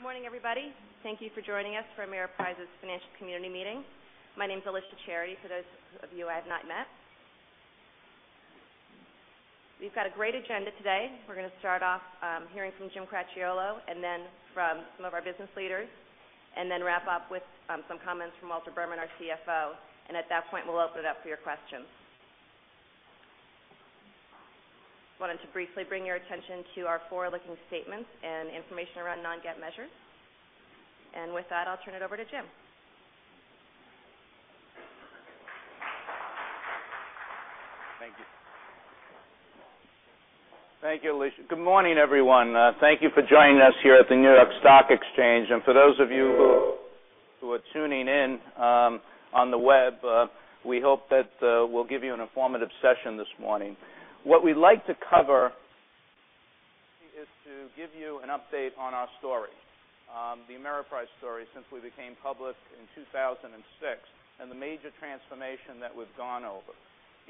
Good morning, everybody. Thank you for joining us for Ameriprise's financial community meeting. My name's Alicia Charity, for those of you I have not met. We've got a great agenda today. We're going to start off hearing from Jim Cracchiolo, then from some of our business leaders, then wrap up with some comments from Walter Berman, our CFO. At that point, we'll open it up for your questions. Wanted to briefly bring your attention to our forward-looking statements and information around non-GAAP measures. With that, I'll turn it over to Jim. Thank you. Thank you, Alicia. Good morning, everyone. Thank you for joining us here at the New York Stock Exchange. For those of you who are tuning in on the web, we hope that we'll give you an informative session this morning. What we'd like to cover is to give you an update on our story, the Ameriprise story since we became public in 2006, and the major transformation that we've gone over.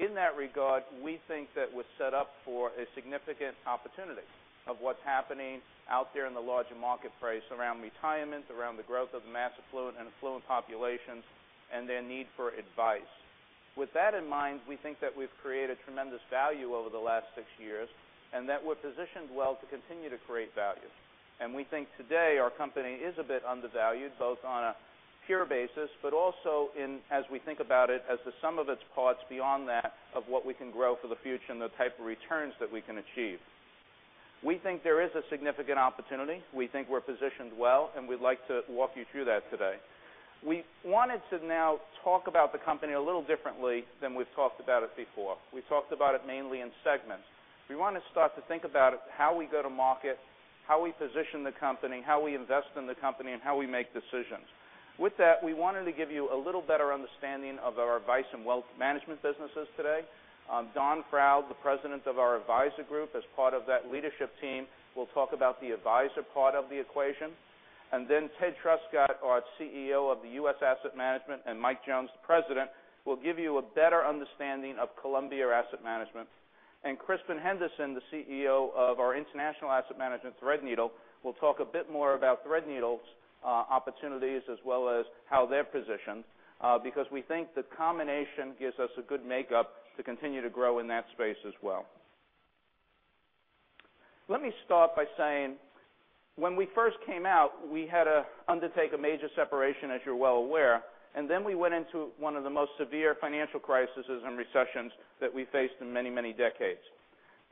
In that regard, we think that we're set up for a significant opportunity of what's happening out there in the larger market price around retirement, around the growth of mass affluent and affluent populations, and their need for advice. With that in mind, we think that we've created tremendous value over the last six years, and that we're positioned well to continue to create value. We think today our company is a bit undervalued, both on a pure basis, also as we think about it as the sum of its parts beyond that of what we can grow for the future and the type of returns that we can achieve. We think there is a significant opportunity. We think we're positioned well, we'd like to walk you through that today. We wanted to now talk about the company a little differently than we've talked about it before. We've talked about it mainly in segments. We want to start to think about how we go to market, how we position the company, how we invest in the company, and how we make decisions. With that, we wanted to give you a little better understanding of our advice and wealth management businesses today. Don Froude, the president of our advisor group, as part of that leadership team, will talk about the advisor part of the equation. Then Ted Truscott, our CEO of the U.S. Asset Management, and Mike Jones, the president, will give you a better understanding of Columbia Asset Management. Crispin Henderson, the CEO of our international asset management, Threadneedle, will talk a bit more about Threadneedle's opportunities as well as how they're positioned because we think the combination gives us a good makeup to continue to grow in that space as well. Let me start by saying when we first came out, we had to undertake a major separation, as you're well aware, then we went into one of the most severe financial crises and recessions that we faced in many, many decades.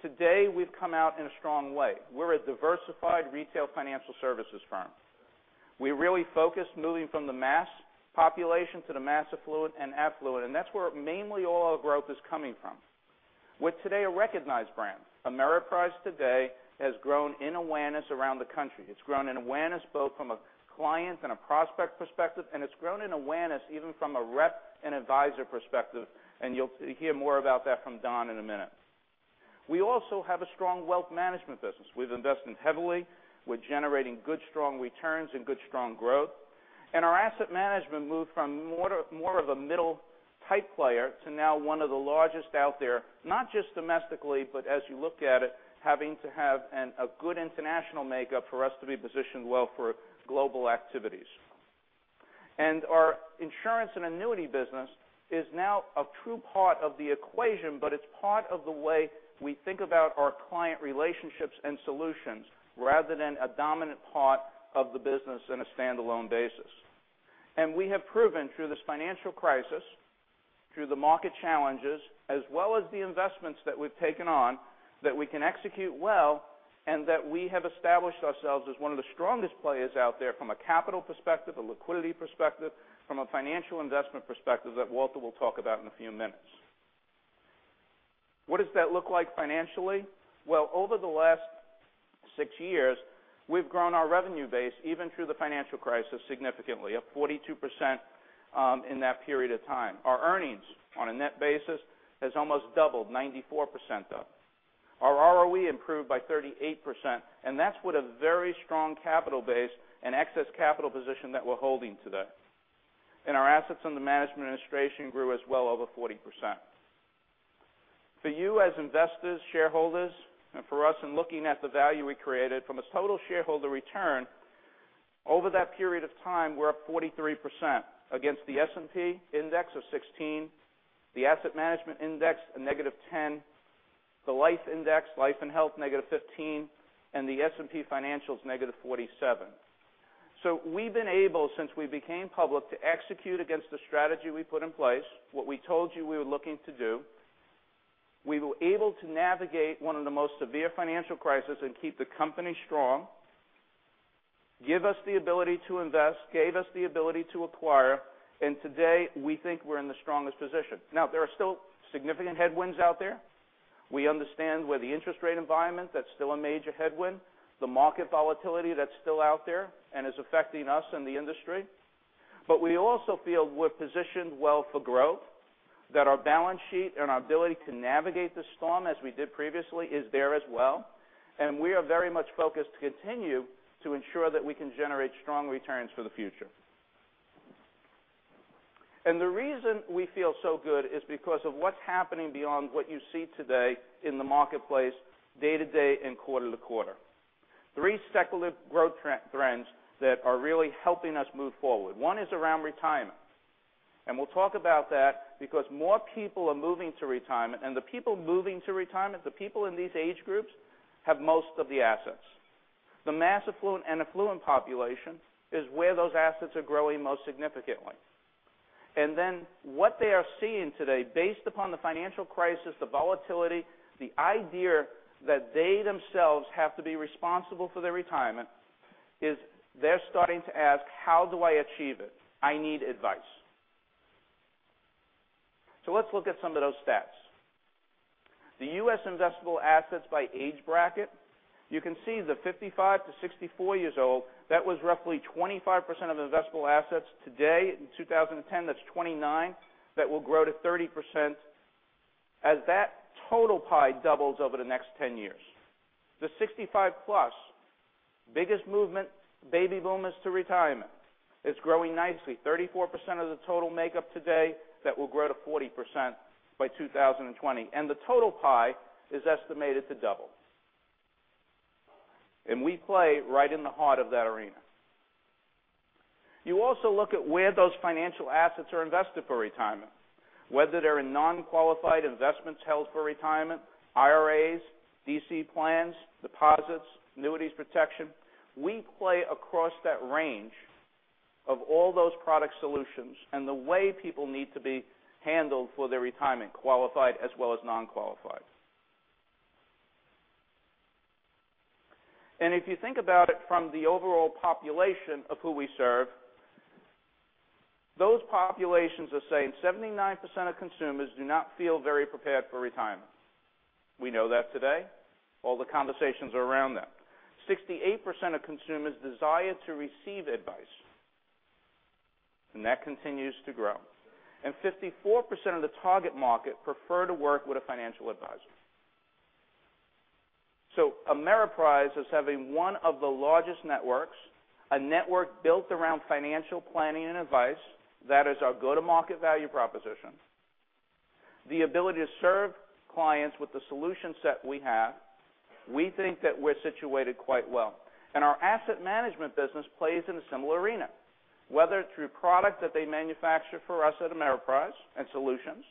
Today, we've come out in a strong way. We're a diversified retail financial services firm. We really focus moving from the mass population to the mass affluent and affluent, that's where mainly all our growth is coming from. We're today a recognized brand. Ameriprise today has grown in awareness around the country. It's grown in awareness both from a client and a prospect perspective, it's grown in awareness even from a rep and advisor perspective, you'll hear more about that from Don in a minute. We also have a strong wealth management business. We've invested heavily. We're generating good, strong returns and good, strong growth. Our asset management moved from more of a middle-type player to now one of the largest out there, not just domestically, but as you look at it, having to have a good international makeup for us to be positioned well for global activities. Our insurance and annuity business is now a true part of the equation, it's part of the way we think about our client relationships and solutions rather than a dominant part of the business on a standalone basis. We have proven through this financial crisis, through the market challenges, as well as the investments that we've taken on, that we can execute well, that we have established ourselves as one of the strongest players out there from a capital perspective, a liquidity perspective, from a financial investment perspective that Walter will talk about in a few minutes. What does that look like financially? Well, over the last six years, we've grown our revenue base, even through the financial crisis, significantly, up 42% in that period of time. Our earnings on a net basis has almost doubled, 94% up. Our ROE improved by 38%, that's with a very strong capital base and excess capital position that we're holding today. Our assets under management and administration grew as well, over 40%. For you as investors, shareholders, and for us in looking at the value we created from a total shareholder return, over that period of time, we're up 43% against the S&P index of 16, the asset management index, a negative 10, the life index, life and health, negative 15, the S&P financial is negative 47. We've been able, since we became public, to execute against the strategy we put in place, what we told you we were looking to do. We were able to navigate one of the most severe financial crisis and keep the company strong, give us the ability to invest, gave us the ability to acquire, today we think we're in the strongest position. Now, there are still significant headwinds out there. We understand with the interest rate environment, that's still a major headwind. The market volatility, that's still out there and is affecting us and the industry. We also feel we're positioned well for growth, that our balance sheet and our ability to navigate the storm as we did previously is there as well, we are very much focused to continue to ensure that we can generate strong returns for the future. The reason we feel so good is because of what's happening beyond what you see today in the marketplace day to day and quarter to quarter. Three secular growth trends that are really helping us move forward. One is around retirement. We'll talk about that because more people are moving to retirement, and the people moving to retirement, the people in these age groups, have most of the assets. The mass affluent and affluent population is where those assets are growing most significantly. What they are seeing today, based upon the financial crisis, the volatility, the idea that they themselves have to be responsible for their retirement, is they're starting to ask, "How do I achieve it? I need advice." Let's look at some of those stats. The U.S. investable assets by age bracket. You can see the 55 to 64 years old, that was roughly 25% of investable assets today. In 2010, that's 29%, that will grow to 30% as that total pie doubles over the next 10 years. The 65 plus, biggest movement, baby boomers to retirement. It's growing nicely. 34% of the total makeup today, that will grow to 40% by 2020. The total pie is estimated to double. We play right in the heart of that arena. You also look at where those financial assets are invested for retirement, whether they're in non-qualified investments held for retirement, IRAs, DC plans, deposits, annuities, protection. We play across that range of all those product solutions and the way people need to be handled for their retirement, qualified as well as non-qualified. If you think about it from the overall population of who we serve, those populations are saying 79% of consumers do not feel very prepared for retirement. We know that today. All the conversations are around that. 68% of consumers desire to receive advice, that continues to grow, and 54% of the target market prefer to work with a financial advisor. Ameriprise is having one of the largest networks, a network built around financial planning and advice. That is our go-to-market value proposition. The ability to serve clients with the solution set we have, we think that we're situated quite well. Our asset management business plays in a similar arena, whether through product that they manufacture for us at Ameriprise and solutions,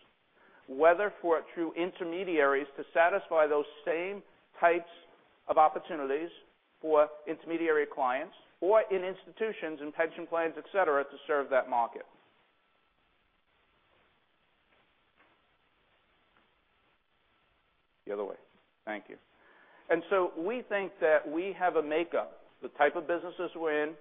whether through intermediaries to satisfy those same types of opportunities for intermediary clients, or in institutions and pension plans, et cetera, to serve that market. The other way. Thank you. We think that we have a makeup, the type of businesses we're in,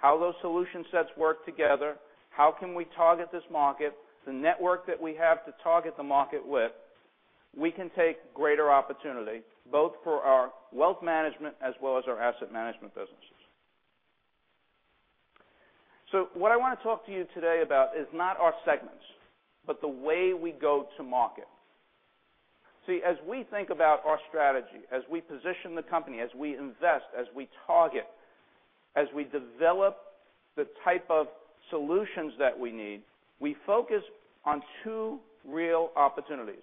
how those solution sets work together, how can we target this market, the network that we have to target the market with. We can take greater opportunity, both for our wealth management as well as our asset management businesses. What I want to talk to you today about is not our segments, but the way we go to market. See, as we think about our strategy, as we position the company, as we invest, as we target, as we develop the type of solutions that we need, we focus on two real opportunities,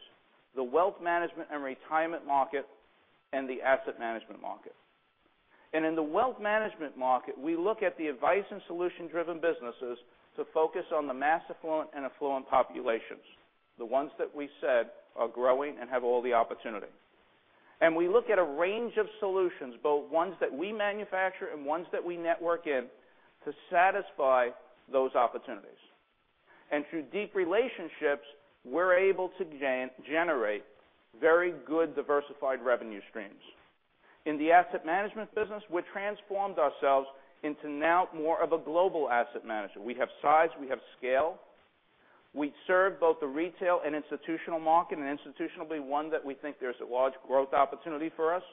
the wealth management and retirement market and the asset management market. In the wealth management market, we look at the advice and solution-driven businesses to focus on the mass affluent and affluent populations, the ones that we said are growing and have all the opportunity. We look at a range of solutions, both ones that we manufacture and ones that we network in, to satisfy those opportunities. Through deep relationships, we're able to generate very good diversified revenue streams. In the asset management business, we transformed ourselves into now more of a global asset manager. We have size, we have scale. We serve both the retail and institutional market, and institution will be one that we think there's a large growth opportunity for us.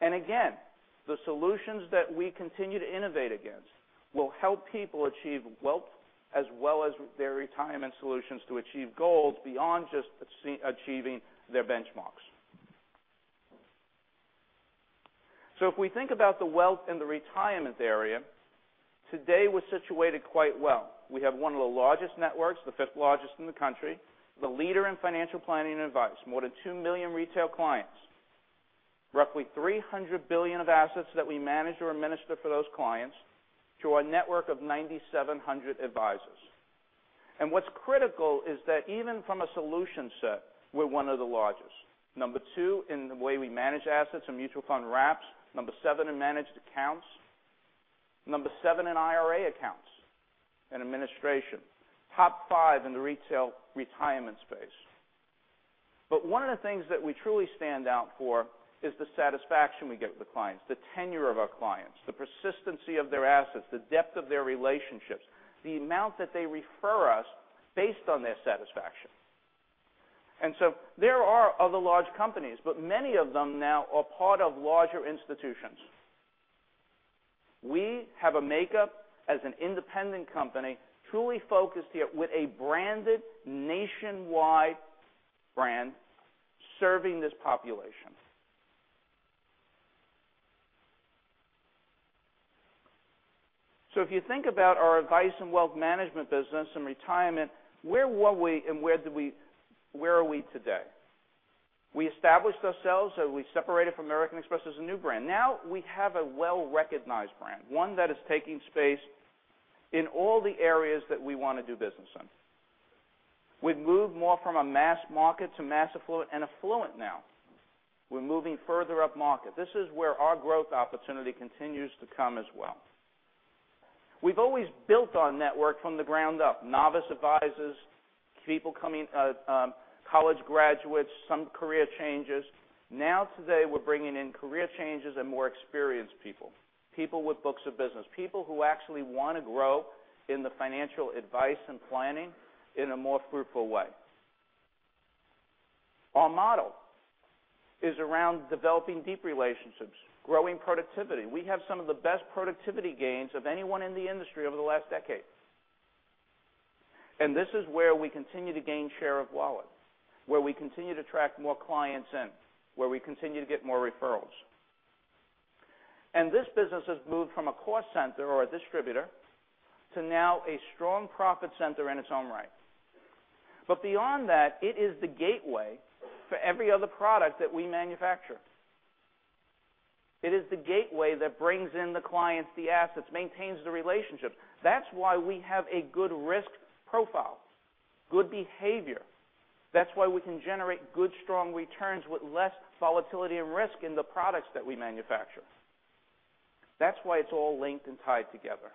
The solutions that we continue to innovate against will help people achieve wealth as well as their retirement solutions to achieve goals beyond just achieving their benchmarks. If we think about the wealth and the retirement area, today, we're situated quite well. We have one of the largest networks, the fifth largest in the country, the leader in financial planning and advice, more than 2 million retail clients, roughly $300 billion of assets that we manage or administer for those clients through our network of 9,700 advisors. What's critical is that even from a solution set, we're one of the largest. Number 2 in the way we manage assets and mutual fund wraps. Number 7 in managed accounts. Number 7 in IRA accounts and administration. Top 5 in the retail retirement space. One of the things that we truly stand out for is the satisfaction we get with the clients, the tenure of our clients, the persistency of their assets, the depth of their relationships, the amount that they refer us based on their satisfaction. There are other large companies, but many of them now are part of larger institutions. We have a makeup as an independent company, truly focused here with a branded nationwide brand serving this population. If you think about our advice and wealth management business and retirement, where were we and where are we today? We established ourselves, so we separated from American Express as a new brand. Now we have a well-recognized brand, one that is taking space in all the areas that we want to do business in. We've moved more from a mass market to mass affluent and affluent now. We're moving further upmarket. This is where our growth opportunity continues to come as well. We've always built our network from the ground up, novice advisors, college graduates, some career changes. Now today we're bringing in career changes and more experienced people with books of business, people who actually want to grow in the financial advice and planning in a more fruitful way. Our model is around developing deep relationships, growing productivity. We have some of the best productivity gains of anyone in the industry over the last decade. This is where we continue to gain share of wallet, where we continue to attract more clients in, where we continue to get more referrals. This business has moved from a cost center or a distributor to now a strong profit center in its own right. Beyond that, it is the gateway for every other product that we manufacture. It is the gateway that brings in the clients, the assets, maintains the relationships. That's why we have a good risk profile, good behavior. That's why we can generate good, strong returns with less volatility and risk in the products that we manufacture. That's why it's all linked and tied together.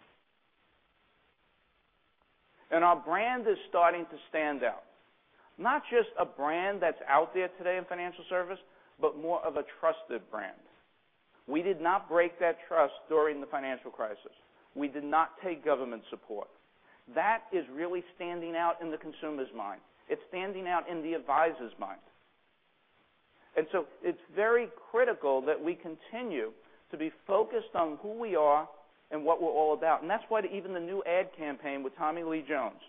Our brand is starting to stand out. Not just a brand that's out there today in financial service, but more of a trusted brand. We did not break that trust during the financial crisis. We did not take government support. That is really standing out in the consumer's mind. It's standing out in the advisor's mind. It's very critical that we continue to be focused on who we are and what we're all about. That's why even the new ad campaign with Tommy Lee Jones,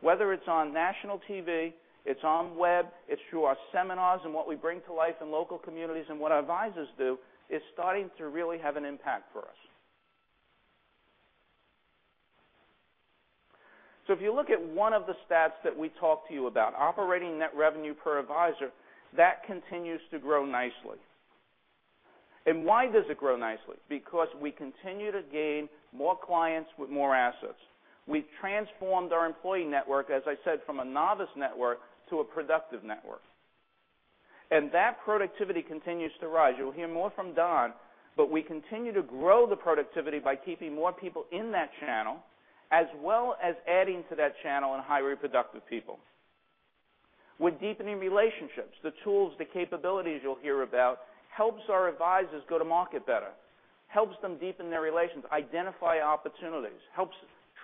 whether it's on national TV, it's on web, it's through our seminars and what we bring to life in local communities and what our advisors do, is starting to really have an impact for us. If you look at one of the stats that we talked to you about, operating net revenue per advisor, that continues to grow nicely. Why does it grow nicely? Because we continue to gain more clients with more assets. We've transformed our employee network, as I said, from a novice network to a productive network. That productivity continues to rise. You'll hear more from Don, but we continue to grow the productivity by keeping more people in that channel, as well as adding to that channel and hiring productive people. With deepening relationships, the tools, the capabilities you'll hear about helps our advisors go to market better, helps them deepen their relations, identify opportunities, helps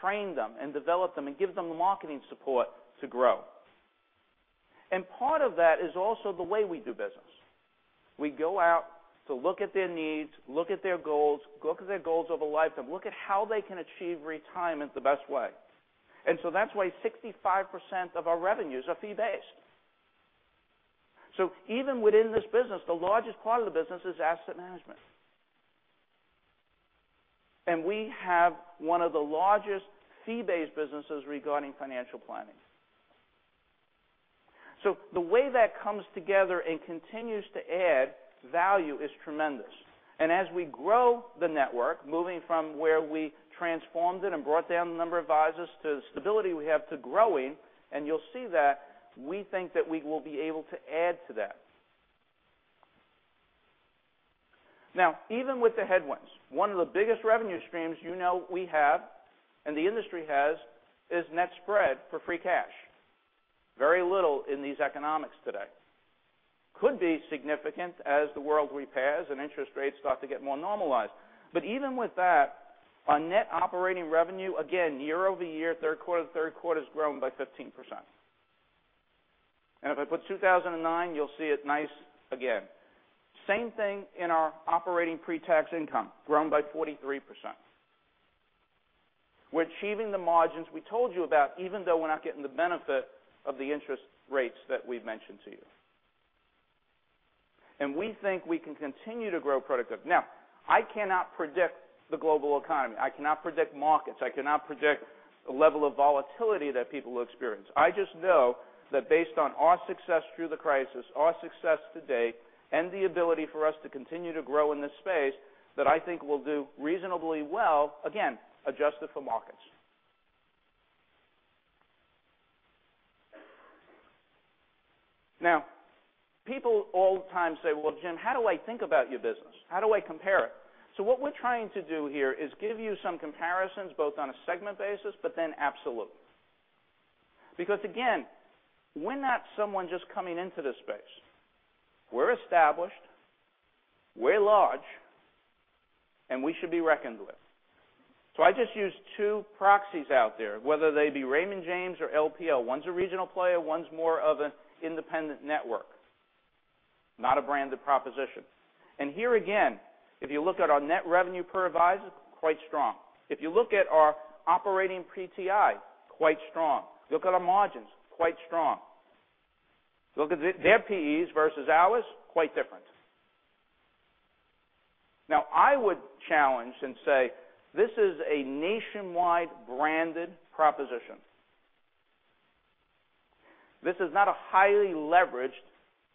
train them and develop them, and give them the marketing support to grow. Part of that is also the way we do business. We go out to look at their needs, look at their goals, look at their goals over lifetime, look at how they can achieve retirement the best way. That's why 65% of our revenues are fee-based. Even within this business, the largest part of the business is asset management. We have one of the largest fee-based businesses regarding financial planning. The way that comes together and continues to add value is tremendous. As we grow the network, moving from where we transformed it and brought down the number of advisors to the stability we have to growing, and you'll see that we think that we will be able to add to that. Now, even with the headwinds, one of the biggest revenue streams you know we have and the industry has is net spread for free cash. Very little in these economics today. Could be significant as the world repairs and interest rates start to get more normalized. Even with that, our net operating revenue, again, year-over-year, third quarter to third quarter has grown by 15%. If I put 2009, you'll see it nice again. Same thing in our operating pre-tax income, grown by 43%. We're achieving the margins we told you about, even though we're not getting the benefit of the interest rates that we've mentioned to you. We think we can continue to grow productive. I cannot predict the global economy. I cannot predict markets. I cannot predict the level of volatility that people will experience. I just know that based on our success through the crisis, our success to date, and the ability for us to continue to grow in this space, that I think we'll do reasonably well, again, adjusted for markets. People all the time say, "Well, Jim, how do I think about your business? How do I compare it?" What we're trying to do here is give you some comparisons both on a segment basis, but then absolutely. Again, we're not someone just coming into this space. We're established, we're large, and we should be reckoned with. I just use two proxies out there, whether they be Raymond James or LPL. One's a regional player, one's more of an independent network, not a branded proposition. Here again, if you look at our net revenue per advisor, quite strong. If you look at our operating PTI, quite strong. Look at our margins, quite strong. Look at their PEs versus ours, quite different. I would challenge and say, this is a nationwide branded proposition. This is not a highly leveraged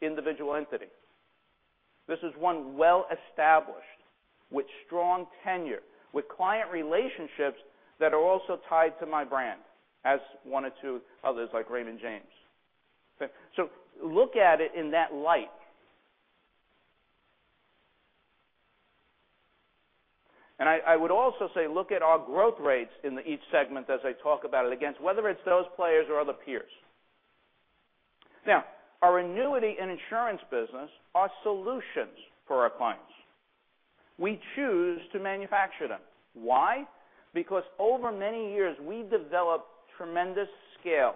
individual entity. This is one well established with strong tenure, with client relationships that are also tied to my brand as one or two others like Raymond James. Look at it in that light. I would also say look at our growth rates in each segment as I talk about it against whether it's those players or other peers. Our annuity and insurance business are solutions for our clients. We choose to manufacture them. Why? Over many years, we developed tremendous scale,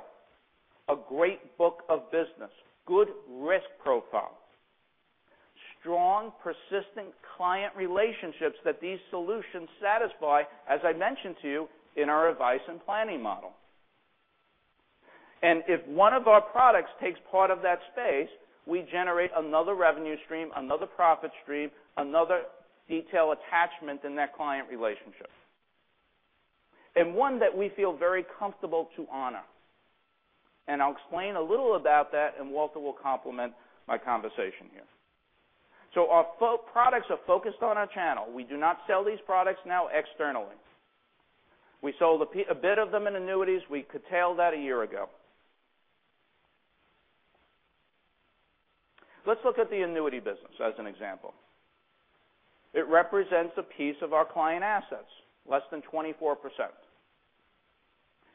a great book of business, good risk profile. Strong, persistent client relationships that these solutions satisfy, as I mentioned to you in our advice and planning model. If one of our products takes part of that space, we generate another revenue stream, another profit stream, another detail attachment in that client relationship. One that we feel very comfortable to honor. I'll explain a little about that, and Walter will complement my conversation here. Our products are focused on our channel. We do not sell these products now externally. We sold a bit of them in annuities. We curtailed that a year ago. Let's look at the annuity business as an example. It represents a piece of our client assets, less than 24%.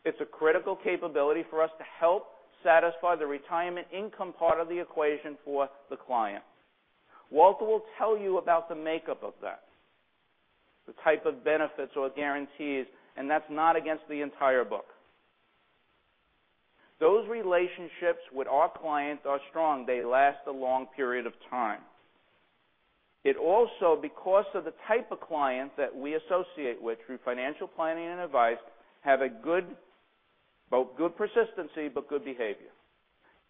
It's a critical capability for us to help satisfy the retirement income part of the equation for the client. Walter will tell you about the makeup of that, the type of benefits or guarantees, and that's not against the entire book. Those relationships with our clients are strong. They last a long period of time. It also, because of the type of client that we associate with through financial planning and advice, have both good persistency but good behavior.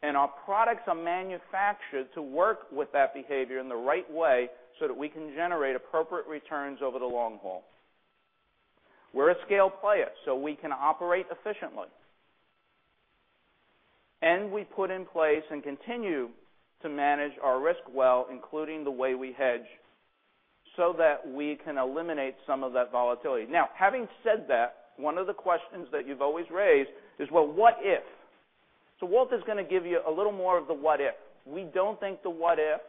Our products are manufactured to work with that behavior in the right way so that we can generate appropriate returns over the long haul. We're a scale player, we can operate efficiently. We put in place and continue to manage our risk well, including the way we hedge, so that we can eliminate some of that volatility. Having said that, one of the questions that you've always raised is, well, what if? Walter is going to give you a little more of the what if. We don't think the what if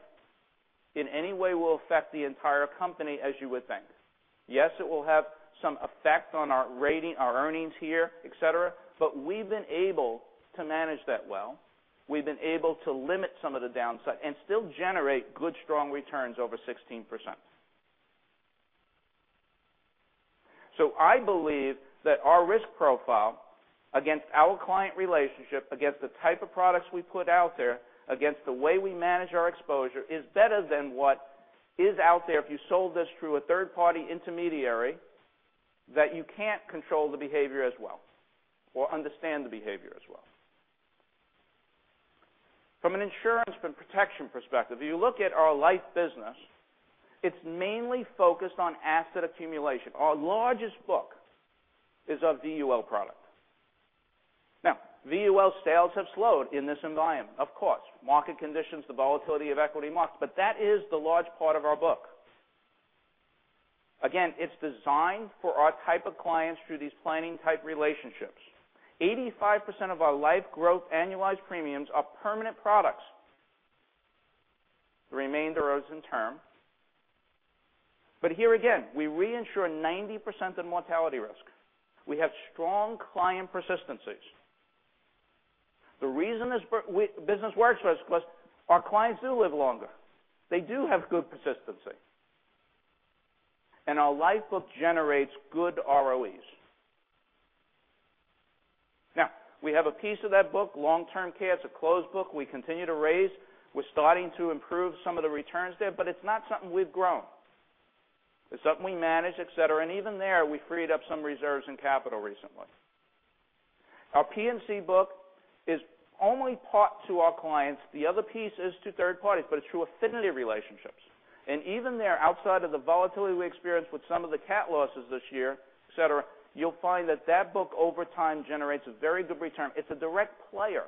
in any way will affect the entire company as you would think. Yes, it will have some effect on our earnings here, et cetera, but we've been able to manage that well. We've been able to limit some of the downside and still generate good, strong returns over 16%. I believe that our risk profile against our client relationship, against the type of products we put out there, against the way we manage our exposure is better than what is out there if you sold this through a third party intermediary that you can't control the behavior as well or understand the behavior as well. From an insurance and protection perspective, you look at our life business, it's mainly focused on asset accumulation. Our largest book is of VUL product. VUL sales have slowed in this environment. Of course, market conditions, the volatility of equity markets, but that is the large part of our book. Again, it's designed for our type of clients through these planning type relationships. 85% of our life growth annualized premiums are permanent products. The remainder are as in term. Here again, we reinsure 90% of the mortality risk. We have strong client persistencies. The reason this business works for us is because our clients do live longer. They do have good persistency. Our life book generates good ROEs. We have a piece of that book, long-term care. It's a closed book we continue to raise. We're starting to improve some of the returns there, but it's not something we've grown. It's something we manage, et cetera. Even there, we freed up some reserves and capital recently. Our P&C book is only part to our clients. The other piece is to third parties, but it's through affinity relationships. Even there, outside of the volatility we experienced with some of the cat losses this year, et cetera, you'll find that that book over time generates a very good return. It's a direct player.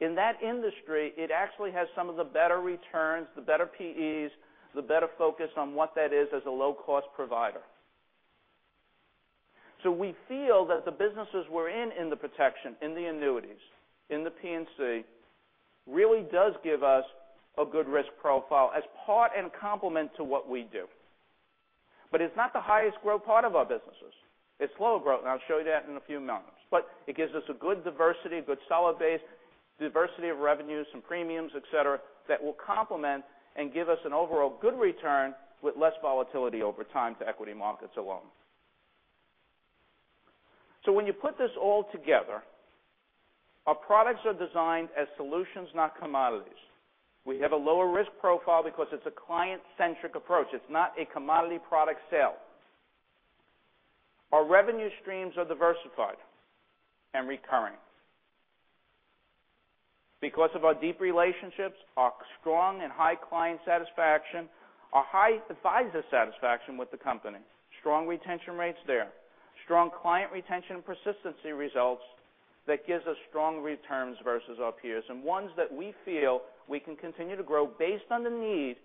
In that industry, it actually has some of the better returns, the better PEs, the better focus on what that is as a low-cost provider. We feel that the businesses we're in the protection, in the annuities, in the P&C, really does give us a good risk profile as part and complement to what we do. It's not the highest growth part of our businesses. It's lower growth, and I'll show you that in a few moments. It gives us a good diversity, a good solid base, diversity of revenues and premiums, et cetera, that will complement and give us an overall good return with less volatility over time to equity markets alone. When you put this all together, our products are designed as solutions, not commodities. We have a lower risk profile because it's a client-centric approach. It's not a commodity product sale. Our revenue streams are diversified and recurring. Because of our deep relationships, our strong and high client satisfaction, our high advisor satisfaction with the company, strong retention rates there, strong client retention persistency results that gives us strong returns versus our peers, and ones that we feel we can continue to grow based on the need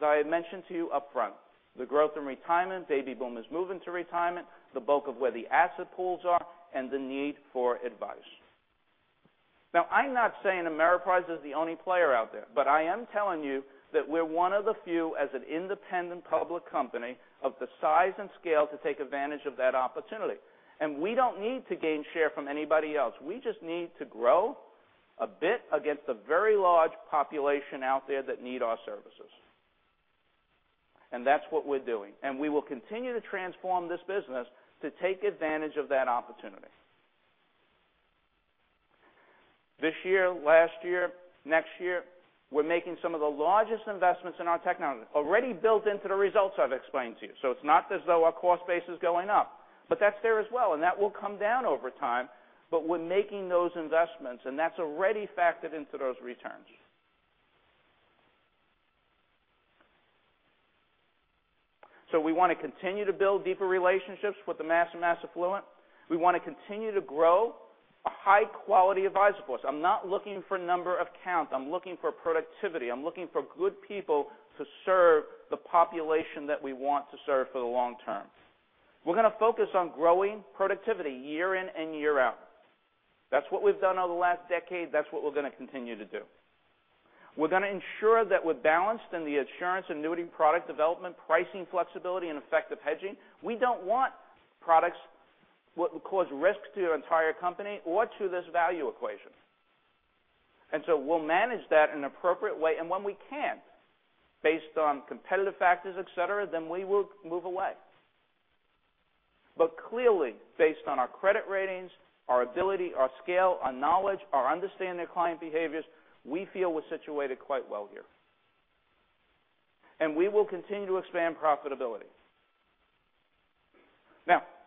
that I had mentioned to you upfront, the growth in retirement, baby boomers moving to retirement, the bulk of where the asset pools are, and the need for advice. I'm not saying Ameriprise is the only player out there, but I am telling you that we're one of the few, as an independent public company of the size and scale, to take advantage of that opportunity. We don't need to gain share from anybody else. We just need to grow a bit against the very large population out there that need our services. That's what we're doing. We will continue to transform this business to take advantage of that opportunity. This year, last year, next year, we're making some of the largest investments in our technology, already built into the results I've explained to you. It's not as though our cost base is going up, but that's there as well, and that will come down over time. We're making those investments, and that's already factored into those returns. We want to continue to build deeper relationships with the mass and mass affluent. We want to continue to grow a high-quality advisor force. I'm not looking for number of count. I'm looking for productivity. I'm looking for good people to serve the population that we want to serve for the long term. We're going to focus on growing productivity year in and year out. That's what we've done over the last decade. That's what we're going to continue to do. We're going to ensure that we're balanced in the insurance annuity product development, pricing flexibility, and effective hedging. We don't want products what will cause risks to our entire company or to this value equation. We'll manage that in an appropriate way. When we can't, based on competitive factors, et cetera, then we will move away. Clearly, based on our credit ratings, our ability, our scale, our knowledge, our understanding of client behaviors, we feel we're situated quite well here. We will continue to expand profitability.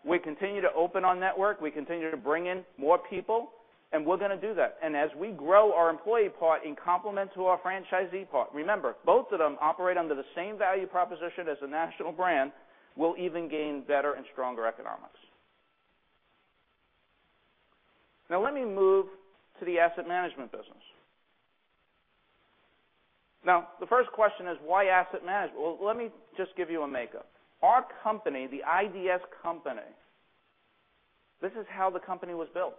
We continue to open our network. We continue to bring in more people, we're going to do that. As we grow our employee part in complement to our franchisee part, remember, both of them operate under the same value proposition as a national brand, we'll even gain better and stronger economics. Let me move to the asset management business. The first question is, why asset management? Let me just give you a makeup. Our company, the IDS company, this is how the company was built.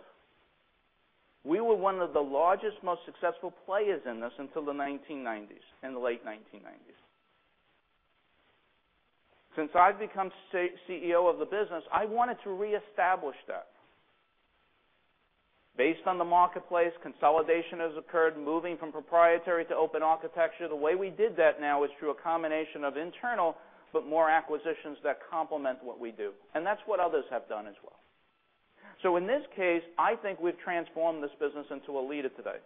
We were one of the largest, most successful players in this until the 1990s, in the late 1990s. Since I've become CEO of the business, I wanted to reestablish that. Based on the marketplace, consolidation has occurred, moving from proprietary to open architecture. The way we did that now is through a combination of internal, but more acquisitions that complement what we do. That's what others have done as well. In this case, I think we've transformed this business into a leader today.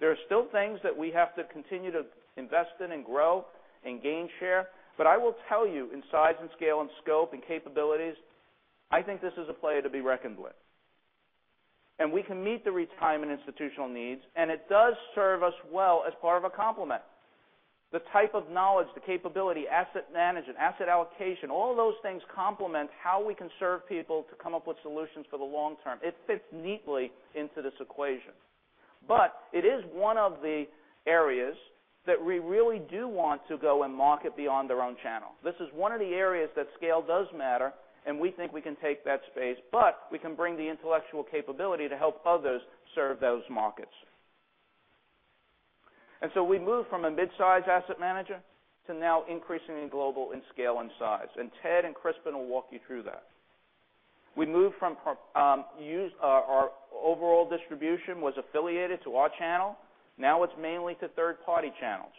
There are still things that we have to continue to invest in and grow and gain share, but I will tell you, in size and scale and scope and capabilities, I think this is a player to be reckoned with. We can meet the retirement institutional needs, and it does serve us well as part of a complement. The type of knowledge, the capability, asset management, asset allocation, all of those things complement how we can serve people to come up with solutions for the long term. It fits neatly into this equation. It is one of the areas that we really do want to go and market beyond our own channel. This is one of the areas that scale does matter, and we think we can take that space, but we can bring the intellectual capability to help others serve those markets. We moved from a mid-size asset manager to now increasingly global in scale and size, and Ted and Crispin will walk you through that. Our overall distribution was affiliated to our channel. Now it's mainly to third-party channels.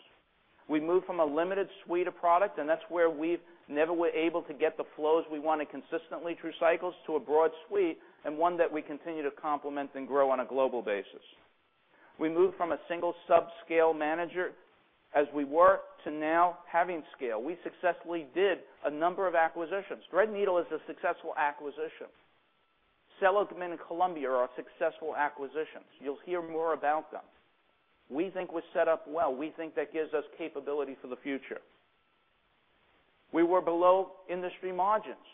We moved from a limited suite of product, and that's where we never were able to get the flows we wanted consistently through cycles, to a broad suite and one that we continue to complement and grow on a global basis. We moved from a single sub-scale manager as we were, to now having scale. We successfully did a number of acquisitions. Threadneedle is a successful acquisition. Seligman and Columbia are successful acquisitions. You'll hear more about them. We think we're set up well. We think that gives us capability for the future. We were below industry margins,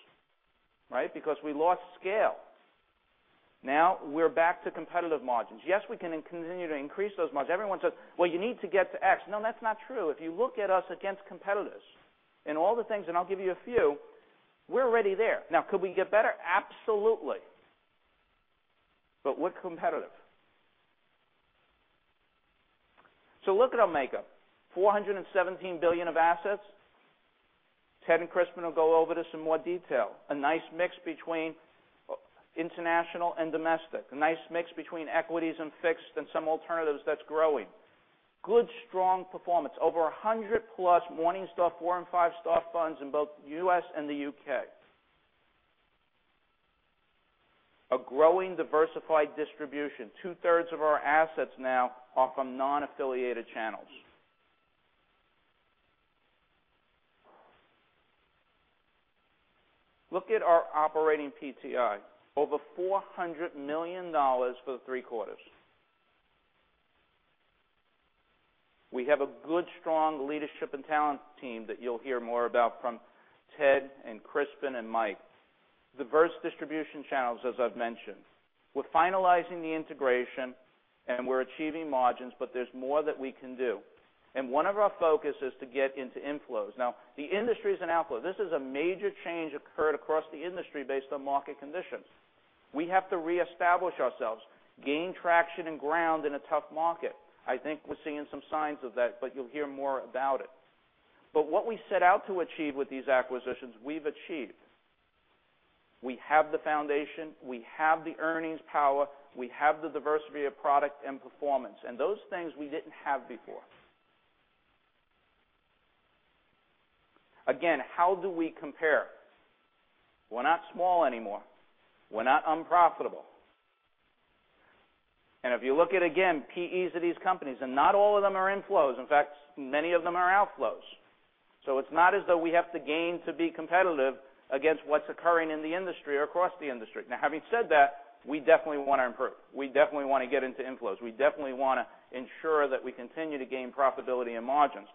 right? Because we lost scale. Now we're back to competitive margins. Yes, we can continue to increase those margins. Everyone says, "Well, you need to get to X." No, that's not true. If you look at us against competitors and all the things, and I'll give you a few, we're already there. Now, could we get better? Absolutely. We're competitive. Look at our makeup, $417 billion of assets. Ted and Crispin will go over this in more detail. A nice mix between international and domestic. A nice mix between equities and fixed and some alternatives that's growing. Good, strong performance. Over 100+ Morningstar star funds in both the U.S. and the U.K. A growing diversified distribution. Two-thirds of our assets now are from non-affiliated channels. Look at our operating PTI, over $400 million for the three quarters. We have a good, strong leadership and talent team that you'll hear more about from Ted and Crispin and Mike. Diverse distribution channels, as I've mentioned. We're finalizing the integration, and we're achieving margins, but there's more that we can do. One of our focus is to get into inflows. Now, the industry is an outflow. This is a major change occurred across the industry based on market conditions. We have to reestablish ourselves, gain traction and ground in a tough market. I think we're seeing some signs of that, but you'll hear more about it. What we set out to achieve with these acquisitions, we've achieved. We have the foundation, we have the earnings power, we have the diversity of product and performance, and those things we didn't have before. Again, how do we compare? We're not small anymore. We're not unprofitable. If you look at, again, PEs of these companies, not all of them are inflows, in fact, many of them are outflows. It's not as though we have to gain to be competitive against what's occurring in the industry or across the industry. Having said that, we definitely want to improve. We definitely want to get into inflows. We definitely want to ensure that we continue to gain profitability and margins.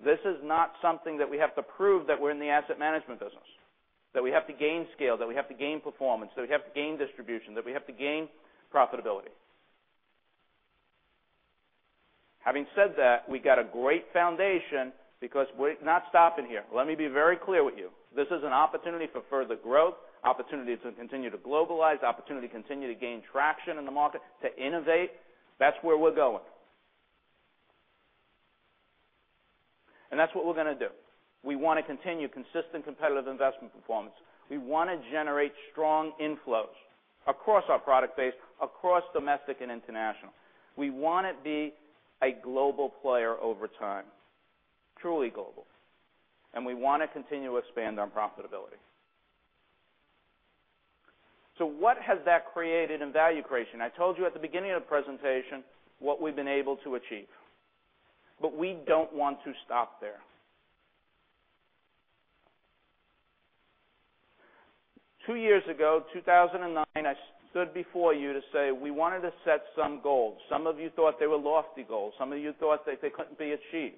Again, this is not something that we have to prove that we're in the asset management business, that we have to gain scale, that we have to gain performance, that we have to gain distribution, that we have to gain profitability. Having said that, we got a great foundation because we're not stopping here. Let me be very clear with you. This is an opportunity for further growth, opportunity to continue to globalize, opportunity to continue to gain traction in the market, to innovate. That's where we're going. That's what we're going to do. We want to continue consistent competitive investment performance. We want to generate strong inflows across our product base, across domestic and international. We want to be a global player over time, truly global, we want to continue to expand our profitability. What has that created in value creation? I told you at the beginning of the presentation what we've been able to achieve. We don't want to stop there. Two years ago, 2009, I stood before you to say we wanted to set some goals. Some of you thought they were lofty goals. Some of you thought that they couldn't be achieved.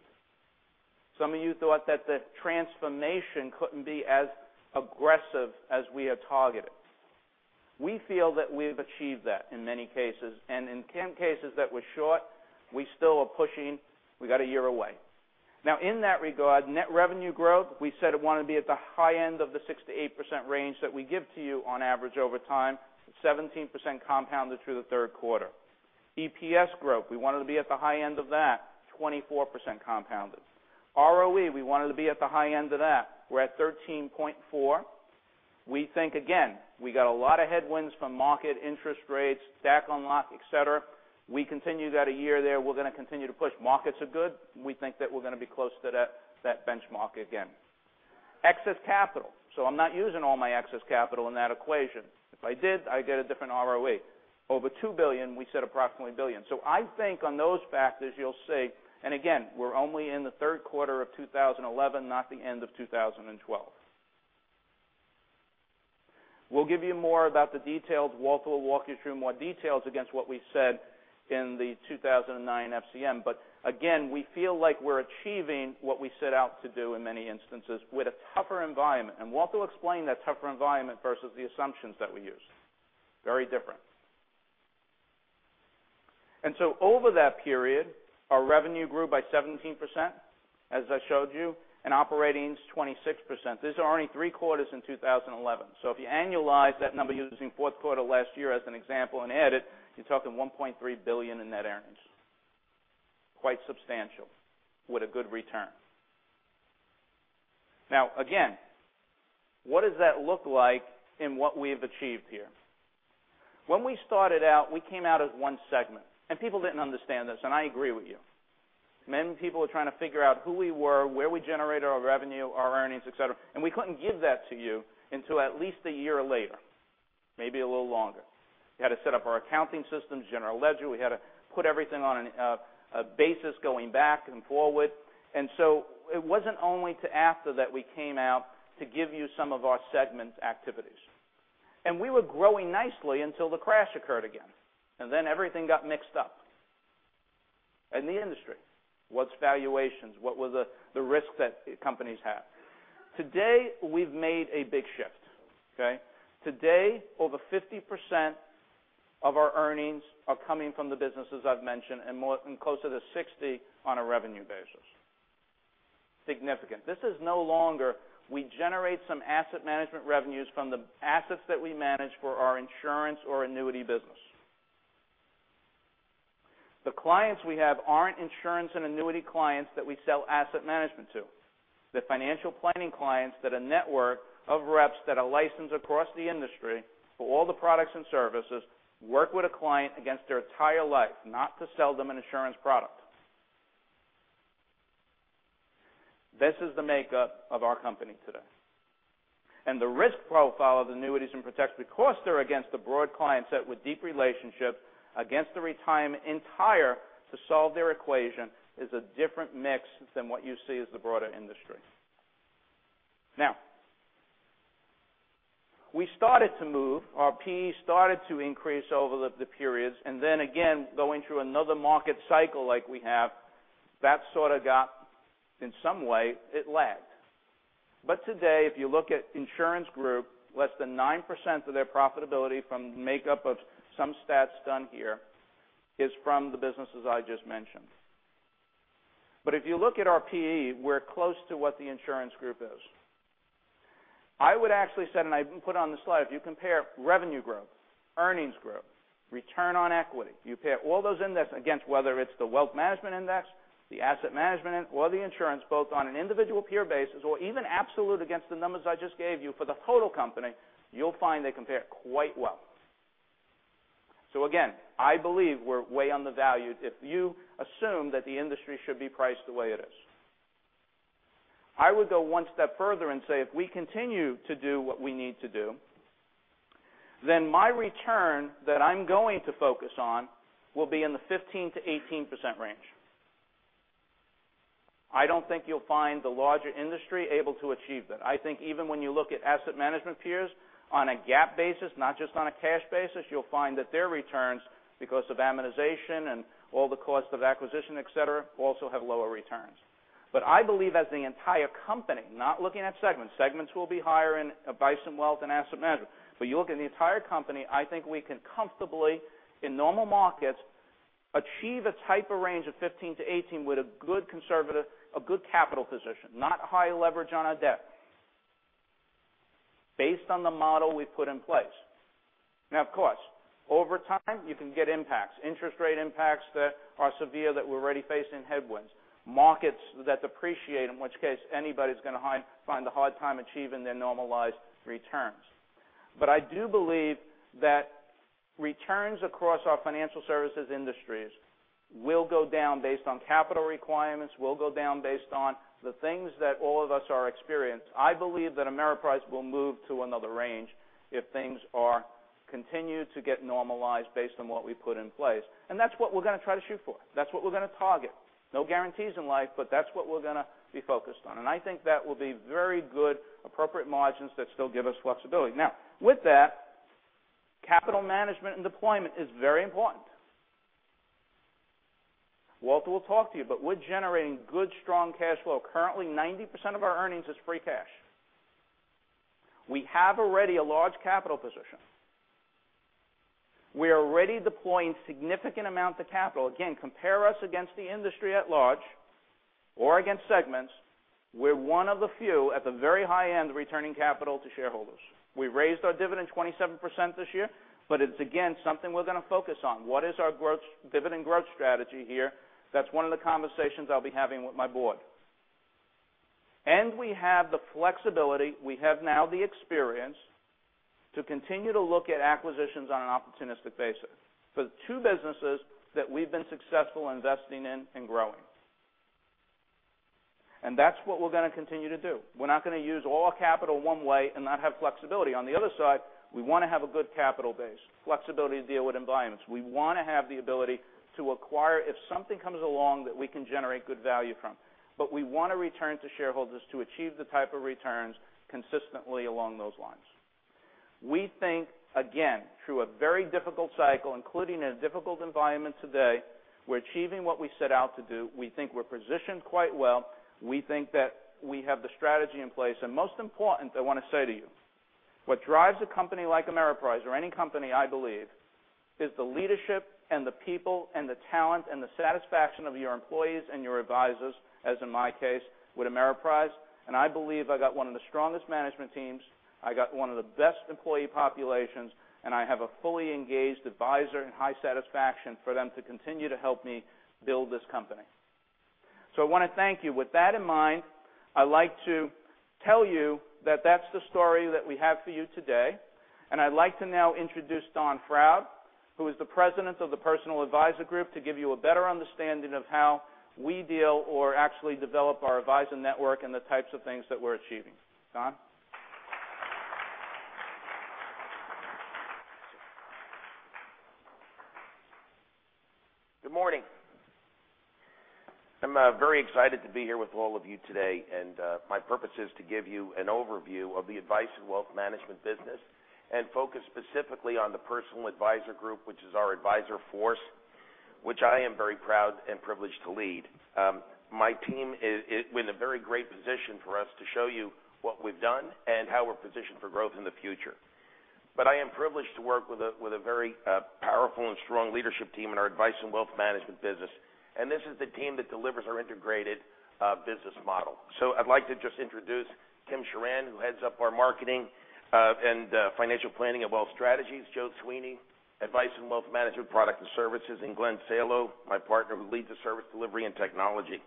Some of you thought that the transformation couldn't be as aggressive as we had targeted. We feel that we've achieved that in many cases. In cases that were short, we still are pushing. We got a year away. In that regard, net revenue growth, we said it wanted to be at the high end of the 6%-8% range that we give to you on average over time, 17% compounded through the third quarter. EPS growth, we wanted to be at the high end of that, 24% compounded. ROE, we wanted to be at the high end of that. We're at 13.4%. We think, again, we got a lot of headwinds from market interest rates, DAC unlocking, et cetera. We continue that a year there. We're going to continue to push. Markets are good. We think that we're going to be close to that benchmark again. Excess capital. I'm not using all my excess capital in that equation. If I did, I'd get a different ROE. Over $2 billion, we said approximately $1 billion. I think on those factors, you'll see, again, we're only in the third quarter of 2011, not the end of 2012. We'll give you more about the details. Walter will walk you through more details against what we said in the 2009 FCM. Again, we feel like we're achieving what we set out to do in many instances with a tougher environment. Walter will explain that tougher environment versus the assumptions that we used. Very different. Over that period, our revenue grew by 17%, as I showed you, operating is 26%. This is only three quarters in 2011. If you annualize that number using fourth quarter last year as an example and add it, you're talking $1.3 billion in net earnings. Quite substantial with a good return. Again, what does that look like in what we've achieved here? When we started out, we came out as one segment, and people didn't understand this, and I agree with you. Many people were trying to figure out who we were, where we generated our revenue, our earnings, et cetera, and we couldn't give that to you until at least a year later, maybe a little longer. We had to set up our accounting systems, general ledger. We had to put everything on a basis going back and forward. It wasn't only till after that we came out to give you some of our segment activities. We were growing nicely until the crash occurred again, and then everything got mixed up in the industry. What's valuations? What were the risks that companies have? Today, we've made a big shift, okay? Today, over 50% of our earnings are coming from the businesses I've mentioned and closer to 60% on a revenue basis. Significant. This is no longer we generate some asset management revenues from the assets that we manage for our insurance or annuity business. The clients we have aren't insurance and annuity clients that we sell asset management to. They're financial planning clients that a network of reps that are licensed across the industry for all the products and services work with a client against their entire life, not to sell them an insurance product. This is the makeup of our company today. The risk profile of annuities and protected costs are against the broad client set with deep relationship against the retirement entire to solve their equation is a different mix than what you see as the broader industry. We started to move, our PE started to increase over the periods, and then again, going through another market cycle like we have, that sort of got, in some way, it lagged. But today, if you look at insurance group, less than 9% of their profitability from the makeup of some stats done here is from the businesses I just mentioned. But if you look at our PE, we're close to what the insurance group is. I would actually say, and I put on the slide, if you compare revenue growth, earnings growth, return on equity, you compare all those index against whether it's the wealth management index, the asset management or the insurance, both on an individual peer basis or even absolute against the numbers I just gave you for the total company, you'll find they compare quite well. Again, I believe we're way undervalued if you assume that the industry should be priced the way it is. I would go one step further and say, if we continue to do what we need to do, then my return that I'm going to focus on will be in the 15%-18% range. I don't think you'll find the larger industry able to achieve that. I think even when you look at asset management peers on a GAAP basis, not just on a cash basis, you'll find that their returns, because of amortization and all the cost of acquisition, et cetera, also have lower returns. I believe as the entire company, not looking at segments will be higher in advice and wealth and asset management. If you look at the entire company, I think we can comfortably, in normal markets, achieve a type of range of 15 to 18 with a good capital position, not high leverage on our debt based on the model we've put in place. Now, of course, over time, you can get impacts, interest rate impacts that are severe that we're already facing headwinds, markets that depreciate, in which case anybody's going to find a hard time achieving their normalized returns. I do believe that returns across our financial services industries will go down based on capital requirements, will go down based on the things that all of us are experienced. I believe that Ameriprise will move to another range if things are continued to get normalized based on what we put in place. That's what we're going to try to shoot for. That's what we're going to target. No guarantees in life, but that's what we're going to be focused on. I think that will be very good, appropriate margins that still give us flexibility. Now, with that, capital management and deployment is very important. Walter will talk to you. We're generating good, strong cash flow. Currently, 90% of our earnings is free cash. We have already a large capital position. We are already deploying significant amounts of capital. Again, compare us against the industry at large or against segments. We're one of the few at the very high end returning capital to shareholders. We've raised our dividend 27% this year. It's again, something we're going to focus on. What is our dividend growth strategy here? That's one of the conversations I'll be having with my board. We have the flexibility, we have now the experience to continue to look at acquisitions on an opportunistic basis. The two businesses that we've been successful investing in and growing. That's what we're going to continue to do. We're not going to use all capital one way and not have flexibility. On the other side, we want to have a good capital base, flexibility to deal with environments. We want to have the ability to acquire if something comes along that we can generate good value from. We want to return to shareholders to achieve the type of returns consistently along those lines. We think, again, through a very difficult cycle, including a difficult environment today, we're achieving what we set out to do. We think we're positioned quite well. We think that we have the strategy in place. Most important, I want to say to you, what drives a company like Ameriprise or any company, I believe, is the leadership and the people and the talent and the satisfaction of your employees and your advisors, as in my case with Ameriprise. I believe I got one of the strongest management teams, I got one of the best employee populations, and I have a fully engaged advisor and high satisfaction for them to continue to help me build this company. I want to thank you. With that in mind, I'd like to tell you that that's the story that we have for you today. I'd like to now introduce Don Froude, who is the President of the Personal Advisor Group, to give you a better understanding of how we deal or actually develop our advisor network and the types of things that we're achieving. Don? Good morning. I'm very excited to be here with all of you today, my purpose is to give you an overview of the Advice and Wealth Management business and focus specifically on the Personal Advisor Group, which is our advisor force, which I am very proud and privileged to lead. My team is in a very great position for us to show you what we've done and how we're positioned for growth in the future. I am privileged to work with a very powerful and strong leadership team in our Advice and Wealth Management business, and this is the team that delivers our integrated business model. I'd like to just introduce Tim Sharan, who heads up our marketing and financial planning and wealth strategies, Joe Sweeney, Advice and Wealth Management product and services, and Glen Salow, my partner who leads the service delivery and technology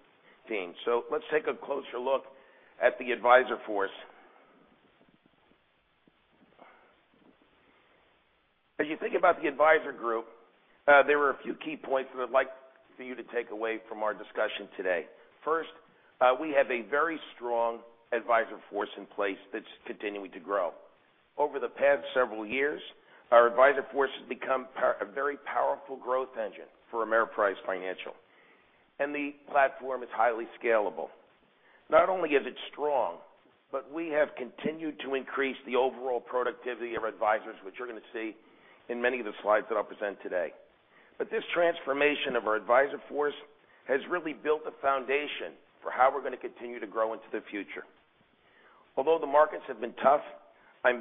team. Let's take a closer look at the advisor force. As you think about the advisor group, there are a few key points that I'd like for you to take away from our discussion today. First, we have a very strong advisor force in place that's continuing to grow. Over the past several years, our advisor force has become a very powerful growth engine for Ameriprise Financial, the platform is highly scalable. Not only is it strong, we have continued to increase the overall productivity of our advisors, which you're going to see in many of the slides that I'll present today. This transformation of our advisor force has really built the foundation for how we're going to continue to grow into the future. Although the markets have been tough, I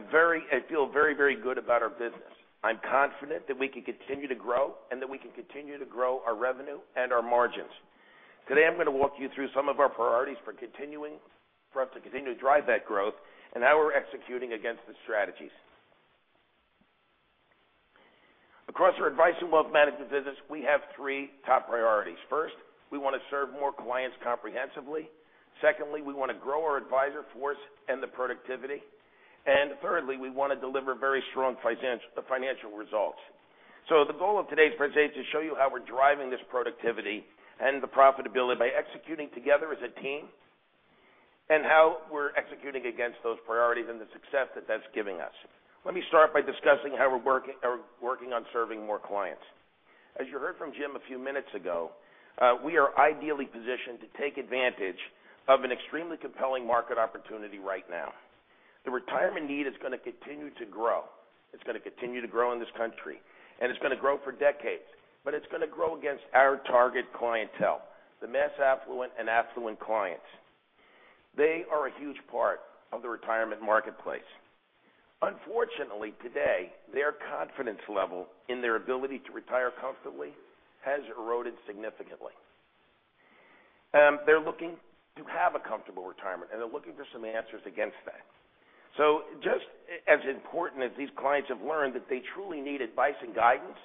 feel very good about our business. I'm confident that we can continue to grow, that we can continue to grow our revenue and our margins. Today, I'm going to walk you through some of our priorities for us to continue to drive that growth and how we're executing against the strategies. Across our Advice and Wealth Management business, we have three top priorities. First, we want to serve more clients comprehensively. Secondly, we want to grow our advisor force and the productivity. Thirdly, we want to deliver very strong financial results. The goal of today's presentation is to show you how we're driving this productivity and the profitability by executing together as a team, how we're executing against those priorities and the success that that's giving us. Let me start by discussing how we're working on serving more clients. As you heard from Jim a few minutes ago, we are ideally positioned to take advantage of an extremely compelling market opportunity right now. The retirement need is going to continue to grow. It's going to continue to grow in this country, and it's going to grow for decades, but it's going to grow against our target clientele, the mass affluent and affluent clients. They are a huge part of the retirement marketplace. Unfortunately, today, their confidence level in their ability to retire comfortably has eroded significantly. They're looking to have a comfortable retirement, and they're looking for some answers against that. Just as important as these clients have learned that they truly need advice and guidance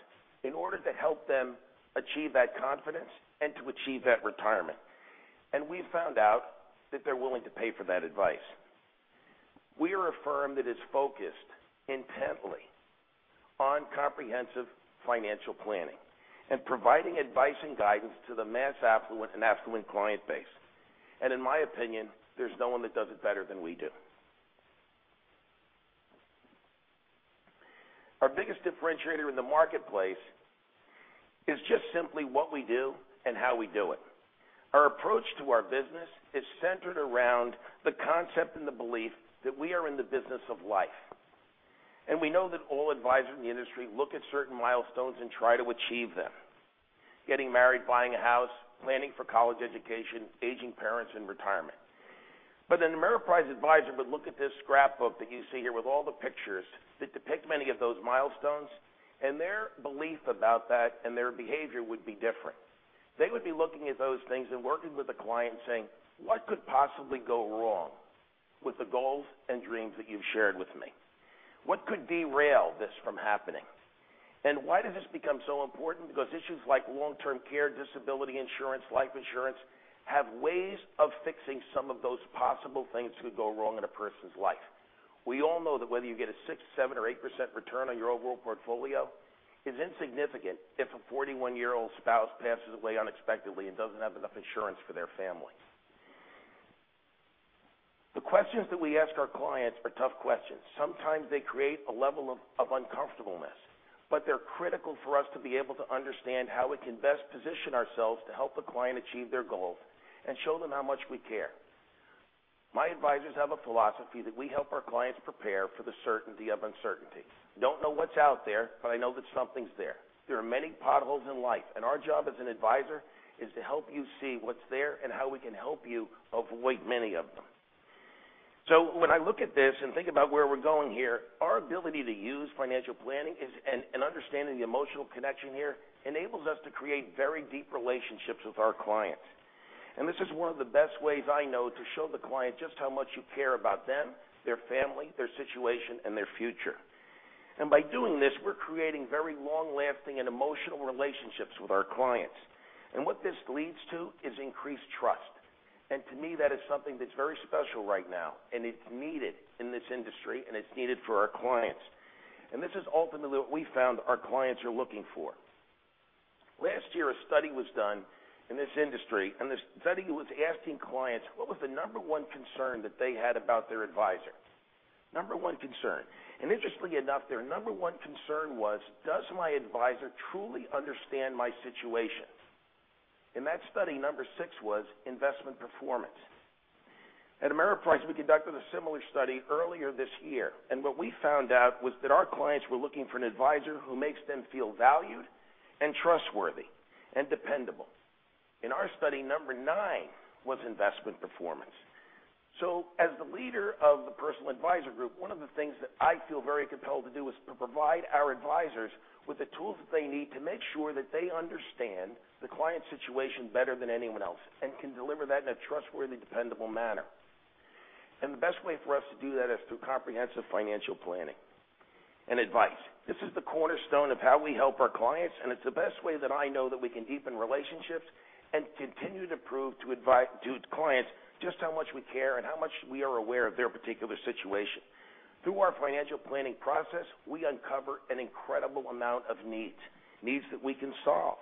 in order to help them achieve that confidence and to achieve that retirement. We found out that they're willing to pay for that advice. We are a firm that is focused intently on comprehensive financial planning and providing advice and guidance to the mass affluent and affluent client base. In my opinion, there's no one that does it better than we do. Our biggest differentiator in the marketplace is just simply what we do and how we do it. Our approach to our business is centered around the concept and the belief that we are in the business of life. We know that all advisors in the industry look at certain milestones and try to achieve them. Getting married, buying a house, planning for college education, aging parents and retirement. An Ameriprise advisor would look at this scrapbook that you see here with all the pictures that depict many of those milestones, and their belief about that and their behavior would be different. They would be looking at those things and working with the client saying, "What could possibly go wrong with the goals and dreams that you've shared with me? What could derail this from happening?" Why does this become so important? Because issues like long-term care, disability insurance, life insurance, have ways of fixing some of those possible things could go wrong in a person's life. We all know that whether you get a 6%, 7%, or 8% return on your overall portfolio is insignificant if a 41-year-old spouse passes away unexpectedly and doesn't have enough insurance for their family. The questions that we ask our clients are tough questions. Sometimes they create a level of uncomfortableness, but they're critical for us to be able to understand how we can best position ourselves to help the client achieve their goals and show them how much we care. My advisors have a philosophy that we help our clients prepare for the certainty of uncertainty. Don't know what's out there, but I know that something's there. There are many potholes in life, and our job as an advisor is to help you see what's there and how we can help you avoid many of them. When I look at this and think about where we're going here, our ability to use financial planning and understanding the emotional connection here enables us to create very deep relationships with our clients. This is one of the best ways I know to show the client just how much you care about them, their family, their situation, and their future. By doing this, we're creating very long-lasting and emotional relationships with our clients. What this leads to is increased trust. To me, that is something that's very special right now, and it's needed in this industry, and it's needed for our clients. This is ultimately what we found our clients are looking for. Last year, a study was done in this industry, and the study was asking clients what was the number 1 concern that they had about their advisor. Number 1 concern. Interestingly enough, their number 1 concern was, "Does my advisor truly understand my situation?" In that study, number 6 was investment performance. At Ameriprise, we conducted a similar study earlier this year, and what we found out was that our clients were looking for an advisor who makes them feel valued and trustworthy and dependable. In our study, number 9 was investment performance. As the leader of the Personal Advisor Group, one of the things that I feel very compelled to do is to provide our advisors with the tools that they need to make sure that they understand the client's situation better than anyone else and can deliver that in a trustworthy, dependable manner. The best way for us to do that is through comprehensive financial planning and advice. This is the cornerstone of how we help our clients, and it's the best way that I know that we can deepen relationships and continue to prove to clients just how much we care and how much we are aware of their particular situation. Through our financial planning process, we uncover an incredible amount of needs that we can solve.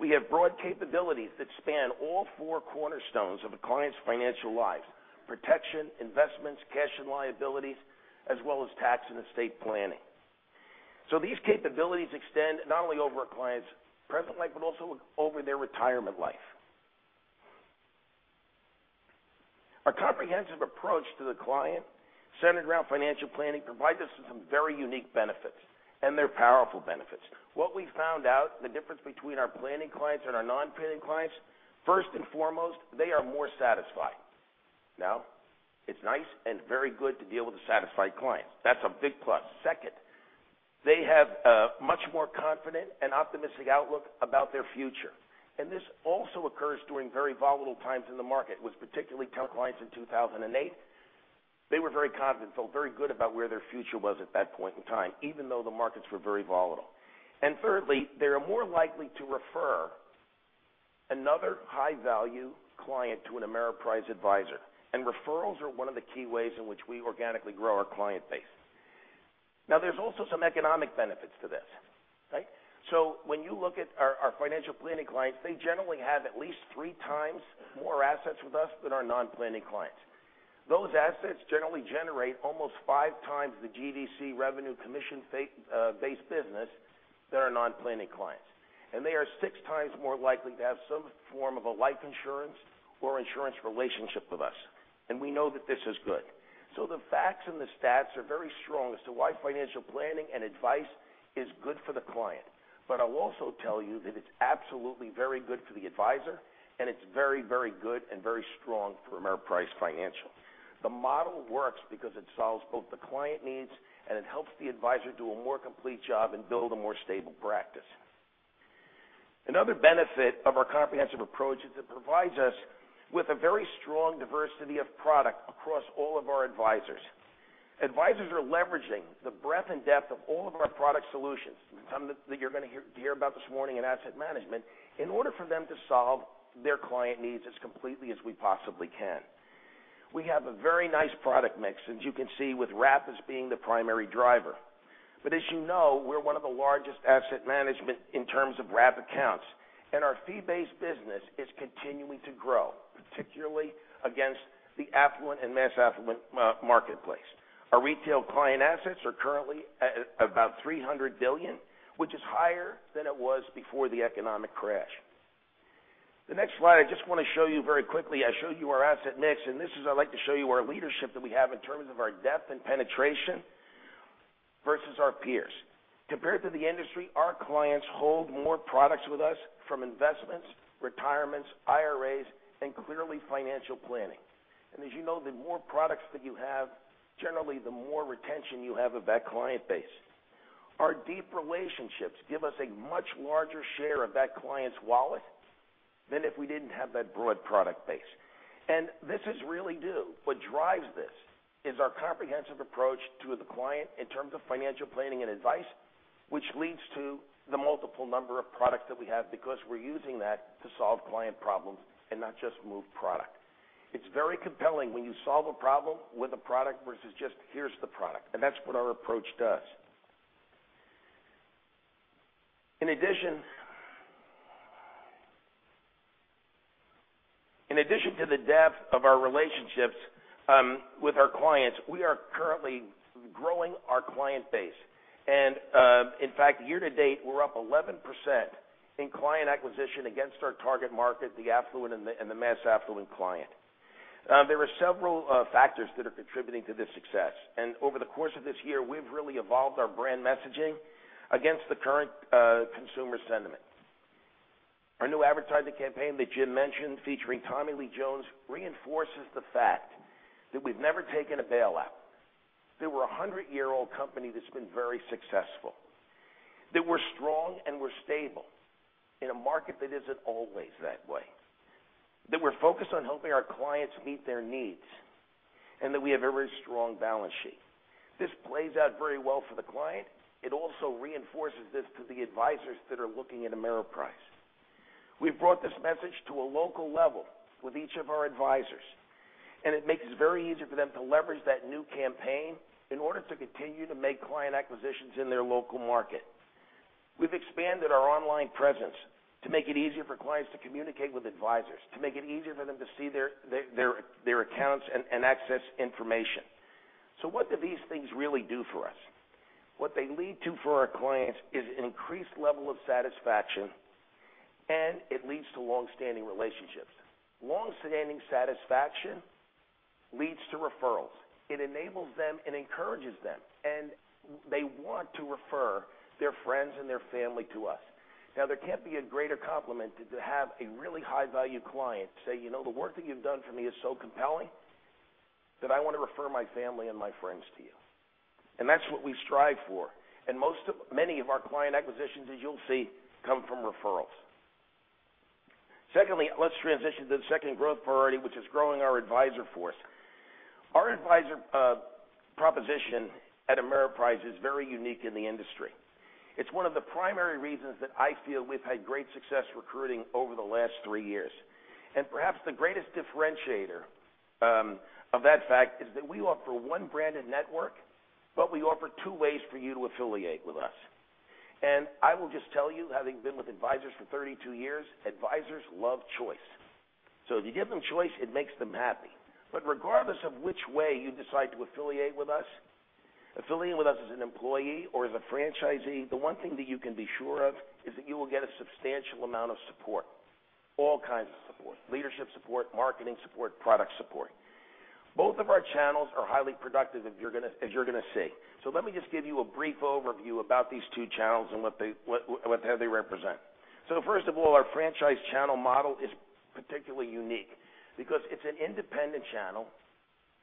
We have broad capabilities that span all four cornerstones of a client's financial life, protection, investments, cash and liabilities, as well as tax and estate planning. These capabilities extend not only over a client's present life, but also over their retirement life. Our comprehensive approach to the client, centered around financial planning, provides us with some very unique benefits, and they're powerful benefits. What we found out, the difference between our planning clients and our non-planning clients. First and foremost, they are more satisfied. Now, it's nice and very good to be able to satisfy clients. That's a big plus. Second, they have a much more confident and optimistic outlook about their future. This also occurs during very volatile times in the market. It was particularly telling with clients in 2008, they were very confident, felt very good about where their future was at that point in time, even though the markets were very volatile. Thirdly, they are more likely to refer another high-value client to an Ameriprise advisor, and referrals are one of the key ways in which we organically grow our client base. There's also some economic benefits to this, right? When you look at our financial planning clients, they generally have at least three times more assets with us than our non-planning clients. Those assets generally generate almost five times the GDC revenue commission-based business than our non-planning clients. They are six times more likely to have some form of a life insurance or insurance relationship with us, and we know that this is good. The facts and the stats are very strong as to why financial planning and advice is good for the client. I'll also tell you that it's absolutely very good for the advisor, and it's very good and very strong for Ameriprise Financial. The model works because it solves both the client needs, and it helps the advisor do a more complete job and build a more stable practice. Another benefit of our comprehensive approach is it provides us with a very strong diversity of product across all of our advisors. Advisors are leveraging the breadth and depth of all of our product solutions, some that you're going to hear about this morning in asset management, in order for them to solve their client needs as completely as we possibly can. We have a very nice product mix, as you can see with wrap as being the primary driver. As you know, we're one of the largest asset management in terms of wrap accounts, and our fee-based business is continuing to grow, particularly against the affluent and mass affluent marketplace. Our retail client assets are currently about $300 billion, which is higher than it was before the economic crash. The next slide I just want to show you very quickly, I showed you our asset mix, and I'd like to show you our leadership that we have in terms of our depth and penetration versus our peers. Compared to the industry, our clients hold more products with us, from investments, retirements, IRAs, and clearly financial planning. As you know, the more products that you have, generally the more retention you have of that client base. Our deep relationships give us a much larger share of that client's wallet than if we didn't have that broad product base. What drives this is our comprehensive approach to the client in terms of financial planning and advice, which leads to the multiple number of products that we have because we're using that to solve client problems and not just move product. It's very compelling when you solve a problem with a product versus just, "Here's the product." That's what our approach does. In addition to the depth of our relationships with our clients, we are currently growing our client base. In fact, year to date, we're up 11% in client acquisition against our target market, the affluent and the mass affluent client. There are several factors that are contributing to this success, over the course of this year, we've really evolved our brand messaging against the current consumer sentiment. Our new advertising campaign that Jim mentioned featuring Tommy Lee Jones reinforces the fact that we've never taken a bailout, that we're a 100-year-old company that's been very successful, that we're strong and we're stable in a market that isn't always that way, that we're focused on helping our clients meet their needs, and that we have a very strong balance sheet. This plays out very well for the client. It also reinforces this to the advisors that are looking at Ameriprise. We've brought this message to a local level with each of our advisors, it makes it very easy for them to leverage that new campaign in order to continue to make client acquisitions in their local market. We've expanded our online presence to make it easier for clients to communicate with advisors, to make it easier for them to see their accounts and access information. What do these things really do for us? What they lead to for our clients is an increased level of satisfaction, and it leads to long-standing relationships. Long-standing satisfaction leads to referrals. It enables them and encourages them, and they want to refer their friends and their family to us. Now, there can't be a greater compliment than to have a really high-value client say, "The work that you've done for me is so compelling that I want to refer my family and my friends to you." That's what we strive for. Many of our client acquisitions, as you'll see, come from referrals. Secondly, let's transition to the second growth priority, which is growing our advisor force. Our advisor proposition at Ameriprise is very unique in the industry. It's one of the primary reasons that I feel we've had great success recruiting over the last three years. Perhaps the greatest differentiator of that fact is that we offer one branded network, but we offer two ways for you to affiliate with us. I will just tell you, having been with advisors for 32 years, advisors love choice. If you give them choice, it makes them happy. Regardless of which way you decide to affiliate with us, affiliating with us as an employee or as a franchisee, the one thing that you can be sure of is that you will get a substantial amount of support, all kinds of support, leadership support, marketing support, product support. Both of our channels are highly productive as you're going to see. Let me just give you a brief overview about these two channels and what they represent. First of all, our franchise channel model is particularly unique because it's an independent channel.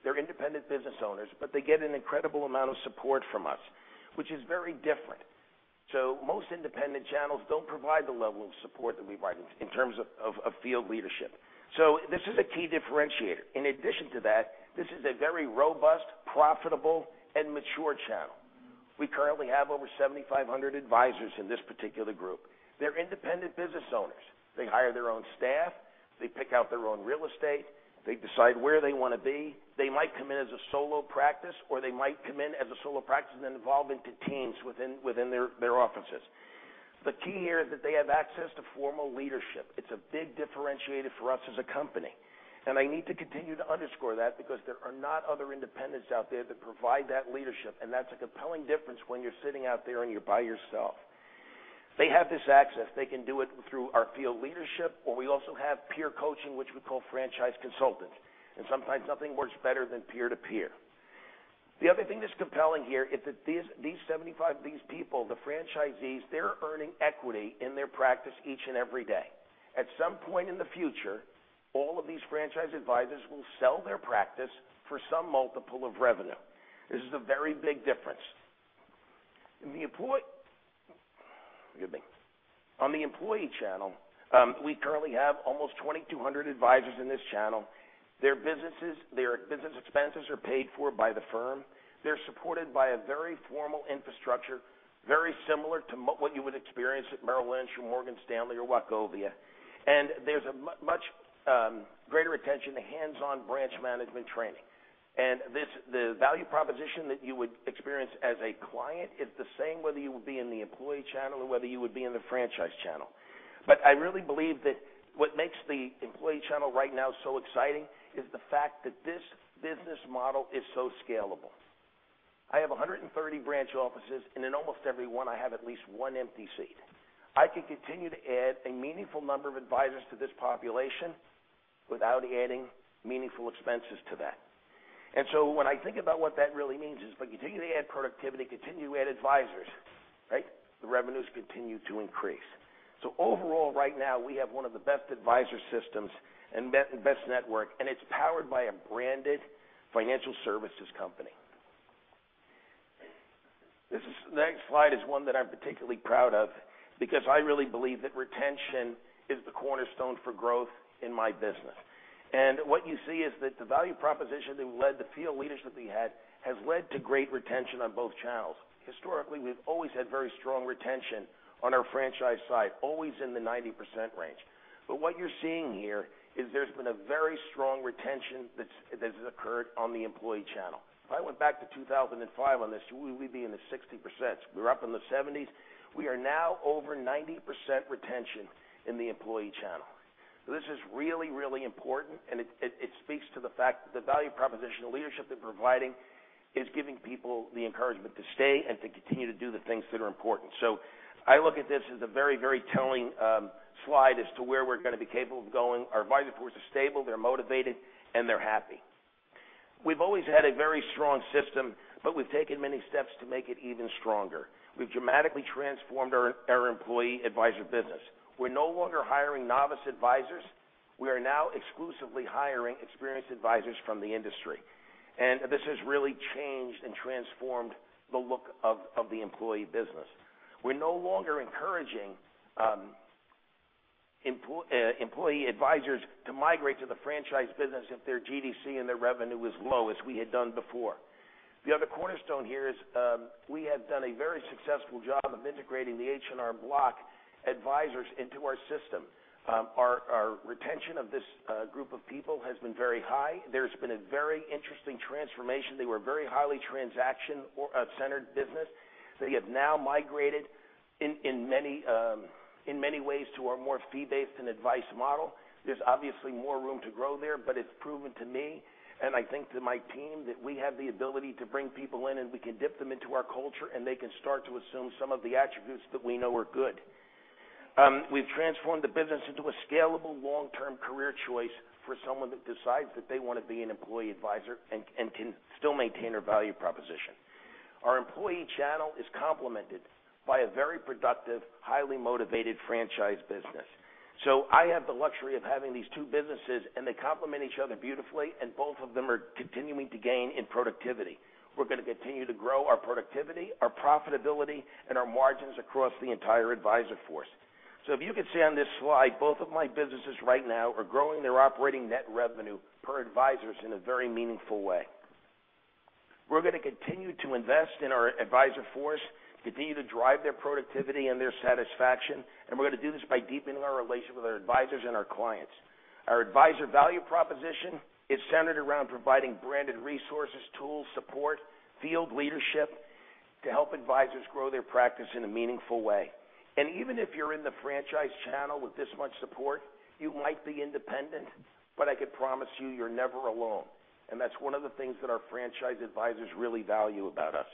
They're independent business owners, but they get an incredible amount of support from us, which is very different. Most independent channels don't provide the level of support that we provide in terms of field leadership. This is a key differentiator. In addition to that, this is a very robust, profitable, and mature channel. We currently have over 7,500 advisors in this particular group. They're independent business owners. They hire their own staff. They pick out their own real estate. They decide where they want to be. They might come in as a solo practice, or they might come in as a solo practice and then evolve into teams within their offices. The key here is that they have access to formal leadership. It's a big differentiator for us as a company, I need to continue to underscore that because there are not other independents out there that provide that leadership, and that's a compelling difference when you're sitting out there and you're by yourself. They have this access. They can do it through our field leadership, or we also have peer coaching, which we call franchise consultants. Sometimes nothing works better than peer to peer. The other thing that's compelling here is that these people, the franchisees, they're earning equity in their practice each and every day. At some point in the future, all of these franchise advisors will sell their practice for some multiple of revenue. This is a very big difference. Forgive me. On the employee channel, we currently have almost 2,200 advisors in this channel. Their business expenses are paid for by the firm. They're supported by a very formal infrastructure, very similar to what you would experience at Merrill Lynch or Morgan Stanley or Wachovia. There's a much greater attention to hands-on branch management training. The value proposition that you would experience as a client is the same whether you would be in the employee channel or whether you would be in the franchise channel. I really believe that what makes the employee channel right now so exciting is the fact that this business model is so scalable. I have 130 branch offices, and in almost every one, I have at least one empty seat. I can continue to add a meaningful number of advisors to this population without adding meaningful expenses to that. When I think about what that really means is we continue to add productivity, continue to add advisors, right? The revenues continue to increase. Overall, right now, we have one of the best advisor systems and best network, and it's powered by a branded financial services company. This next slide is one that I'm particularly proud of because I really believe that retention is the cornerstone for growth in my business. What you see is that the value proposition that led the field leadership we had has led to great retention on both channels. Historically, we've always had very strong retention on our franchise side, always in the 90% range. What you're seeing here is there's been a very strong retention that has occurred on the employee channel. If I went back to 2005 on this, we'd be in the 60%. We were up in the 70s. We are now over 90% retention in the employee channel. This is really, really important, and it speaks to the fact that the value proposition of leadership they're providing is giving people the encouragement to stay and to continue to do the things that are important. I look at this as a very telling slide as to where we're going to be capable of going. Our advisor force is stable, they're motivated, and they're happy. We've always had a very strong system, but we've taken many steps to make it even stronger. We've dramatically transformed our employee advisor business. We're no longer hiring novice advisors. We are now exclusively hiring experienced advisors from the industry. This has really changed and transformed the look of the employee business. We're no longer encouraging employee advisors to migrate to the franchise business if their GDC and their revenue is low as we had done before. The other cornerstone here is we have done a very successful job of integrating the H&R Block advisors into our system. Our retention of this group of people has been very high. There's been a very interesting transformation. They were a very highly transaction-centered business. They have now migrated in many ways to a more fee-based and advice model. There's obviously more room to grow there, but it's proven to me, and I think to my team, that we have the ability to bring people in, and we can dip them into our culture, and they can start to assume some of the attributes that we know are good. We've transformed the business into a scalable, long-term career choice for someone that decides that they want to be an employee advisor and can still maintain our value proposition. Our employee channel is complemented by a very productive, highly motivated franchise business. I have the luxury of having these two businesses, and they complement each other beautifully, and both of them are continuing to gain in productivity. We're going to continue to grow our productivity, our profitability, and our margins across the entire advisor force. If you could see on this slide, both of my businesses right now are growing their operating net revenue per advisors in a very meaningful way. We're going to continue to invest in our advisor force, continue to drive their productivity and their satisfaction, and we're going to do this by deepening our relationship with our advisors and our clients. Our advisor value proposition is centered around providing branded resources, tools, support, field leadership to help advisors grow their practice in a meaningful way. Even if you're in the franchise channel with this much support, you might be independent, but I could promise you're never alone. That's one of the things that our franchise advisors really value about us.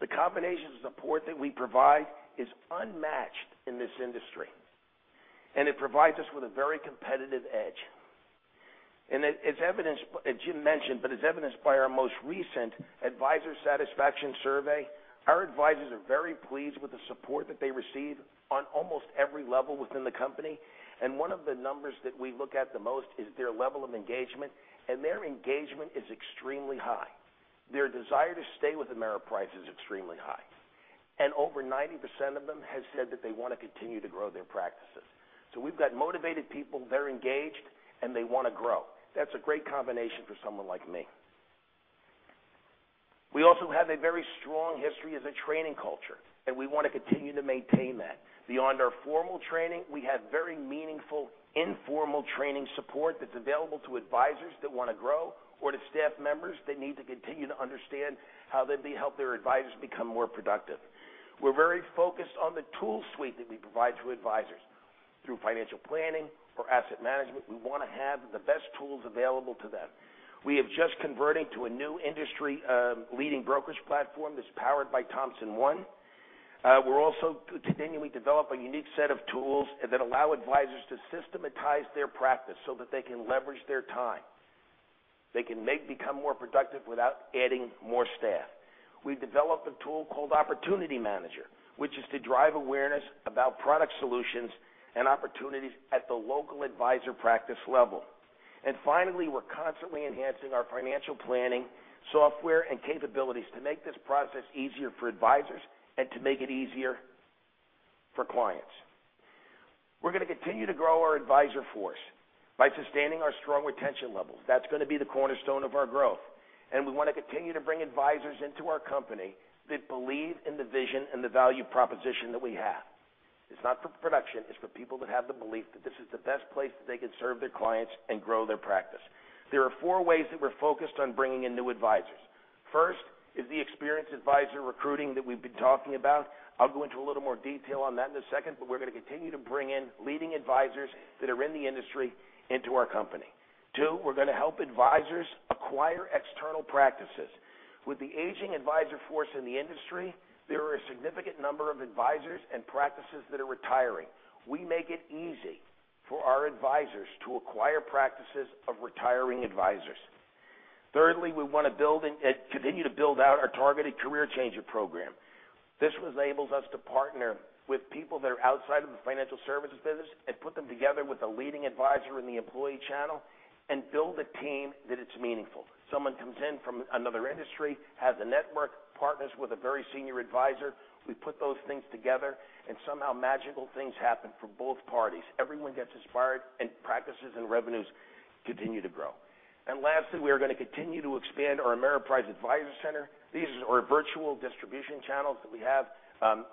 The combination support that we provide is unmatched in this industry, and it provides us with a very competitive edge. As Jim mentioned, but as evidenced by our most recent advisor satisfaction survey, our advisors are very pleased with the support that they receive on almost every level within the company. One of the numbers that we look at the most is their level of engagement, and their engagement is extremely high. Their desire to stay with Ameriprise is extremely high. Over 90% of them have said that they want to continue to grow their practices. We've got motivated people, they're engaged, and they want to grow. That's a great combination for someone like me. We also have a very strong history as a training culture, and we want to continue to maintain that. Beyond our formal training, we have very meaningful informal training support that's available to advisors that want to grow or to staff members that need to continue to understand how they help their advisors become more productive. We're very focused on the tool suite that we provide to advisors through financial planning or asset management. We want to have the best tools available to them. We have just converted to a new industry leading brokerage platform that's powered by Thomson One. We're also continually develop a unique set of tools that allow advisors to systematize their practice so that they can leverage their time. They can become more productive without adding more staff. We've developed a tool called Opportunity Manager, which is to drive awareness about product solutions and opportunities at the local advisor practice level. Finally, we're constantly enhancing our financial planning software and capabilities to make this process easier for advisors and to make it easier for clients. We're going to continue to grow our advisor force by sustaining our strong retention levels. That's going to be the cornerstone of our growth. We want to continue to bring advisors into our company that believe in the vision and the value proposition that we have. It's not for production, it's for people that have the belief that this is the best place that they can serve their clients and grow their practice. There are 4 ways that we're focused on bringing in new advisors. First is the experienced advisor recruiting that we've been talking about. I'll go into a little more detail on that in a second. We're going to continue to bring in leading advisors that are in the industry into our company. 2, we're going to help advisors acquire external practices. With the aging advisor force in the industry, there are a significant number of advisors and practices that are retiring. We make it easy for our advisors to acquire practices of retiring advisors. Thirdly, we want to continue to build out our targeted career changer program. This enables us to partner with people that are outside of the financial services business and put them together with a leading advisor in the employee channel and build a team that it's meaningful. Someone comes in from another industry, has a network, partners with a very senior advisor. We put those things together and somehow magical things happen for both parties. Everyone gets inspired and practices and revenues continue to grow. Lastly, we are going to continue to expand our Ameriprise Advisor Center. These are virtual distribution channels that we have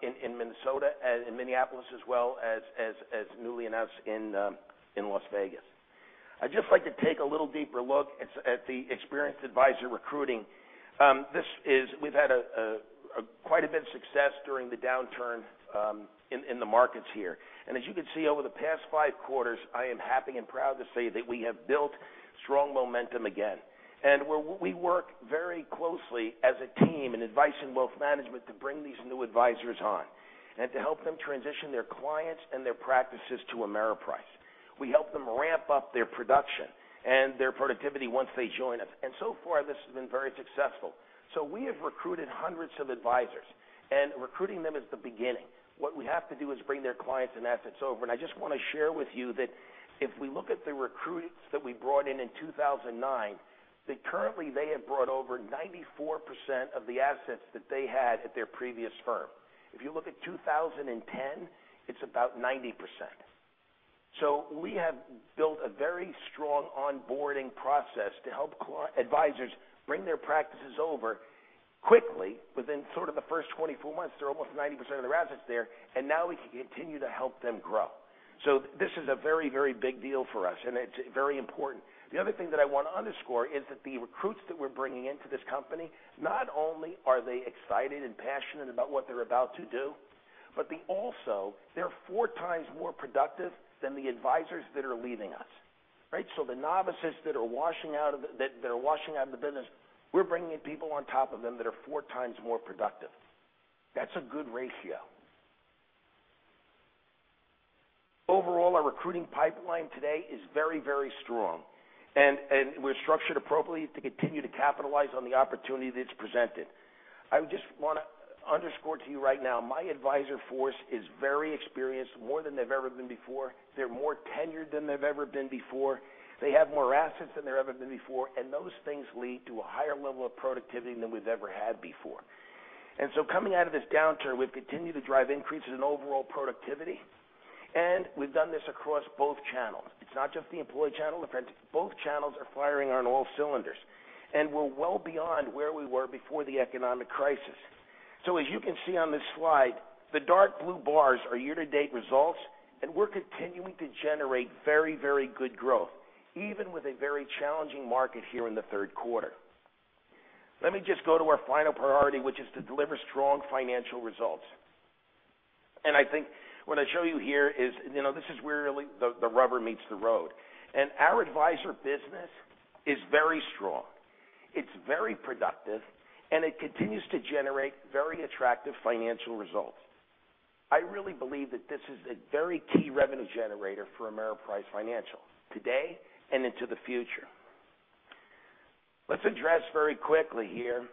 in Minnesota and in Minneapolis, as well as newly announced in Las Vegas. I'd just like to take a little deeper look at the experienced advisor recruiting. We've had quite a bit of success during the downturn in the markets here. As you can see, over the past 5 quarters, I am happy and proud to say that we have built strong momentum again. We work very closely as a team in advice and wealth management to bring these new advisors on and to help them transition their clients and their practices to Ameriprise. We help them ramp up their production and their productivity once they join us. So far, this has been very successful. We have recruited hundreds of advisors, and recruiting them is the beginning. What we have to do is bring their clients and assets over. I just want to share with you that if we look at the recruits that we brought in in 2009, that currently they have brought over 94% of the assets that they had at their previous firm. If you look at 2010, it's about 90%. We have built a very strong onboarding process to help advisors bring their practices over quickly within sort of the first 24 months. They're almost 90% of their assets there, and now we can continue to help them grow. This is a very, very big deal for us, and it's very important. The other thing that I want to underscore is that the recruits that we're bringing into this company, not only are they excited and passionate about what they're about to do, but they also, they're 4 times more productive than the advisors that are leaving us. Right? The novices that are washing out of the business, we're bringing in people on top of them that are 4 times more productive. That's a good ratio. Overall, our recruiting pipeline today is very strong, and we're structured appropriately to continue to capitalize on the opportunity that's presented. I just want to underscore to you right now, my advisor force is very experienced, more than they've ever been before. They're more tenured than they've ever been before. They have more assets than they're ever been before, and those things lead to a higher level of productivity than we've ever had before. Coming out of this downturn, we've continued to drive increases in overall productivity, and we've done this across both channels. It's not just the employed channel. In fact, both channels are firing on all cylinders. We're well beyond where we were before the economic crisis. As you can see on this slide, the dark blue bars are year-to-date results, and we're continuing to generate very good growth, even with a very challenging market here in the third quarter. Let me just go to our final priority, which is to deliver strong financial results. I think what I show you here is where really the rubber meets the road. Our advisor business is very strong. It's very productive, and it continues to generate very attractive financial results. I really believe that this is a very key revenue generator for Ameriprise Financial today and into the future. Let's address very quickly here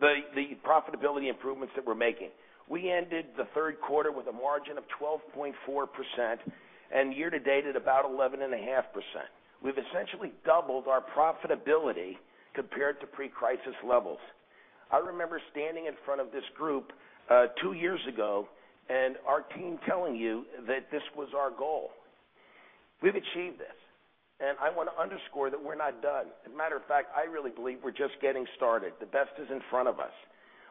the profitability improvements that we're making. We ended the third quarter with a margin of 12.4% and year-to-date at about 11.5%. We've essentially doubled our profitability compared to pre-crisis levels. I remember standing in front of this group two years ago and our team telling you that this was our goal. We've achieved this, I want to underscore that we're not done. As a matter of fact, I really believe we're just getting started. The best is in front of us.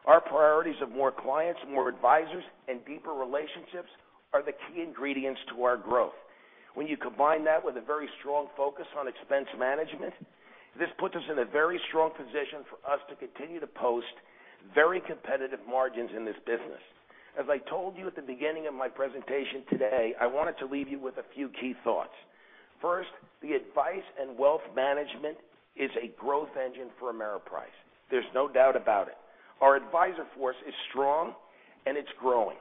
Our priorities of more clients, more advisors, and deeper relationships are the key ingredients to our growth. When you combine that with a very strong focus on expense management, this puts us in a very strong position for us to continue to post very competitive margins in this business. As I told you at the beginning of my presentation today, I wanted to leave you with a few key thoughts. First, the advice and wealth management is a growth engine for Ameriprise. There's no doubt about it. Our advisor force is strong, and it's growing.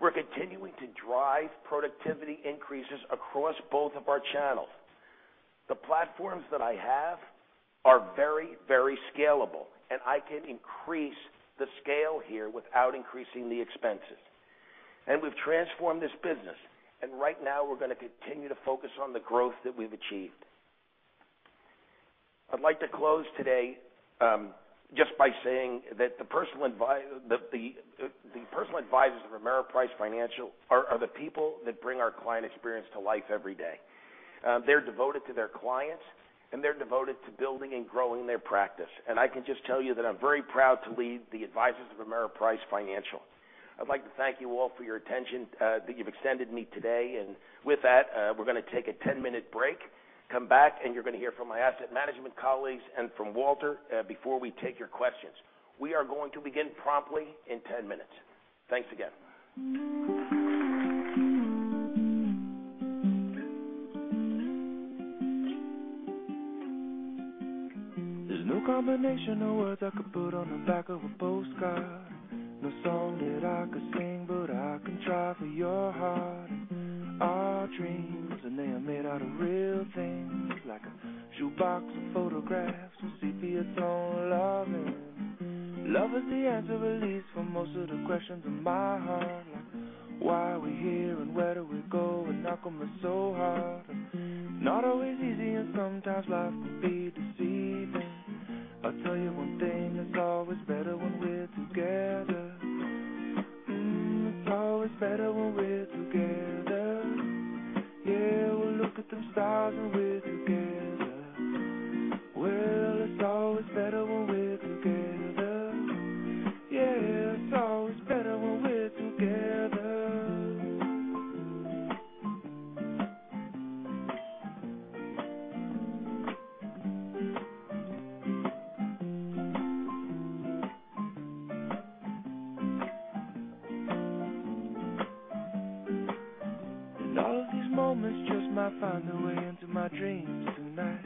We're continuing to drive productivity increases across both of our channels. The platforms that I have are very scalable, and I can increase the scale here without increasing the expenses. We've transformed this business. Right now, we're going to continue to focus on the growth that we've achieved. I'd like to close today just by saying that the personal advisors of Ameriprise Financial are the people that bring our client experience to life every day. They're devoted to their clients, and they're devoted to building and growing their practice. I can just tell you that I'm very proud to lead the advisors of Ameriprise Financial. I'd like to thank you all for your attention that you've extended me today. With that, we're going to take a 10-minute break, come back, and you're going to hear from my asset management colleagues and from Walter before we take your questions. We are going to begin promptly in 10 minutes. Thanks again. There's no combination of words I could put on the back of a postcard. No song that I could sing, but I can try for your heart. Our dreams, they are made out of real things. Like a shoebox of photographs, with sepia-toned loving. Love is the answer, at least for most of the questions in my heart. Like why are we here? Where do we go? How come it's so hard? It's not always easy, and sometimes life can be deceiving. I'll tell you one thing, it's always better when we're together. It's always better when we're together. Yeah, we'll look at the stars when we're together. Well, it's always better when we're together. Yeah, it's always better when we're together. All of these moments just might find their way into my dreams tonight.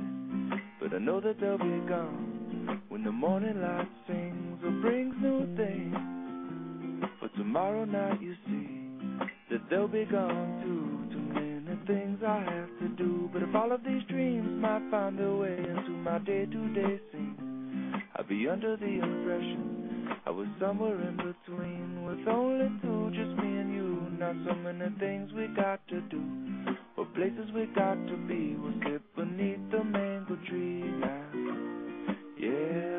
I know that they'll be gone when the morning light sings. Brings new things. For tomorrow night, you see, that they'll be gone too. Too many things I have to do. If all of these dreams might find their way into my day-to-day scene, I'd be under the impression I was somewhere in between. With only two, just me and you. Not so many things we got to do. Places we got to be. We'll sit beneath the mango tree. Yeah,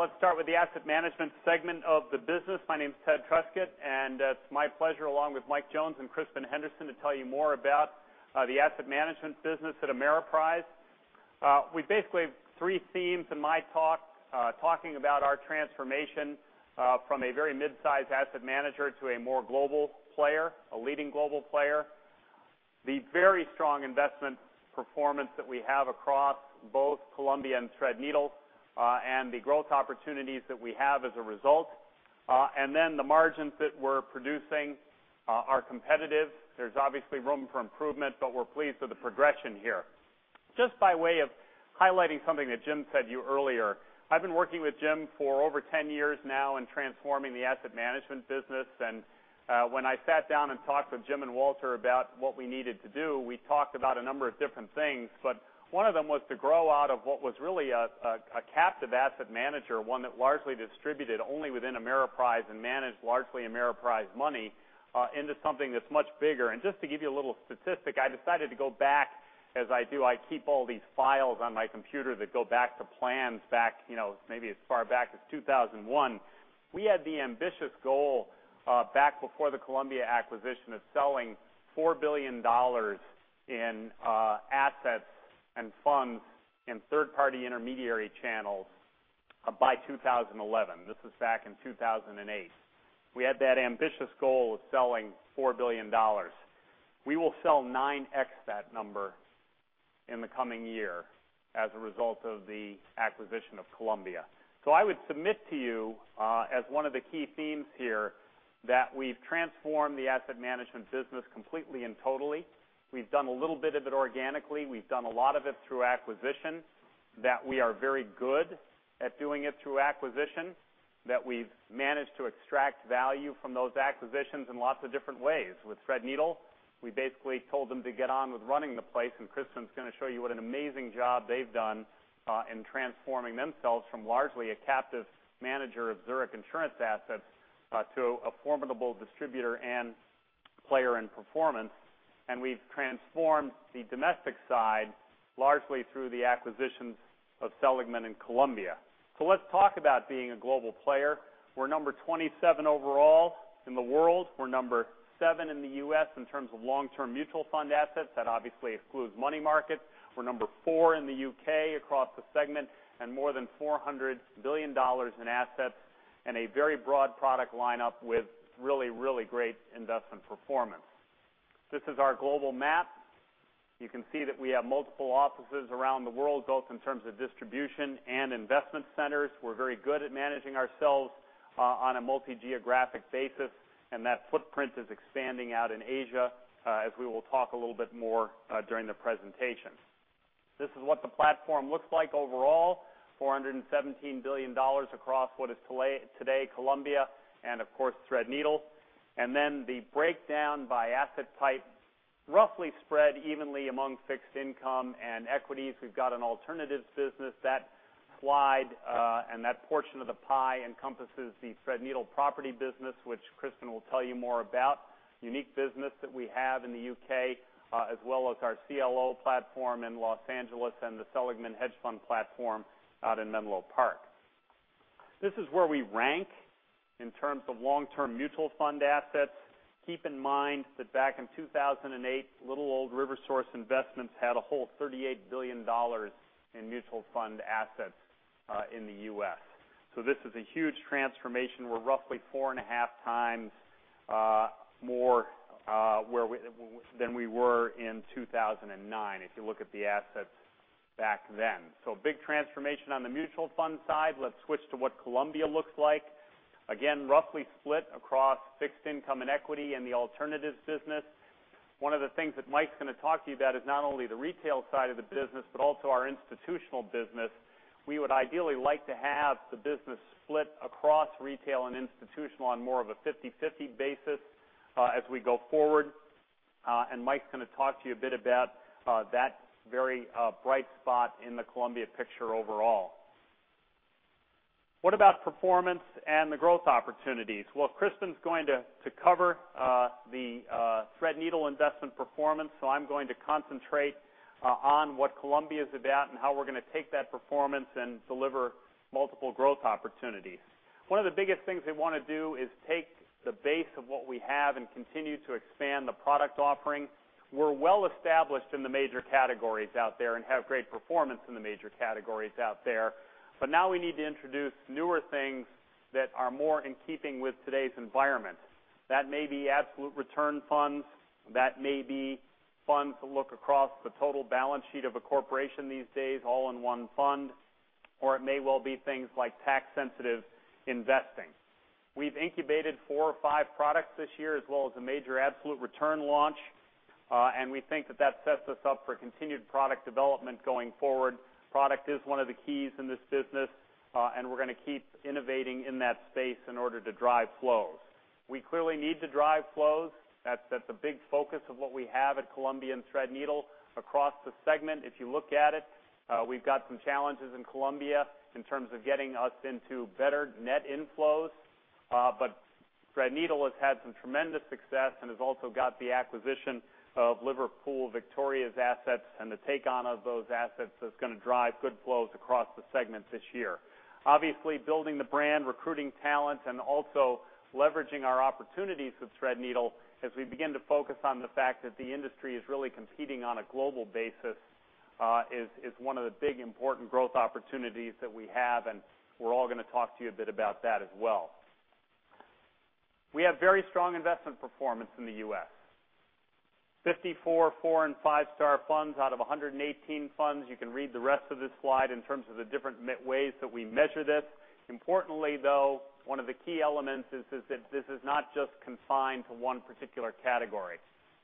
Good, right. Welcome back, let's start with the asset management segment of the business. My name's Ted Truscott, and it's my pleasure, along with Mike Jones and Crispin Henderson, to tell you more about the asset management business at Ameriprise. We basically have three themes in my talk. Talking about our transformation from a very mid-size asset manager to a more global player, a leading global player. The very strong investment performance that we have across both Columbia Management and Threadneedle, the growth opportunities that we have as a result. Then the margins that we're producing are competitive. There's obviously room for improvement, but we're pleased with the progression here. Just by way of highlighting something that Jim said to you earlier, I've been working with Jim for over 10 years now in transforming the asset management business. When I sat down and talked with Jim and Walter about what we needed to do, we talked about a number of different things, but one of them was to grow out of what was really a captive asset manager, one that largely distributed only within Ameriprise and managed largely Ameriprise money, into something that's much bigger. Just to give you a little statistic, I decided to go back, as I do, I keep all these files on my computer that go back to plans back maybe as far back as 2001. We had the ambitious goal, back before the Columbia Management acquisition, of selling $4 billion in assets and funds in third-party intermediary channels by 2011. This was back in 2008. We had that ambitious goal of selling $4 billion. We will sell 9X that number in the coming year as a result of the acquisition of Columbia. I would submit to you, as one of the key themes here, that we've transformed the asset management business completely and totally. We've done a little bit of it organically. We've done a lot of it through acquisition. That we are very good at doing it through acquisition, that we've managed to extract value from those acquisitions in lots of different ways. With Threadneedle, we basically told them to get on with running the place, and Crispin is going to show you what an amazing job they've done in transforming themselves from largely a captive manager of Zurich Insurance assets to a formidable distributor and player in performance. We've transformed the domestic side largely through the acquisitions of Seligman and Columbia. Let's talk about being a global player. We're number twenty-seven overall in the world. We're number seven in the U.S. in terms of long-term mutual fund assets. That obviously excludes money markets. We're number four in the U.K. across the segment, and more than $400 billion in assets in a very broad product lineup with really, really great investment performance. This is our global map. You can see that we have multiple offices around the world, both in terms of distribution and investment centers. We're very good at managing ourselves on a multi-geographic basis, and that footprint is expanding out in Asia, as we will talk a little bit more during the presentation. This is what the platform looks like overall, $417 billion across what is today Columbia and of course, Threadneedle. The breakdown by asset type, roughly spread evenly among fixed income and equities. We've got an alternatives business. That slide and that portion of the pie encompasses the Threadneedle property business, which Crispin will tell you more about. Unique business that we have in the U.K., as well as our CLO platform in L.A. and the Seligman hedge fund platform out in Menlo Park. This is where we rank in terms of long-term mutual fund assets. Keep in mind that back in 2008, little old RiverSource Investments had a whole $38 billion in mutual fund assets in the U.S. This is a huge transformation. We're roughly four and a half times more than we were in 2009, if you look at the assets back then. Big transformation on the mutual fund side. Let's switch to what Columbia looks like. Again, roughly split across fixed income and equity in the alternatives business. One of the things that Mike's going to talk to you about is not only the retail side of the business, but also our institutional business. We would ideally like to have the business split across retail and institutional on more of a 50/50 basis as we go forward. Mike's going to talk to you a bit about that very bright spot in the Columbia picture overall. What about performance and the growth opportunities? Crispin's going to cover the Threadneedle investment performance, so I'm going to concentrate on what Columbia's about and how we're going to take that performance and deliver multiple growth opportunities. One of the biggest things we want to do is take the base of what we have and continue to expand the product offering. We're well established in the major categories out there and have great performance in the major categories out there. Now we need to introduce newer things that are more in keeping with today's environment. That may be absolute return funds. That may be funds that look across the total balance sheet of a corporation these days, all-in-one fund. Or it may well be things like tax-sensitive investing. We've incubated four or five products this year, as well as a major absolute return launch. We think that sets us up for continued product development going forward. Product is one of the keys in this business, and we're going to keep innovating in that space in order to drive flows. We clearly need to drive flows. That's a big focus of what we have at Columbia and Threadneedle across the segment. If you look at it, we've got some challenges in Columbia in terms of getting us into better net inflows. Threadneedle has had some tremendous success and has also got the acquisition of Liverpool Victoria's assets and the take-on of those assets that's going to drive good flows across the segment this year. Obviously, building the brand, recruiting talent, and also leveraging our opportunities with Threadneedle as we begin to focus on the fact that the industry is really competing on a global basis is one of the big, important growth opportunities that we have, and we're all going to talk to you a bit about that as well. We have very strong investment performance in the U.S. 54 four and five-star funds out of 118 funds. You can read the rest of this slide in terms of the different ways that we measure this. Importantly, though, one of the key elements is that this is not just confined to one particular category.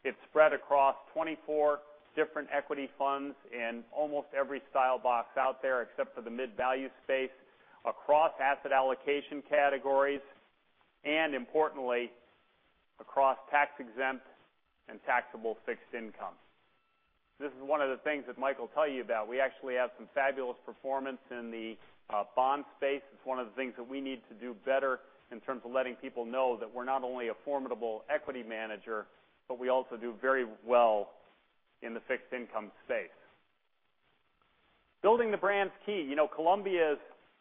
It's spread across 24 different equity funds in almost every style box out there, except for the mid-value space, across asset allocation categories, and importantly, across tax-exempt and taxable fixed income. This is one of the things that Mike will tell you about. We actually have some fabulous performance in the bond space. It's one of the things that we need to do better in terms of letting people know that we're not only a formidable equity manager, but we also do very well in the fixed income space. Building the brand's key. Columbia is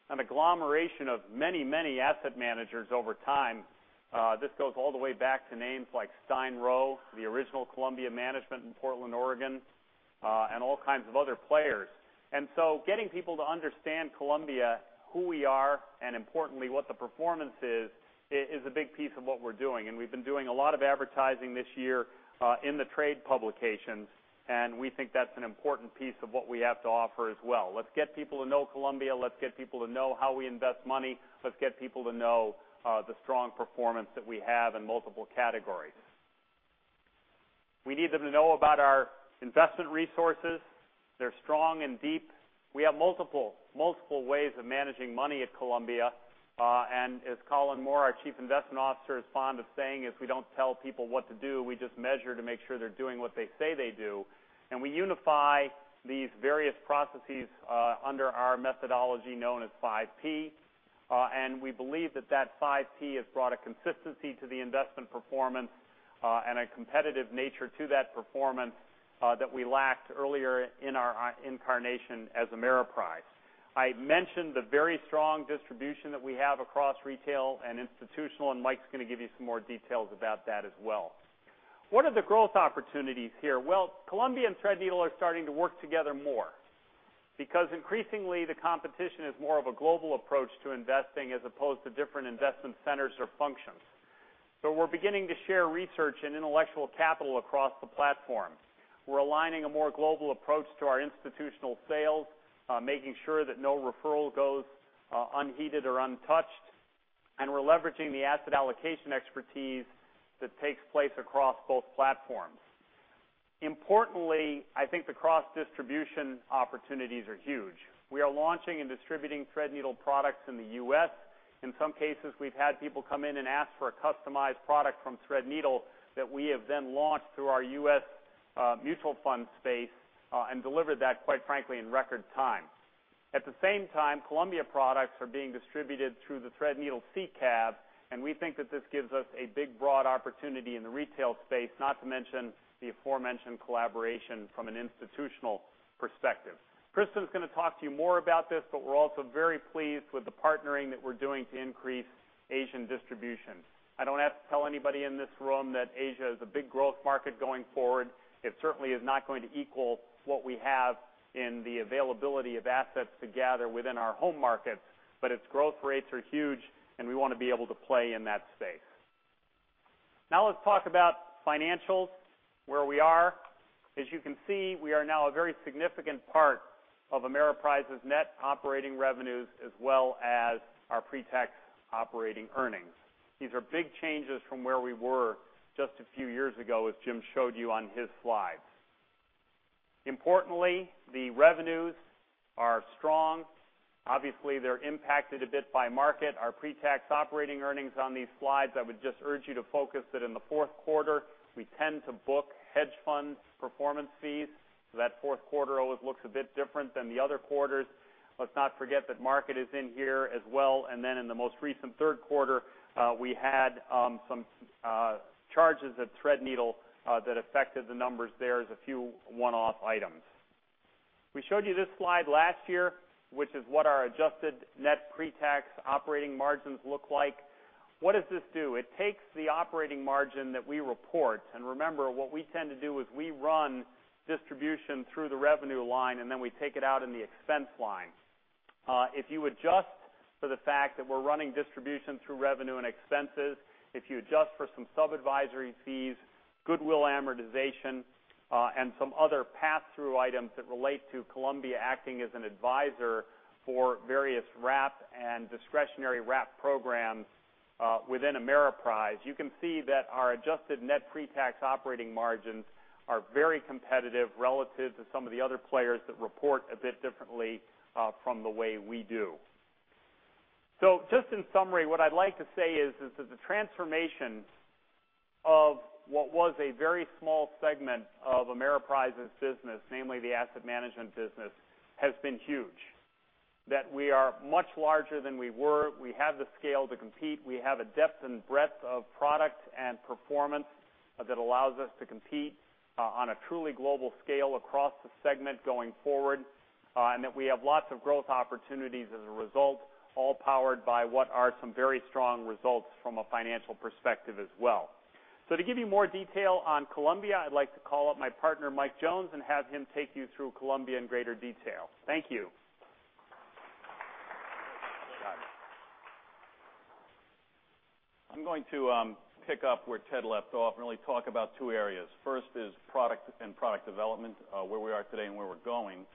an agglomeration of many asset managers over time. This goes all the way back to names like Stein Roe, the original Columbia Management in Portland, Oregon, and all kinds of other players. Getting people to understand Columbia, who we are, and importantly, what the performance is a big piece of what we're doing. We've been doing a lot of advertising this year in the trade publications, and we think that's an important piece of what we have to offer as well. Let's get people to know Columbia. Let's get people to know how we invest money. Let's get people to know the strong performance that we have in multiple categories. We need them to know about our investment resources. They're strong and deep. We have multiple ways of managing money at Columbia. As Colin Moore, our Chief Investment Officer, is fond of saying is, we don't tell people what to do. We just measure to make sure they're doing what they say they do. We unify these various processes under our methodology known as 5P. We believe that 5P has brought a consistency to the investment performance and a competitive nature to that performance that we lacked earlier in our incarnation as Ameriprise. I mentioned the very strong distribution that we have across retail and institutional, and Mike's going to give you some more details about that as well. What are the growth opportunities here? Columbia and Threadneedle are starting to work together more because increasingly the competition is more of a global approach to investing as opposed to different investment centers or functions. We're beginning to share research and intellectual capital across the platform. We're aligning a more global approach to our institutional sales, making sure that no referral goes unheeded or untouched. We're leveraging the asset allocation expertise that takes place across both platforms. Importantly, I think the cross-distribution opportunities are huge. We are launching and distributing Threadneedle products in the U.S. In some cases, we've had people come in and ask for a customized product from Threadneedle that we have then launched through our U.S. mutual fund space and delivered that, quite frankly, in record time. At the same time, Columbia products are being distributed through the Threadneedle SICAV, and we think that this gives us a big, broad opportunity in the retail space, not to mention the aforementioned collaboration from an institutional perspective. Crispin's going to talk to you more about this, but we're also very pleased with the partnering that we're doing to increase Asian distribution. I don't have to tell anybody in this room that Asia is a big growth market going forward. It certainly is not going to equal what we have in the availability of assets to gather within our home market, but its growth rates are huge, and we want to be able to play in that space. Now let's talk about financials, where we are. As you can see, we are now a very significant part of Ameriprise's net operating revenues as well as our pre-tax operating earnings. These are big changes from where we were just a few years ago, as Jim showed you on his slides. Importantly, the revenues are strong. Obviously, they're impacted a bit by market. Our pre-tax operating earnings on these slides, I would just urge you to focus that in the fourth quarter, we tend to book hedge fund performance fees, so that fourth quarter always looks a bit different than the other quarters. Let's not forget that market is in here as well. In the most recent third quarter, we had some charges at Threadneedle that affected the numbers there as a few one-off items. We showed you this slide last year, which is what our adjusted net pre-tax operating margins look like. What does this do? It takes the operating margin that we report. Remember, what we tend to do is we run distribution through the revenue line, and then we take it out in the expense line. If you adjust for the fact that we're running distribution through revenue and expenses, if you adjust for some sub-advisory fees, goodwill amortization, and some other pass-through items that relate to Columbia acting as an advisor for various wrap and discretionary wrap programs within Ameriprise, you can see that our adjusted net pre-tax operating margins are very competitive relative to some of the other players that report a bit differently from the way we do. Just in summary, what I'd like to say is that the transformation of what was a very small segment of Ameriprise's business, namely the asset management business, has been huge, that we are much larger than we were. We have the scale to compete. We have a depth and breadth of product and performance that allows us to compete on a truly global scale across the segment going forward, that we have lots of growth opportunities as a result, all powered by what are some very strong results from a financial perspective as well. To give you more detail on Columbia, I'd like to call up my partner, Mike Jones, and have him take you through Columbia in greater detail. Thank you. I'm going to pick up where Ted left off and really talk about two areas. First is product and product development, where we are today and where we're going.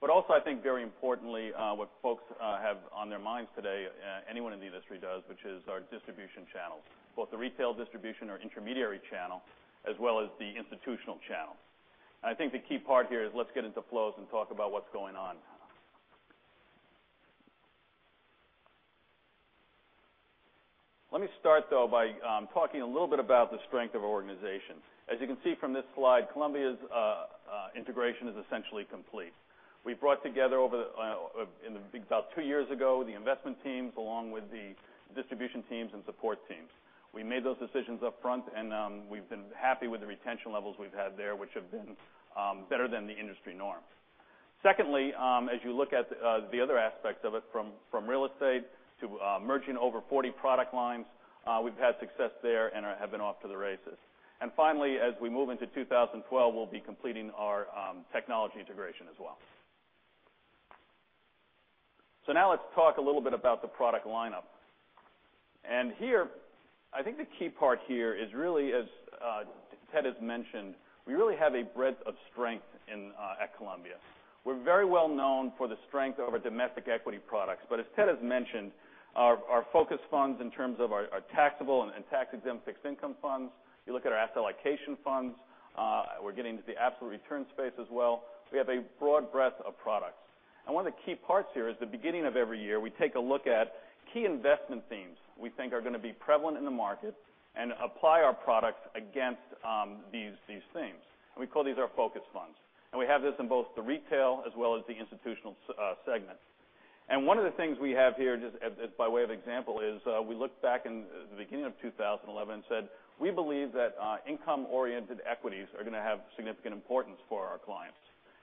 Also, I think very importantly, what folks have on their minds today, anyone in the industry does, which is our distribution channels, both the retail distribution or intermediary channel, as well as the institutional channel. I think the key part here is let's get into flows and talk about what's going on. Let me start, though, by talking a little bit about the strength of our organization. As you can see from this slide, Columbia's integration is essentially complete. We brought together about two years ago, the investment teams, along with the distribution teams and support teams. We made those decisions up front, and we've been happy with the retention levels we've had there, which have been better than the industry norm. Secondly, as you look at the other aspects of it, from real estate to merging over 40 product lines, we've had success there and have been off to the races. Finally, as we move into 2012, we'll be completing our technology integration as well. Now let's talk a little bit about the product lineup. Here, I think the key part here is really, as Ted has mentioned, we really have a breadth of strength at Columbia. We're very well known for the strength of our domestic equity products, but as Ted has mentioned, our focus funds in terms of our taxable and tax-exempt fixed income funds. You look at our asset allocation funds. We're getting into the absolute return space as well. We have a broad breadth of products. One of the key parts here is the beginning of every year, we take a look at key investment themes we think are going to be prevalent in the market and apply our products against these themes. We call these our focus funds. We have this in both the retail as well as the institutional segment. One of the things we have here, just by way of example, is we looked back in the beginning of 2011 and said, we believe that income-oriented equities are going to have significant importance for our clients.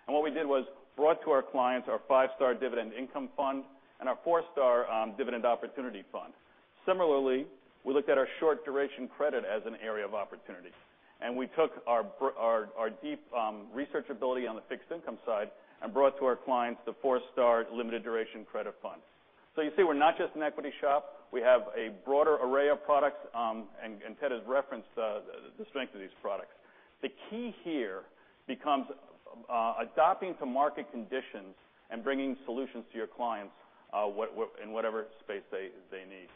What we did was brought to our clients our five-star dividend income fund and our four-star dividend opportunity fund. Similarly, we looked at our short duration credit as an area of opportunity, we took our deep research ability on the fixed income side and brought to our clients the four-star limited duration credit fund. You see, we're not just an equity shop. We have a broader array of products, and Ted has referenced the strength of these products. The key here becomes adapting to market conditions and bringing solutions to your clients in whatever space they need.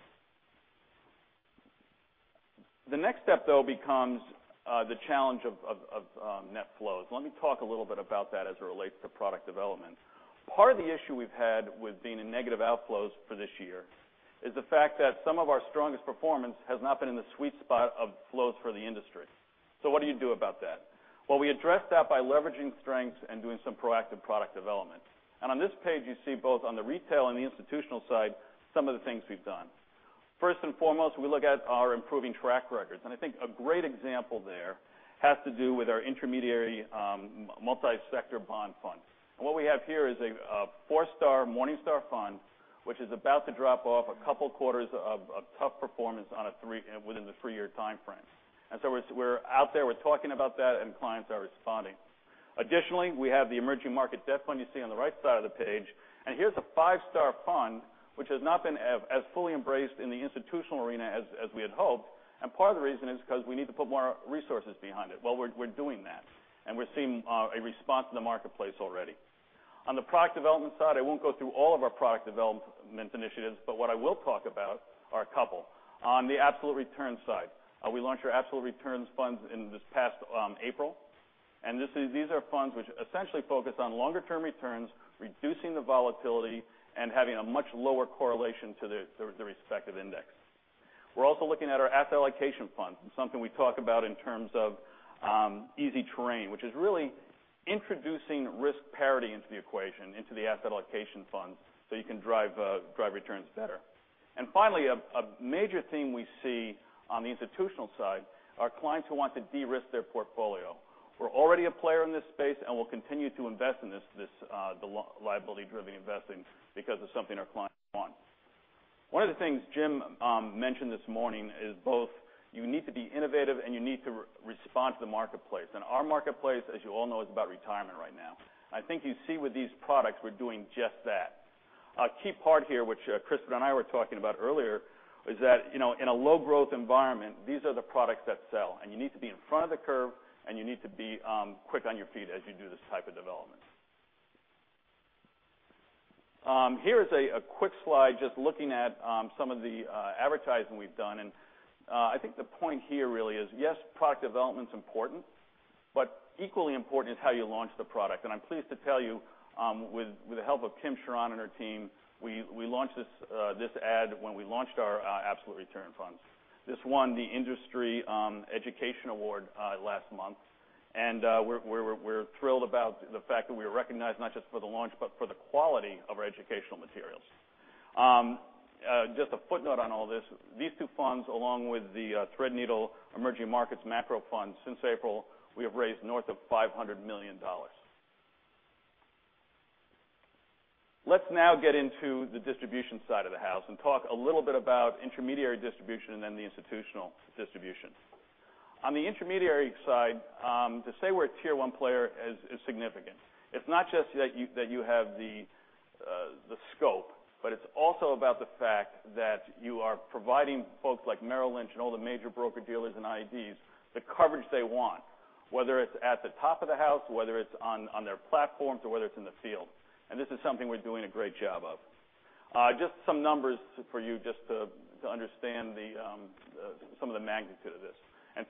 The next step, though, becomes the challenge of net flows. Let me talk a little bit about that as it relates to product development. Part of the issue we've had with being in negative outflows for this year is the fact that some of our strongest performance has not been in the sweet spot of flows for the industry. What do you do about that? Well, we address that by leveraging strengths and doing some proactive product development. On this page, you see both on the retail and the institutional side, some of the things we've done. First and foremost, we look at our improving track records, and I think a great example there has to do with our intermediary multi-sector bond funds. What we have here is a four-star Morningstar fund, which is about to drop off a couple of quarters of tough performance within the three-year timeframe. So we're out there, we're talking about that, and clients are responding. Additionally, we have the emerging market debt fund you see on the right side of the page, here's a five-star fund, which has not been as fully embraced in the institutional arena as we had hoped. Part of the reason is because we need to put more resources behind it. Well, we're doing that, we're seeing a response in the marketplace already. On the product development side, I won't go through all of our product development initiatives, but what I will talk about are a couple. On the absolute returns side, we launched our absolute returns funds in this past April, these are funds which essentially focus on longer-term returns, reducing the volatility, and having a much lower correlation to the respective index. We're also looking at our asset allocation fund. Something we talk about in terms of easy terrain, which is really introducing risk parity into the equation, into the asset allocation fund, so you can drive returns better. Finally, a major theme we see on the institutional side are clients who want to de-risk their portfolio. We're already a player in this space, we'll continue to invest in this liability-driven investing because it's something our clients want. One of the things Jim mentioned this morning is both you need to be innovative, and you need to respond to the marketplace. Our marketplace, as you all know, is about retirement right now. I think you see with these products, we're doing just that. A key part here, which Crispin and I were talking about earlier, is that in a low growth environment, these are the products that sell, and you need to be in front of the curve, and you need to be quick on your feet as you do this type of development. Here is a quick slide, just looking at some of the advertising we've done, I think the point here really is, yes, product development's important, equally important is how you launch the product. I'm pleased to tell you, with the help of Kim Sharan and her team, we launched this ad when we launched our absolute return fund. This won the Professional Industry Education Award last month, and we're thrilled about the fact that we were recognized not just for the launch but for the quality of our educational materials. Just a footnote on all this. These two funds, along with the Threadneedle Global Emerging Markets Equity Fund, since April, we have raised north of $500 million. Let's now get into the distribution side of the house and talk a little bit about intermediary distribution and then the institutional distribution. On the intermediary side, to say we're a tier 1 player is significant. It's not just that you have the scope, but it's also about the fact that you are providing folks like Merrill Lynch and all the major broker-dealers and RIAs the coverage they want, whether it's at the top of the house, whether it's on their platforms, or whether it's in the field. This is something we're doing a great job of. Just some numbers for you just to understand some of the magnitude of this.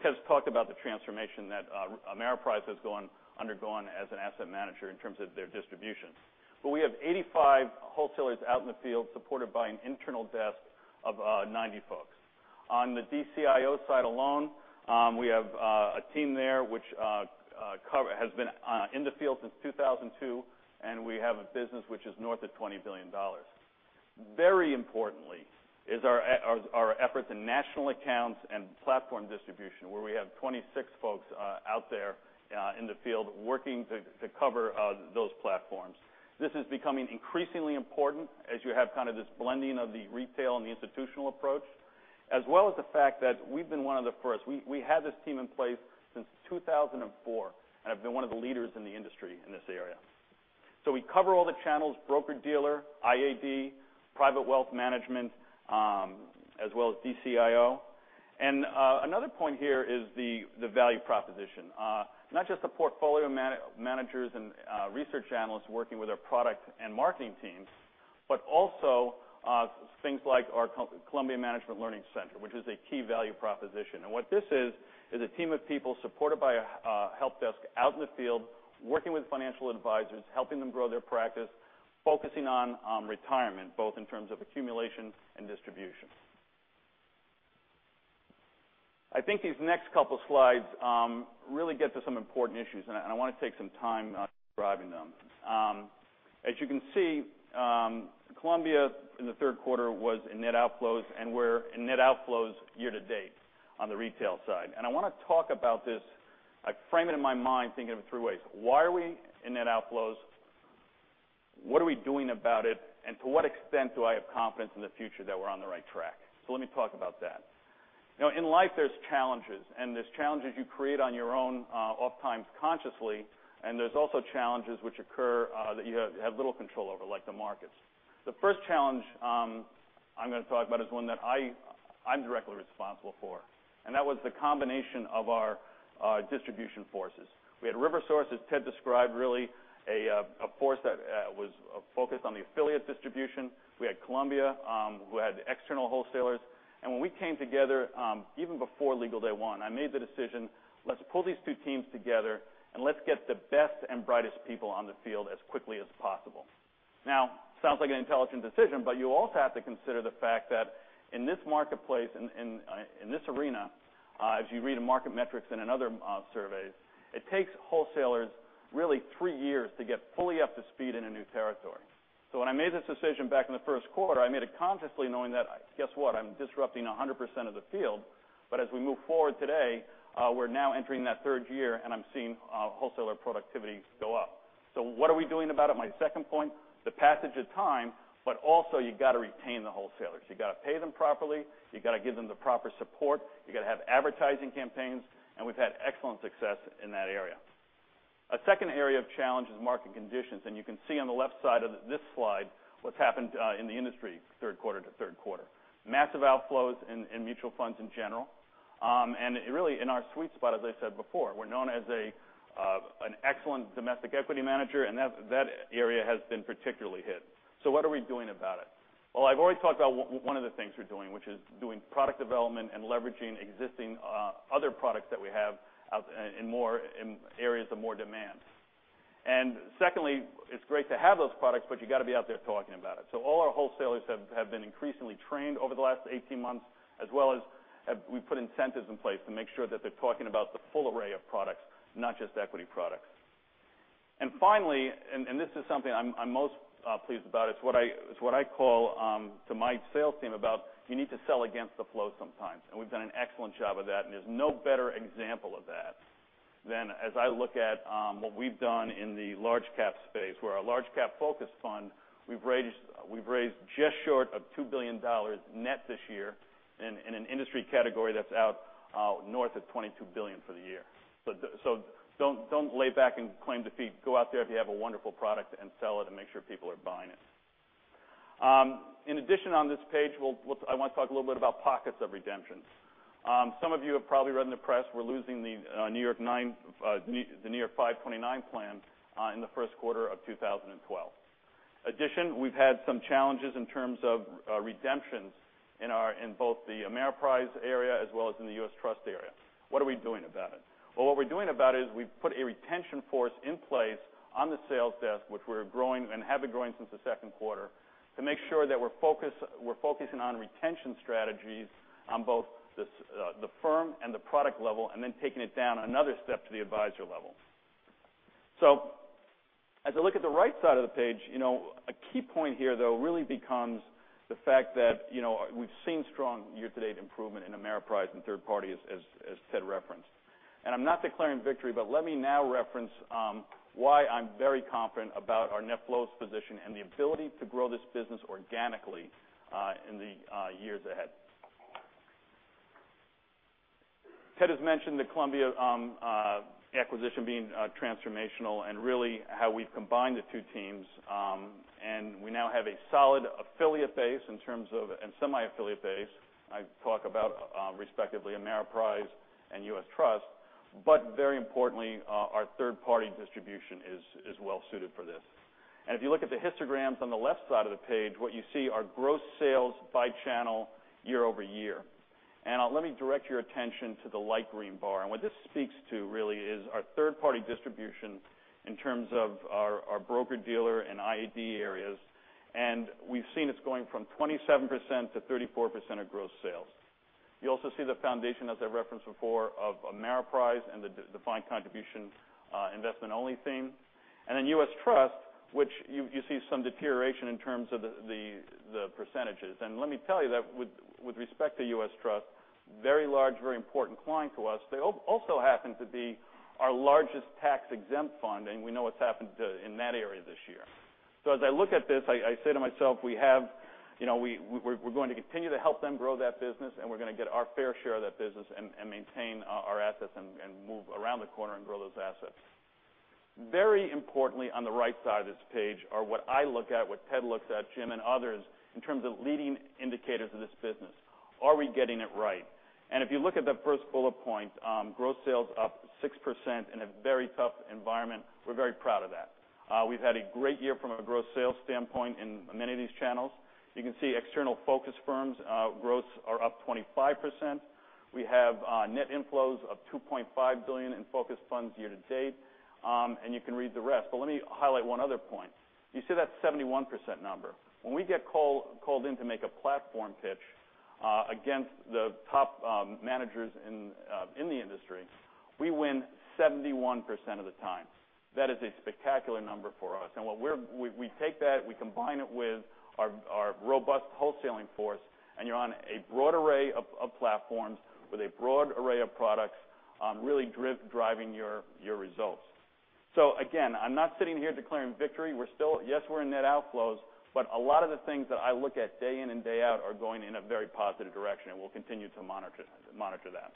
Ted's talked about the transformation that Ameriprise has undergone as an asset manager in terms of their distribution. We have 85 wholesalers out in the field supported by an internal desk of 90 folks. On the DCIO side alone, we have a team there which has been in the field since 2002, and we have a business which is north of $20 billion. Very importantly is our efforts in national accounts and platform distribution, where we have 26 folks out there in the field working to cover those platforms. This is becoming increasingly important as you have kind of this blending of the retail and the institutional approach, as well as the fact that we've been one of the first. We had this team in place since 2004 and have been one of the leaders in the industry in this area. We cover all the channels, broker-dealer, RIA, private wealth management, as well as DCIO. Another point here is the value proposition. Not just the portfolio managers and research analysts working with our product and marketing teams, but also things like our Columbia Management Learning Center, which is a key value proposition. What this is a team of people supported by a help desk out in the field, working with financial advisors, helping them grow their practice, focusing on retirement, both in terms of accumulation and distribution. I think these next couple slides really get to some important issues, and I want to take some time describing them. As you can see, Columbia, in the third quarter, was in net outflows, and we're in net outflows year to date on the retail side. I want to talk about this. I frame it in my mind thinking of it three ways. Why are we in net outflows? What are we doing about it? To what extent do I have confidence in the future that we're on the right track? Let me talk about that. In life, there's challenges, and there's challenges you create on your own, ofttimes consciously, and there's also challenges which occur that you have little control over, like the markets. The first challenge I'm going to talk about is one that I'm directly responsible for, and that was the combination of our distribution forces. We had RiverSource, as Ted described, really a force that was focused on the affiliate distribution. We had Columbia, who had external wholesalers. When we came together, even before legal day one, I made the decision, let's pull these two teams together, and let's get the best and brightest people on the field as quickly as possible. Sounds like an intelligent decision, but you also have to consider the fact that in this marketplace, in this arena, as you read in Market Metrics and in other surveys, it takes wholesalers really three years to get fully up to speed in a new territory. When I made this decision back in the first quarter, I made it consciously knowing that, guess what? I'm disrupting 100% of the field. As we move forward today, we're now entering that third year, and I'm seeing wholesaler productivity go up. What are we doing about it? My second point, the passage of time, but also you've got to retain the wholesalers. You've got to pay them properly. You've got to give them the proper support. You've got to have advertising campaigns, and we've had excellent success in that area. A second area of challenge is market conditions, and you can see on the left side of this slide what's happened in the industry, third quarter to third quarter. Massive outflows in mutual funds in general. Really in our sweet spot, as I said before, we're known as an excellent domestic equity manager, and that area has been particularly hit. What are we doing about it? Well, I've already talked about one of the things we're doing, which is doing product development and leveraging existing other products that we have in areas of more demand. Secondly, it's great to have those products, but you got to be out there talking about it. All our wholesalers have been increasingly trained over the last 18 months, as well as we put incentives in place to make sure that they're talking about the full array of products, not just equity products. Finally, this is something I'm most pleased about, it's what I call to my sales team about you need to sell against the flow sometimes. We've done an excellent job of that, and there's no better example of that than as I look at what we've done in the large cap space, where our large cap focus fund, we've raised just short of $2 billion net this year in an industry category that's out north of $22 billion for the year. Don't lay back and claim defeat. Go out there if you have a wonderful product and sell it and make sure people are buying it. In addition, on this page, I want to talk a little bit about pockets of redemptions. Some of you have probably read in the press we're losing the New York's 529 plan in the first quarter of 2012. In addition, we've had some challenges in terms of redemptions in both the Ameriprise area as well as in the U.S. Trust area. What are we doing about it? What we're doing about it is we've put a retention force in place on the sales desk, which we're growing and have been growing since the second quarter to make sure that we're focusing on retention strategies on both the firm and the product level, and then taking it down another step to the advisor level. As I look at the right side of the page, a key point here, though, really becomes the fact that we've seen strong year-to-date improvement in Ameriprise and third parties as Ted referenced. I'm not declaring victory, but let me now reference why I'm very confident about our net flows position and the ability to grow this business organically in the years ahead. Ted has mentioned the Columbia acquisition being transformational and really how we've combined the two teams. We now have a solid affiliate base in terms of, and semi-affiliate base. I talk about respectively, Ameriprise and U.S. Trust, but very importantly, our third-party distribution is well suited for this. If you look at the histograms on the left side of the page, what you see are gross sales by channel year-over-year. Let me direct your attention to the light green bar. What this speaks to really is our third-party distribution in terms of our broker-dealer and IED areas. We've seen this going from 27% to 34% of gross sales. You also see the foundation, as I referenced before, of Ameriprise and the defined contribution investment-only theme. Then U.S. Trust, which you see some deterioration in terms of the percentages. Let me tell you that with respect to U.S. Trust, very large, very important client to us, they also happen to be our largest tax-exempt fund, and we know what's happened in that area this year. As I look at this, I say to myself, we're going to continue to help them grow that business, and we're going to get our fair share of that business and maintain our assets and move around the corner and grow those assets. Very importantly, on the right side of this page are what I look at, what Ted looks at, Jim and others, in terms of leading indicators of this business. Are we getting it right? If you look at the first bullet point, gross sales up 6% in a very tough environment. We're very proud of that. We've had a great year from a gross sales standpoint in many of these channels. You can see external focus firms, growths are up 25%. We have net inflows of $2.5 billion in focus funds year to date, you can read the rest. Let me highlight one other point. You see that 71% number. When we get called in to make a platform pitch against the top managers in the industry, we win 71% of the time. That is a spectacular number for us. We take that, we combine it with our robust wholesaling force, you're on a broad array of platforms with a broad array of products, really driving your results. Again, I'm not sitting here declaring victory. Yes, we're in net outflows, a lot of the things that I look at day in and day out are going in a very positive direction, we'll continue to monitor that.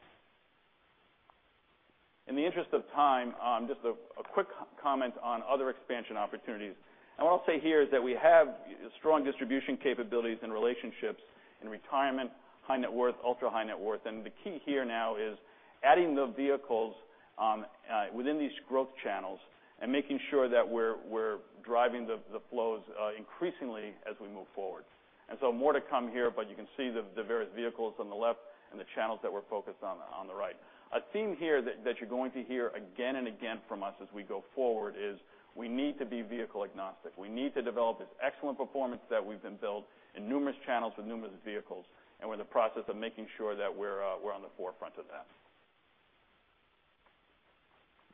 In the interest of time, just a quick comment on other expansion opportunities. What I'll say here is that we have strong distribution capabilities and relationships in retirement, high net worth, ultra high net worth. The key here now is adding the vehicles within these growth channels and making sure that we're driving the flows increasingly as we move forward. More to come here, you can see the various vehicles on the left and the channels that we're focused on the right. A theme here that you're going to hear again and again from us as we go forward is we need to be vehicle agnostic. We need to develop this excellent performance that we've been built in numerous channels with numerous vehicles, we're in the process of making sure that we're on the forefront of that.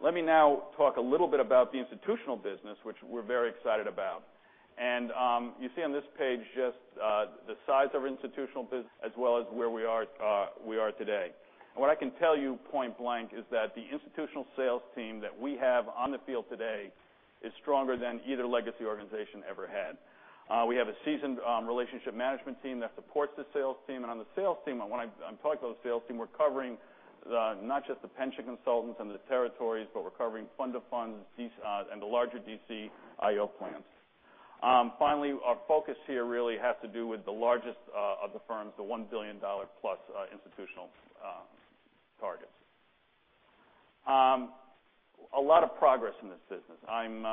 Let me now talk a little bit about the institutional business, which we're very excited about. You see on this page just the size of institutional business as well as where we are today. What I can tell you point blank is that the institutional sales team that we have on the field today is stronger than either legacy organization ever had. We have a seasoned relationship management team that supports the sales team. On the sales team, when I'm talking about the sales team, we're covering not just the pension consultants under the territories, but we're covering fund to funds and the larger DCIO plans. Finally, our focus here really has to do with the largest of the firms, the $1 billion-plus institutional targets. A lot of progress in this business. I'm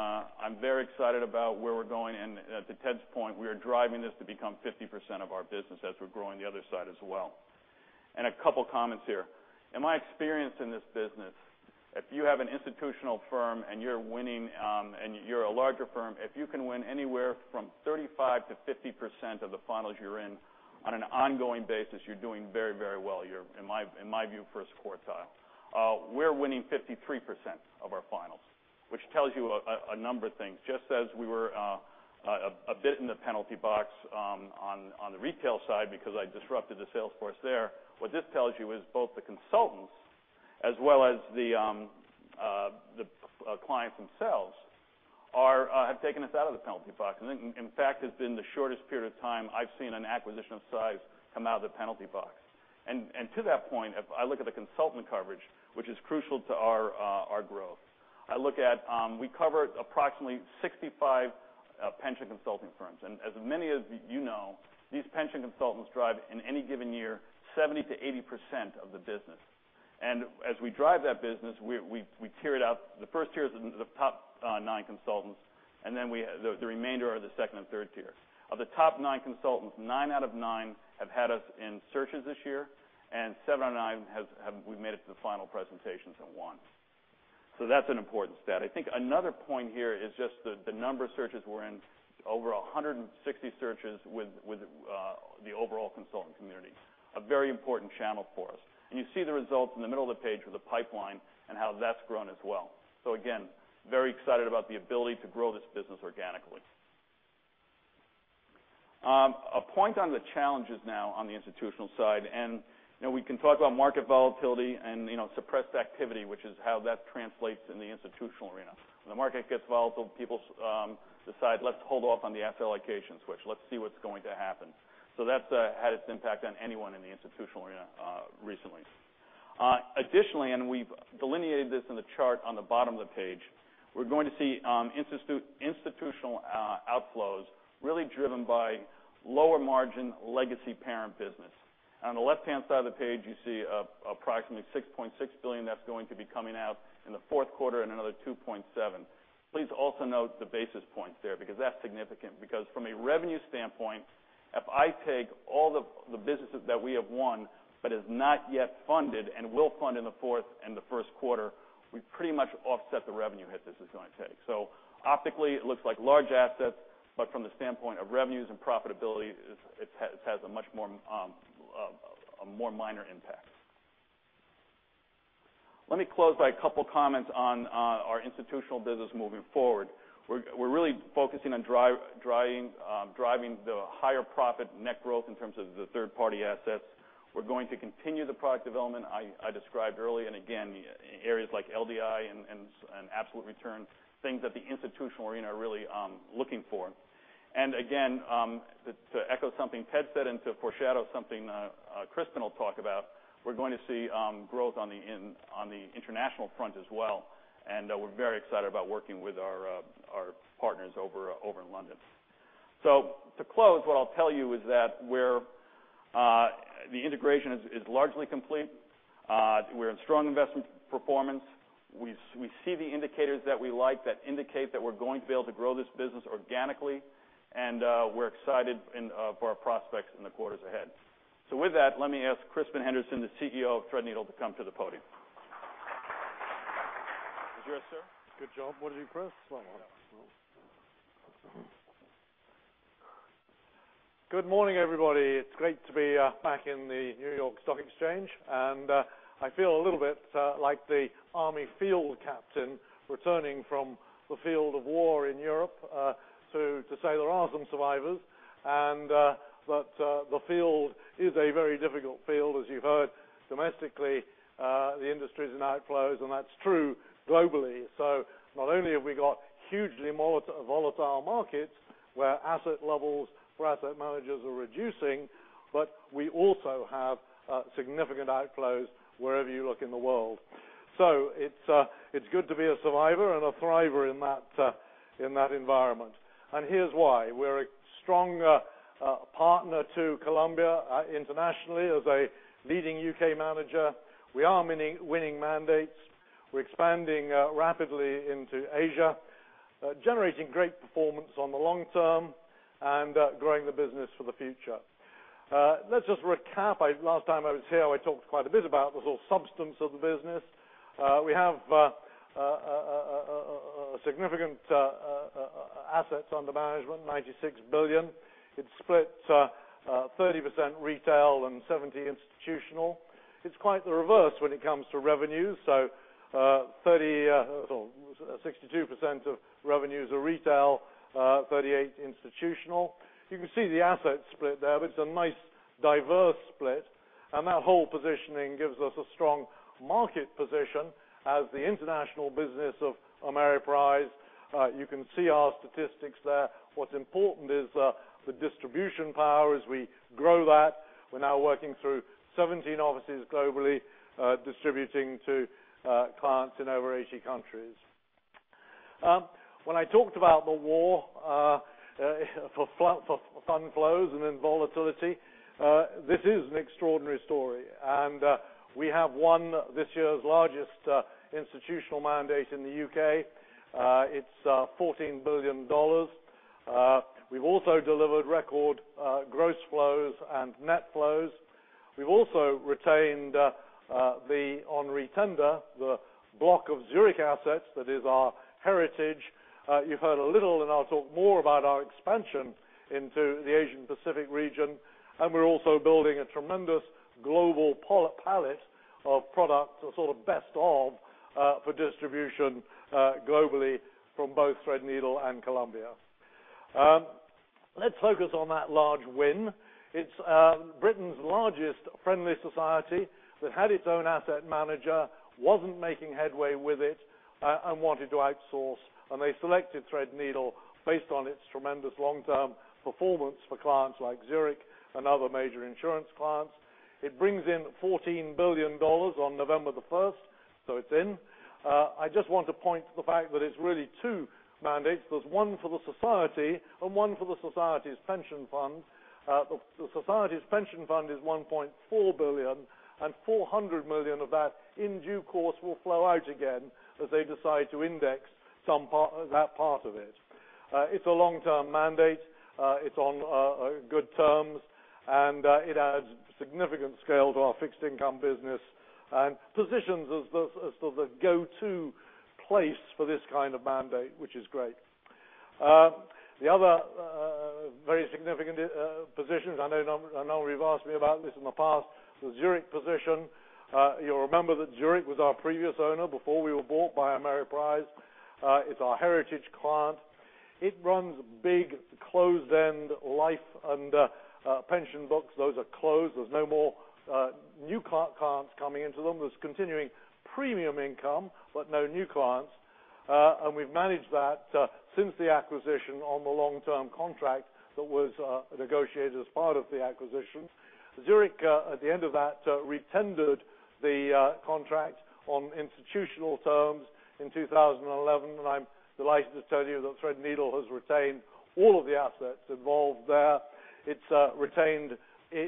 very excited about where we're going. To Ted's point, we are driving this to become 50% of our business as we're growing the other side as well. A couple of comments here. In my experience in this business, if you have an institutional firm and you're a larger firm, if you can win anywhere from 35%-50% of the finals you're in on an ongoing basis, you're doing very well. You're, in my view, first quartile. We're winning 53% of our finals, which tells you a number of things. Just as we were a bit in the penalty box on the retail side because I disrupted the sales force there, what this tells you is both the consultants as well as the clients themselves have taken us out of the penalty box. In fact, it's been the shortest period of time I've seen an acquisition of size come out of the penalty box. To that point, if I look at the consultant coverage, which is crucial to our growth, I look at we cover approximately 65 pension consulting firms. As many of you know, these pension consultants drive, in any given year, 70%-80% of the business. As we drive that business, we tier it out. The first tier is the top nine consultants, then the remainder are the second and third tier. Of the top nine consultants, nine out of nine have had us in searches this year, and seven out of nine we've made it to the final presentations at one. That's an important stat. I think another point here is just the number of searches we're in. Over 160 searches with the overall consultant community, a very important channel for us. You see the results in the middle of the page with the pipeline and how that's grown as well. Again, very excited about the ability to grow this business organically. A point on the challenges now on the institutional side, we can talk about market volatility and suppressed activity, which is how that translates in the institutional arena. When the market gets volatile, people decide, let's hold off on the asset allocation switch. Let's see what's going to happen. That's had its impact on anyone in the institutional arena recently. Additionally, we've delineated this in the chart on the bottom of the page, we're going to see institutional outflows really driven by lower margin legacy parent business. On the left-hand side of the page, you see approximately $6.6 billion that's going to be coming out in the fourth quarter and another $2.7 billion. Please also note the basis points there because that's significant because from a revenue standpoint, if I take all the businesses that we have won but is not yet funded and will fund in the fourth and the first quarter, we pretty much offset the revenue hit this is going to take. Optically it looks like large assets, but from the standpoint of revenues and profitability, it has a much more minor impact. Let me close by a couple comments on our institutional business moving forward. We're really focusing on driving the higher profit net growth in terms of the third-party assets. We're going to continue the product development I described earlier. Again, areas like LDI and absolute return, things that the institutional arena are really looking for. Again, to echo something Ted said and to foreshadow something Crispin will talk about, we're going to see growth on the international front as well, we're very excited about working with our partners over in London. To close, what I'll tell you is that the integration is largely complete. We're in strong investment performance. We see the indicators that we like that indicate that we're going to be able to grow this business organically, and we're excited for our prospects in the quarters ahead. With that, let me ask Crispin Henderson, the CEO of Threadneedle, to come to the podium. It's yours, sir. Good job. Morning to you, Chris. Good morning, everybody. It's great to be back in the New York Stock Exchange, I feel a little bit like the army field captain returning from the field of war in Europe to say there are some survivors that the field is a very difficult field. As you've heard domestically, the industry's in outflows, that's true globally. Not only have we got hugely volatile markets where asset levels for asset managers are reducing, but we also have significant outflows wherever you look in the world. It's good to be a survivor and a thriver in that environment. Here's why. We're a strong partner to Columbia internationally as a leading U.K. manager. We are winning mandates. We're expanding rapidly into Asia, generating great performance on the long term and growing the business for the future. Let's just recap. Last time I was here, I talked quite a bit about the sort of substance of the business. We have significant assets under management, $96 billion. It's split 30% retail and 70% institutional. It's quite the reverse when it comes to revenues. 62% of revenues are retail, 38% institutional. You can see the asset split there, but it's a nice diverse split. That whole positioning gives us a strong market position as the international business of Ameriprise. You can see our statistics there. What's important is the distribution power, as we grow that. We're now working through 17 offices globally, distributing to clients in over 80 countries. When I talked about the war for fund flows and then volatility, this is an extraordinary story. We have won this year's largest institutional mandate in the U.K. It's $14 billion. We've also delivered record gross flows and net flows. We've also retained on re-tender, the block of Zurich assets that is our heritage. You've heard a little, I'll talk more about our expansion into the Asian Pacific region. We're also building a tremendous global palette of products, a sort of best of, for distribution globally from both Threadneedle and Columbia. Let's focus on that large win. It's Britain's largest friendly society that had its own asset manager, wasn't making headway with it, and wanted to outsource, and they selected Threadneedle based on its tremendous long-term performance for clients like Zurich and other major insurance clients. It brings in $14 billion on November the 1st, so it's in. I just want to point to the fact that it's really two mandates. There's one for the society and one for the society's pension fund. The society's pension fund is $1.4 billion, and $400 million of that, in due course, will flow out again as they decide to index that part of it. It's a long-term mandate. It's on good terms, and it adds significant scale to our fixed income business and positions us as the go-to place for this kind of mandate, which is great. The other very significant positions, I know a number of you've asked me about this in the past, the Zurich position. You'll remember that Zurich was our previous owner before we were bought by Ameriprise. It's our heritage client. It runs big closed-end life and pension books. Those are closed. There's no more new clients coming into them. There's continuing premium income, but no new clients. We've managed that since the acquisition on the long-term contract that was negotiated as part of the acquisition. Zurich, at the end of that, re-tendered the contract on institutional terms in 2011. I'm delighted to tell you that Threadneedle has retained all of the assets involved there. It's retained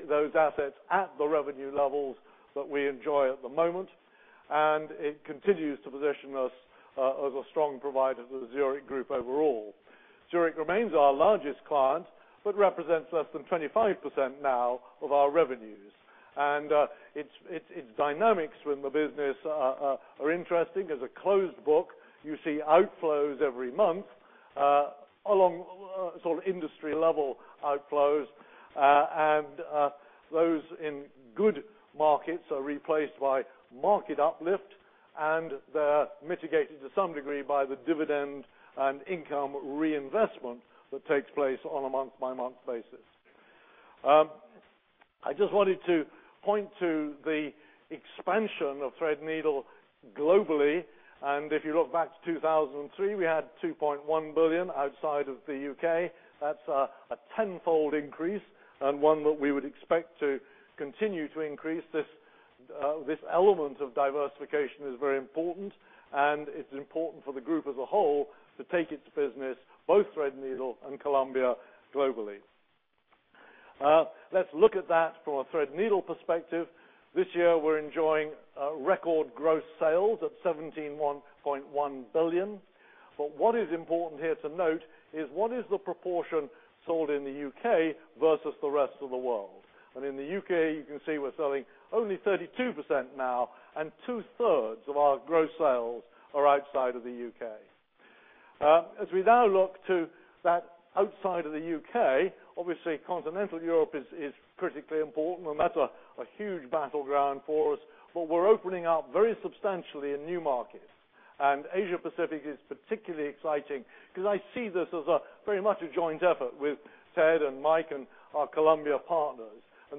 those assets at the revenue levels that we enjoy at the moment. It continues to position us as a strong provider to the Zurich Group overall. Zurich remains our largest client, but represents less than 25% now of our revenues. Its dynamics within the business are interesting. As a closed book, you see outflows every month, along sort of industry-level outflows. Those in good markets are replaced by market uplift, and they're mitigated to some degree by the dividend and income reinvestment that takes place on a month-by-month basis. I just wanted to point to the expansion of Threadneedle globally. If you look back to 2003, we had $2.1 billion outside of the U.K. That's a tenfold increase and one that we would expect to continue to increase. This element of diversification is very important. It's important for the group as a whole to take its business, both Threadneedle and Columbia, globally. Let's look at that from a Threadneedle perspective. This year, we're enjoying record gross sales at $17.1 billion. What is important here to note is what is the proportion sold in the U.K. versus the rest of the world. In the U.K., you can see we're selling only 32% now, and two-thirds of our gross sales are outside of the U.K. As we now look to that outside of the U.K., obviously Continental Europe is critically important and that's a huge battleground for us. We're opening up very substantially in new markets. Asia Pacific is particularly exciting because I see this as very much a joint effort with Ted and Mike and our Columbia partners.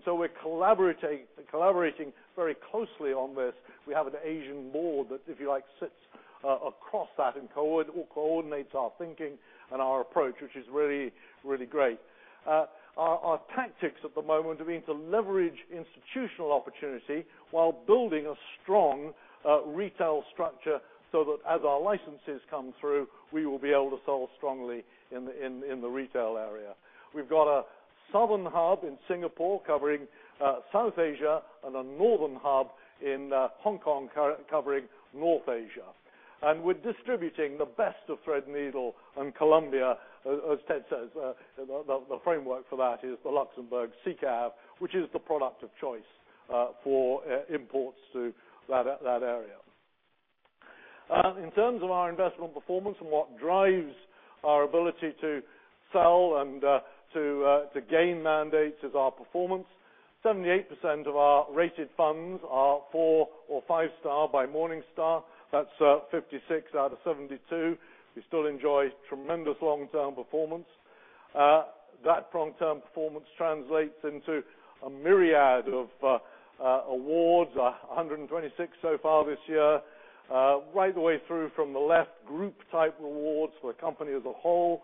We're collaborating very closely on this. We have an Asian board that, if you like, sits across that and coordinates our thinking and our approach, which is really, really great. Our tactics at the moment are aimed to leverage institutional opportunity while building a strong retail structure so that as our licenses come through, we will be able to sell strongly in the retail area. We've got a southern hub in Singapore covering South Asia and a northern hub in Hong Kong covering North Asia. We're distributing the best of Threadneedle and Columbia, as Ted says. The framework for that is the Luxembourg SICAV, which is the product of choice for imports to that area. What drives our ability to sell and to gain mandates is our performance. 78% of our rated funds are four or five-star by Morningstar. That's 56 out of 72. We still enjoy tremendous long-term performance. That long-term performance translates into a myriad of awards, 126 so far this year. Right the way through from the left, group-type awards for the company as a whole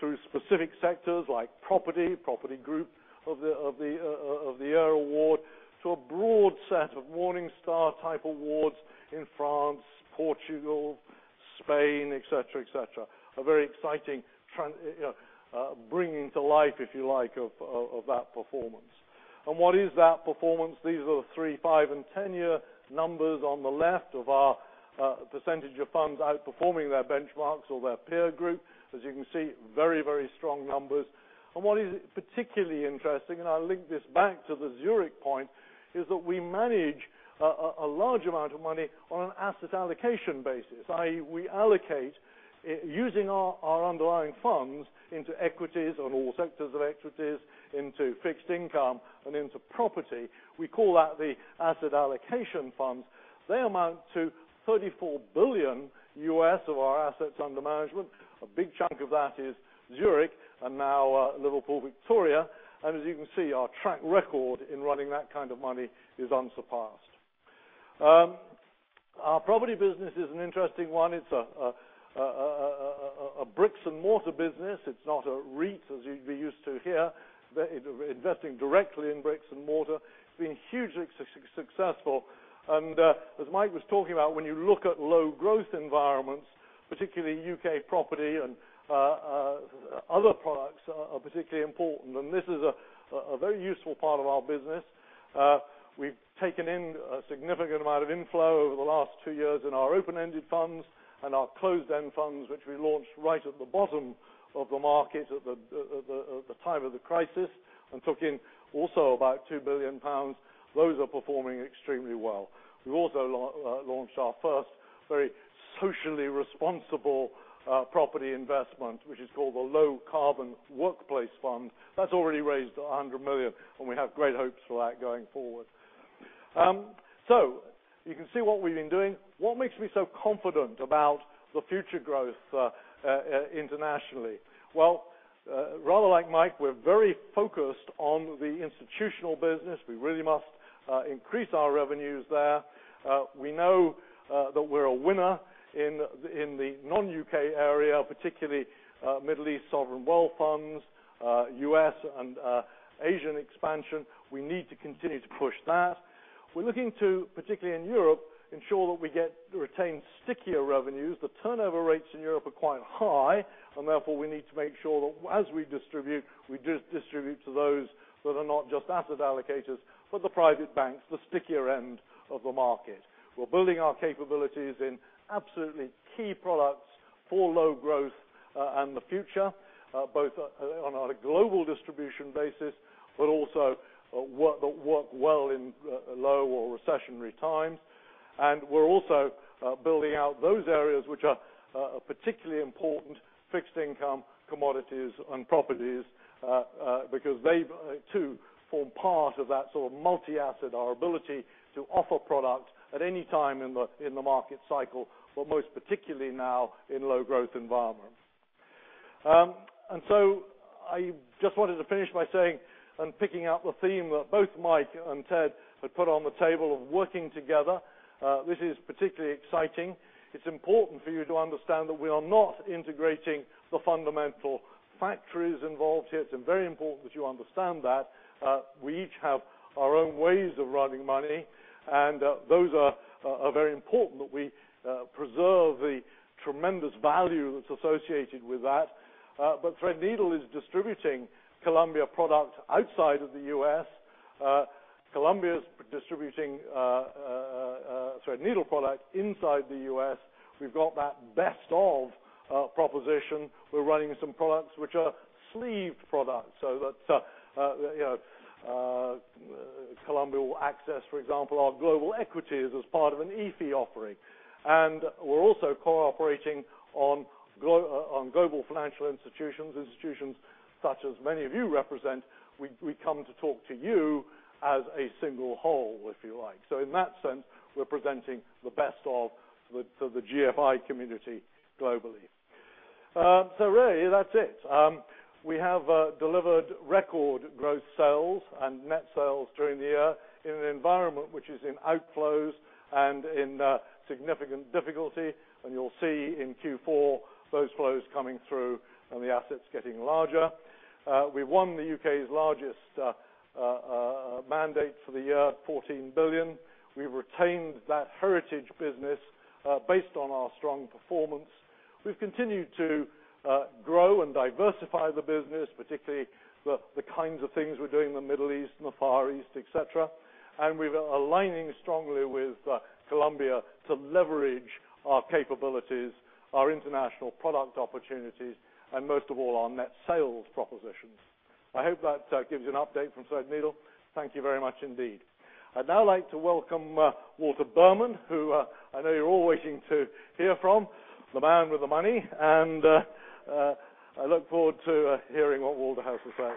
through specific sectors like property group of the year award, to a broad set of Morningstar-type awards in France, Portugal, Spain, et cetera. A very exciting bringing to life, if you like, of that performance. What is that performance? These are the three, five, and 10-year numbers on the left of our percentage of funds outperforming their benchmarks or their peer group. As you can see, very strong numbers. What is particularly interesting, and I'll link this back to the Zurich point, is that we manage a large amount of money on an asset allocation basis. We allocate using our underlying funds into equities and all sectors of equities into fixed income and into property. We call that the asset allocation funds. They amount to $34 billion of our assets under management. A big chunk of that is Zurich and now Liverpool Victoria. As you can see, our track record in running that kind of money is unsurpassed. Our property business is an interesting one. It's a bricks-and-mortar business. It's not a REIT, as you'd be used to here, but investing directly in bricks and mortar. It's been hugely successful. As Mike was talking about, when you look at low-growth environments, particularly U.K. property and other products are particularly important, and this is a very useful part of our business. We've taken in a significant amount of inflow over the last two years in our open-ended funds and our closed-end funds, which we launched right at the bottom of the market at the time of the crisis and took in also about 2 billion pounds. Those are performing extremely well. We also launched our first very socially responsible property investment, which is called the Low Carbon Workplace Trust. That's already raised 100 million, and we have great hopes for that going forward. You can see what we've been doing. What makes me so confident about the future growth internationally? Well, rather like Mike, we're very focused on the institutional business. We really must increase our revenues there. We know that we're a winner in the non-U.K. area, particularly Middle East sovereign wealth funds, U.S. and Asian expansion. We need to continue to push that. We're looking to, particularly in Europe, ensure that we get to retain stickier revenues. The turnover rates in Europe are quite high. Therefore we need to make sure that as we distribute, we distribute to those that are not just asset allocators, but the private banks, the stickier end of the market. We're building our capabilities in absolutely key products for low growth and the future, both on a global distribution basis, but also what work well in low or recessionary times. We're also building out those areas which are particularly important, fixed income, commodities, and properties, because they too form part of that sort of multi-asset, our ability to offer products at any time in the market cycle, but most particularly now in low-growth environments. I just wanted to finish by saying and picking up the theme that both Mike and Ted had put on the table of working together. This is particularly exciting. It's important for you to understand that we are not integrating the fundamental factories involved here. It's very important that you understand that. We each have our own ways of running money, and those are very important, that we preserve the tremendous value that's associated with that. Threadneedle is distributing Columbia product outside of the U.S. Columbia's distributing Threadneedle product inside the U.S. We've got that best of proposition. We're running some products which are sleeved products. Columbia will access, for example, our global equities as part of an ETF offering. We're also cooperating on global financial institutions such as many of you represent. We come to talk to you as a single whole, if you like. In that sense, we're presenting the best of the GFI community globally. Really, that's it. We have delivered record growth sales and net sales during the year in an environment which is in outflows and in significant difficulty. You'll see in Q4 those flows coming through and the assets getting larger. We won the U.K.'s largest mandate for the year, $14 billion. We retained that heritage business based on our strong performance. We've continued to grow and diversify the business, particularly the kinds of things we're doing in the Middle East and the Far East, et cetera. We're aligning strongly with Columbia to leverage our capabilities, our international product opportunities, and most of all, our net sales propositions. I hope that gives you an update from Threadneedle. Thank you very much indeed. I'd now like to welcome Walter Berman, who I know you're all waiting to hear from, the man with the money, and I look forward to hearing what Walter has to say.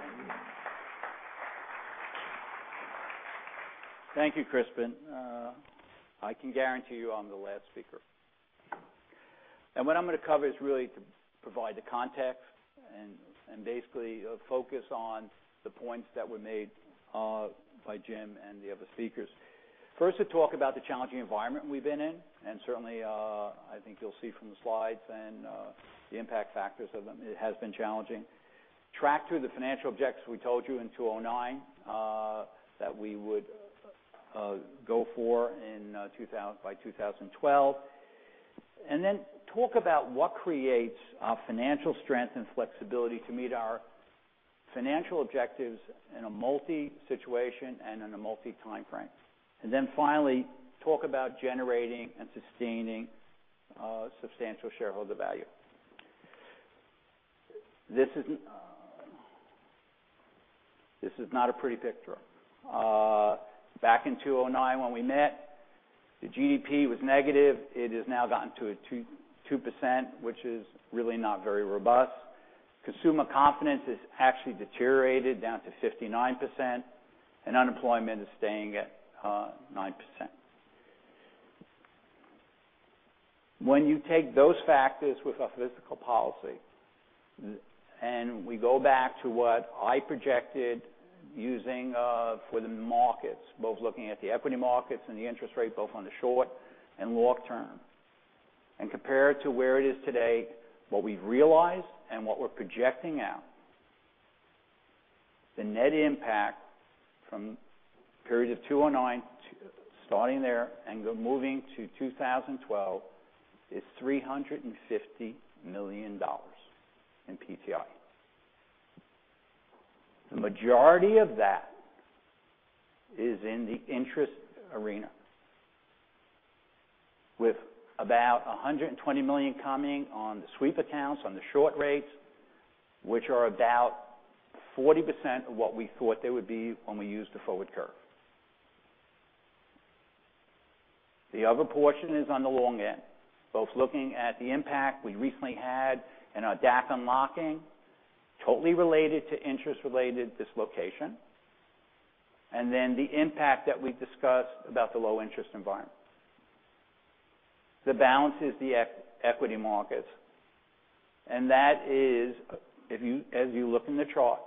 Thank you, Crispin. I can guarantee you I'm the last speaker. What I'm going to cover is really to provide the context and basically focus on the points that were made by Jim and the other speakers. First, to talk about the challenging environment we've been in, certainly, I think you'll see from the slides and the impact factors of them, it has been challenging. Track through the financial objectives we told you in 2009 that we would go for by 2012, then talk about what creates financial strength and flexibility to meet our financial objectives in a multi-situation and in a multi-timeframe. Finally, talk about generating and sustaining substantial shareholder value. This is not a pretty picture. Back in 2009 when we met, the GDP was negative. It has now gotten to 2%, which is really not very robust. Consumer confidence has actually deteriorated down to 59%, and unemployment is staying at 9%. When you take those factors with our fiscal policy, and we go back to what I projected using for the markets, both looking at the equity markets and the interest rate, both on the short and long term, and compare it to where it is today, what we've realized and what we're projecting out, the net impact from period of 2009, starting there and moving to 2012, is $350 million in PTI. The majority of that is in the interest arena, with about $120 million coming on the sweep accounts on the short rates, which are about 40% of what we thought they would be when we used the forward curve. The other portion is on the long end, both looking at the impact we recently had and our DAC unlocking, totally related to interest-related dislocation, and then the impact that we've discussed about the low interest environment. The balance is the equity markets, and that is, as you look in the chart,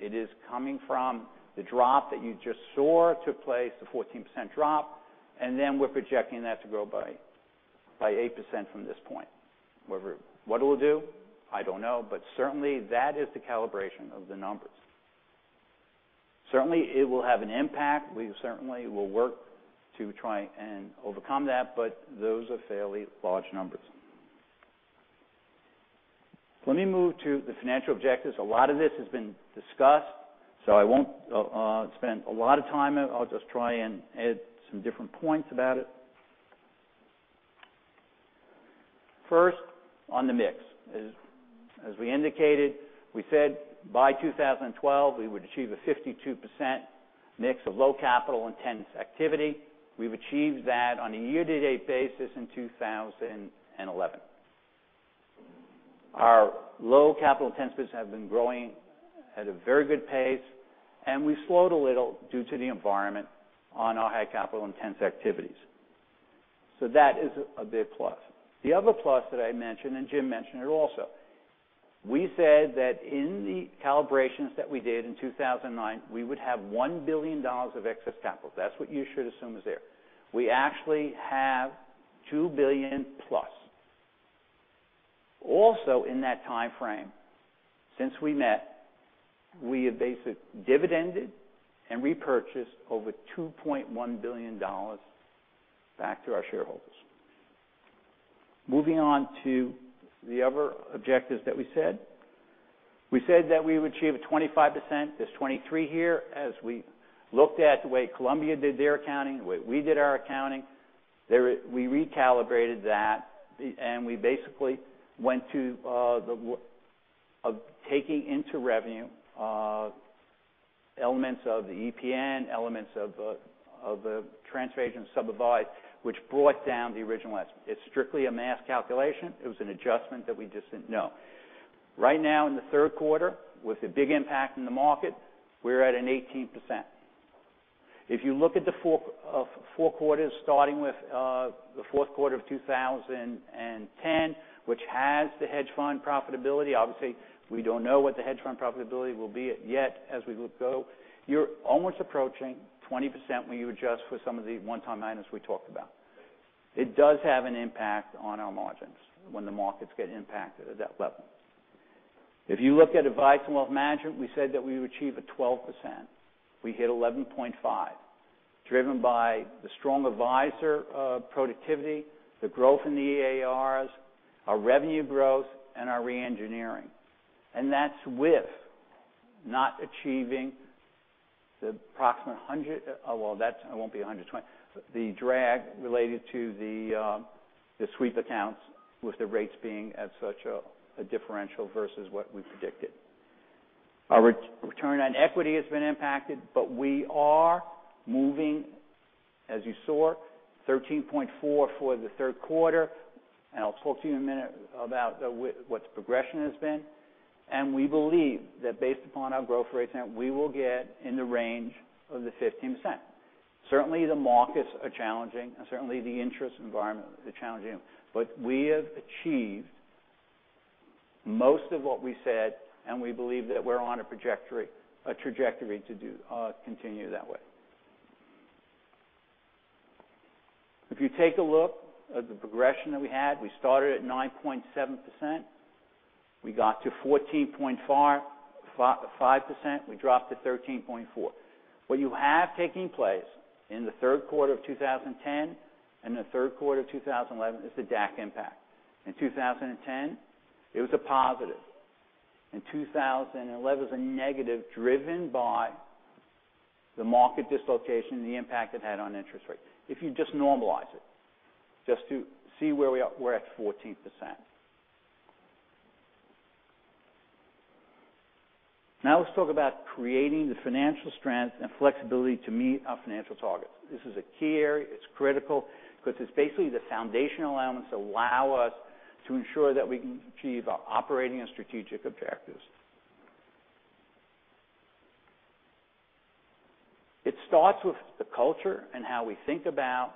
it is coming from the drop that you just saw took place, the 14% drop, and then we're projecting that to grow by 8% from this point. What it'll do, I don't know. Certainly that is the calibration of the numbers. Certainly, it will have an impact. We certainly will work to try and overcome that. Those are fairly large numbers. Let me move to the financial objectives. A lot of this has been discussed. I won't spend a lot of time. I'll just try and add some different points about it. First, on the mix. As we indicated, we said by 2012, we would achieve a 52% mix of low capital intense activity. We've achieved that on a year-to-date basis in 2011. Our low capital intense business have been growing at a very good pace, and we slowed a little due to the environment on our high capital intense activities. That is a big plus. The other plus that I mentioned. Jim mentioned it also. We said that in the calibrations that we did in 2009, we would have $1 billion of excess capital. That's what you should assume is there. We actually have $2 billion plus. Also in that timeframe, since we met, we have basically dividended and repurchased over $2.1 billion back to our shareholders. Moving on to the other objectives that we said. We said that we would achieve a 25%. There's 23 here. As we looked at the way Columbia did their accounting, the way we did our accounting, we recalibrated that. We basically went to taking into revenue elements of the EPN, elements of the transfer agent sub of ours, which brought down the original estimate. It's strictly a math calculation. It was an adjustment that we just didn't know. Right now in the third quarter, with the big impact in the market, we're at an 18%. If you look at the four quarters, starting with the fourth quarter of 2010, which has the hedge fund profitability, obviously, we don't know what the hedge fund profitability will be at yet, as we go. You're almost approaching 20% when you adjust for some of the one-time items we talked about. It does have an impact on our margins when the markets get impacted at that level. If you look at advice and wealth management, we said that we would achieve a 12%. We hit 11.5%, driven by the strong advisor productivity, the growth in the AARs, our revenue growth, and our re-engineering. That's with not achieving the approximate 120. The drag related to the sweep accounts with the rates being at such a differential versus what we predicted. Our return on equity has been impacted, but we are moving, as you saw, 13.4 for the third quarter, and I'll talk to you in a minute about what the progression has been. We believe that based upon our growth rates, we will get in the range of the 15%. Certainly, the markets are challenging, certainly, the interest environment is challenging. We have achieved most of what we said, and we believe that we're on a trajectory to continue that way. If you take a look at the progression that we had, we started at 9.7%, we got to 14.5%, we dropped to 13.4. What you have taking place in the third quarter of 2010 and the third quarter of 2011 is the DAC impact. In 2010, it was a positive. In 2011, it was a negative driven by the market dislocation and the impact it had on interest rates. If you just normalize it, just to see where we are, we're at 14%. Let's talk about creating the financial strength and flexibility to meet our financial targets. This is a key area. It's critical because it's basically the foundational elements allow us to ensure that we can achieve our operating and strategic objectives. It starts with the culture and how we think about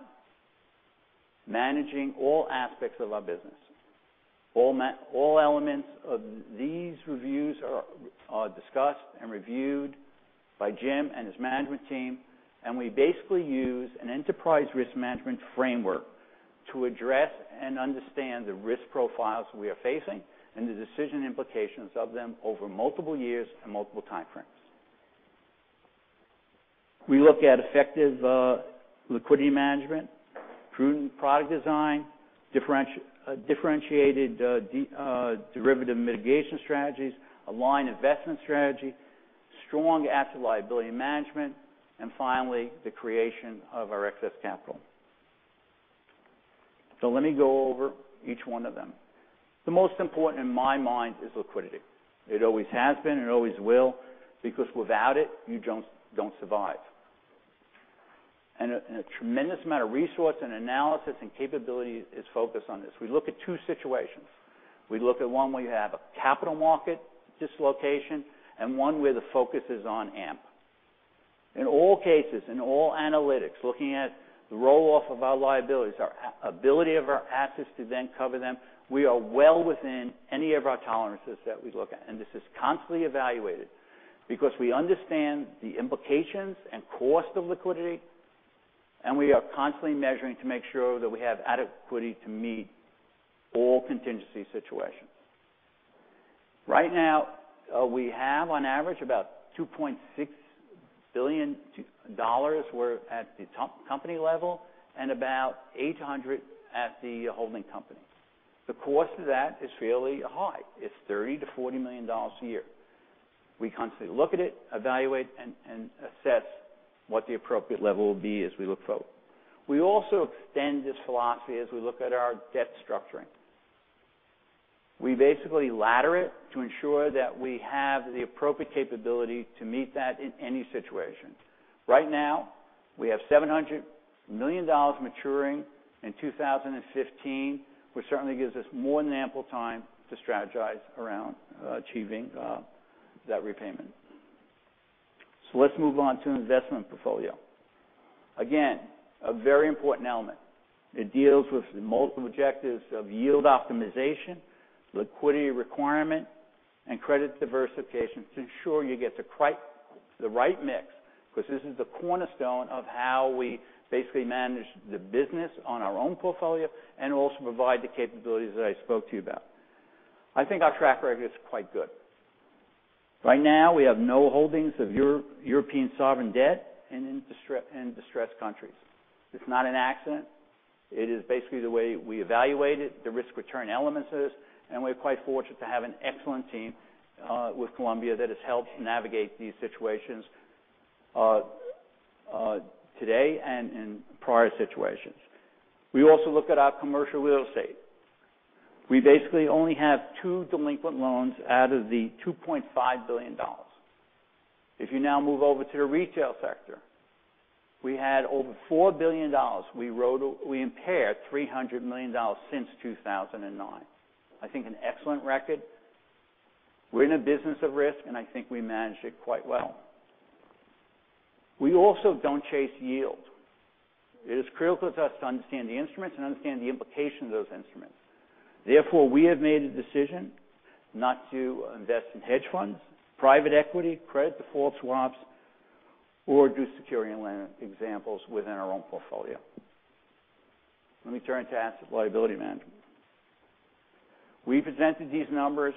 managing all aspects of our business. All elements of these reviews are discussed and reviewed by Jim and his management team. We basically use an enterprise risk management framework to address and understand the risk profiles we are facing and the decision implications of them over multiple years and multiple time frames. We look at effective liquidity management, prudent product design, differentiated derivative mitigation strategies, aligned investment strategy, strong asset liability management, and finally, the creation of our excess capital. Let me go over each one of them. The most important in my mind is liquidity. It always has been and always will, because without it, you don't survive. A tremendous amount of resource and analysis and capability is focused on this. We look at two situations. We look at one where you have a capital market dislocation and one where the focus is on AMP. In all cases, in all analytics, looking at the roll-off of our liabilities, our ability of our assets to then cover them, we are well within any of our tolerances that we look at. This is constantly evaluated because we understand the implications and cost of liquidity, and we are constantly measuring to make sure that we have adequate liquidity to meet all contingency situations. Right now, we have on average about $2.6 billion at the top company level and about $800 million at the holding company. The cost of that is fairly high. It's $30 million-$40 million a year. We constantly look at it, evaluate, and assess what the appropriate level will be as we look forward. We also extend this philosophy as we look at our debt structuring. We basically ladder it to ensure that we have the appropriate capability to meet that in any situation. Right now, we have $700 million maturing in 2015, which certainly gives us more than ample time to strategize around achieving that repayment. Let's move on to investment portfolio. Again, a very important element. It deals with the multiple objectives of yield optimization, liquidity requirement, and credit diversification to ensure you get the right mix, because this is the cornerstone of how we basically manage the business on our own portfolio and also provide the capabilities that I spoke to you about. I think our track record is quite good. Right now, we have no holdings of European sovereign debt in distressed countries. It's not an accident. It is basically the way we evaluate it, the risk-return elements of this, and we're quite fortunate to have an excellent team with Columbia that has helped navigate these situations today and in prior situations. We also look at our commercial real estate. We basically only have two delinquent loans out of the $2.5 billion. If you now move over to the retail sector, we had over $4 billion. We impaired $300 million since 2009. I think an excellent record. We're in a business of risk, and I think we managed it quite well. We also don't chase yield. It is critical to us to understand the instruments and understand the implications of those instruments. Therefore, we have made a decision not to invest in hedge funds, private equity, credit default swaps, or do security exposures within our own portfolio. Let me turn to asset liability management. We presented these numbers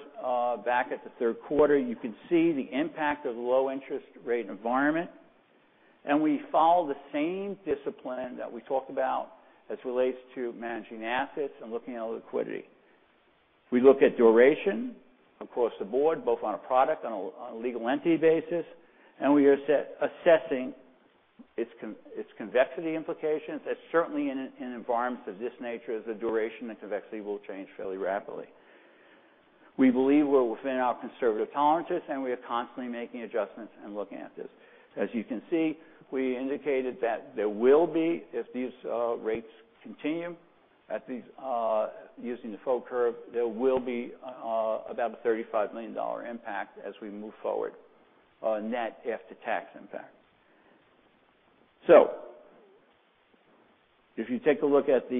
back at the third quarter. You can see the impact of the low interest rate environment. And we follow the same discipline that we talked about as it relates to managing assets and looking at liquidity. We look at duration across the board, both on a product and on a legal entity basis, and we are assessing its convexity implications. Certainly in environments of this nature, the duration and convexity will change fairly rapidly. We believe we're within our conservative tolerances, and we are constantly making adjustments and looking at this. As you can see, we indicated that there will be, if these rates continue- At these, using the full curve, there will be about a $35 million impact as we move forward, net after tax impact. If you take a look at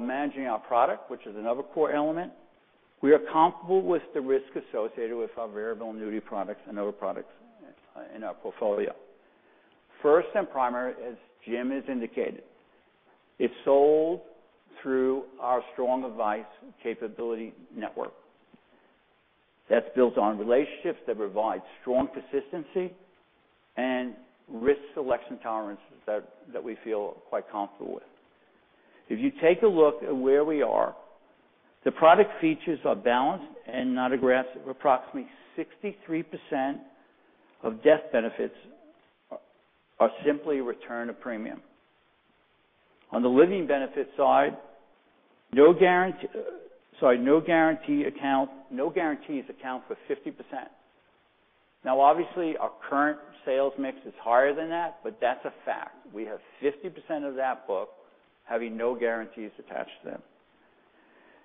managing our product, which is another core element, we are comfortable with the risk associated with our variable annuity products and other products in our portfolio. First and primary, as Jim has indicated, it's sold through our strong advice capability network that's built on relationships that provide strong consistency and risk selection tolerances that we feel quite comfortable with. If you take a look at where we are, the product features are balanced and not aggressive. Approximately 63% of death benefits are simply return of premium. On the living benefit side, no guarantees account for 50%. Now, obviously, our current sales mix is higher than that, but that's a fact. We have 50% of that book having no guarantees attached to them.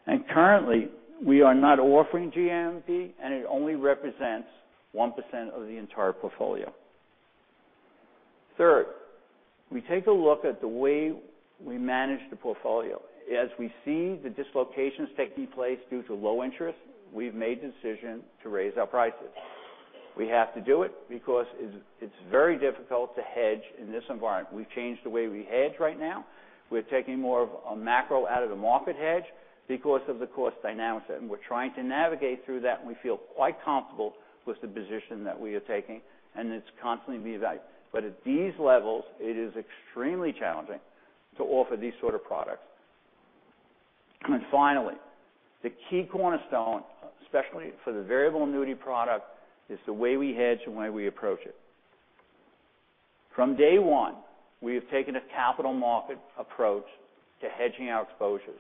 And currently, we are not offering GMWB, and it only represents 1% of the entire portfolio. Third, we take a look at the way we manage the portfolio. As we see the dislocations taking place due to low interest, we've made the decision to raise our prices. We have to do it because it's very difficult to hedge in this environment. We've changed the way we hedge right now. We're taking more of a macro out of the market hedge because of the cost dynamics, and we're trying to navigate through that, and we feel quite comfortable with the position that we are taking, and it's constantly being evaluated. At these levels, it is extremely challenging to offer these sort of products. Finally, the key cornerstone, especially for the variable annuity product, is the way we hedge and the way we approach it. From day one, we have taken a capital market approach to hedging our exposures.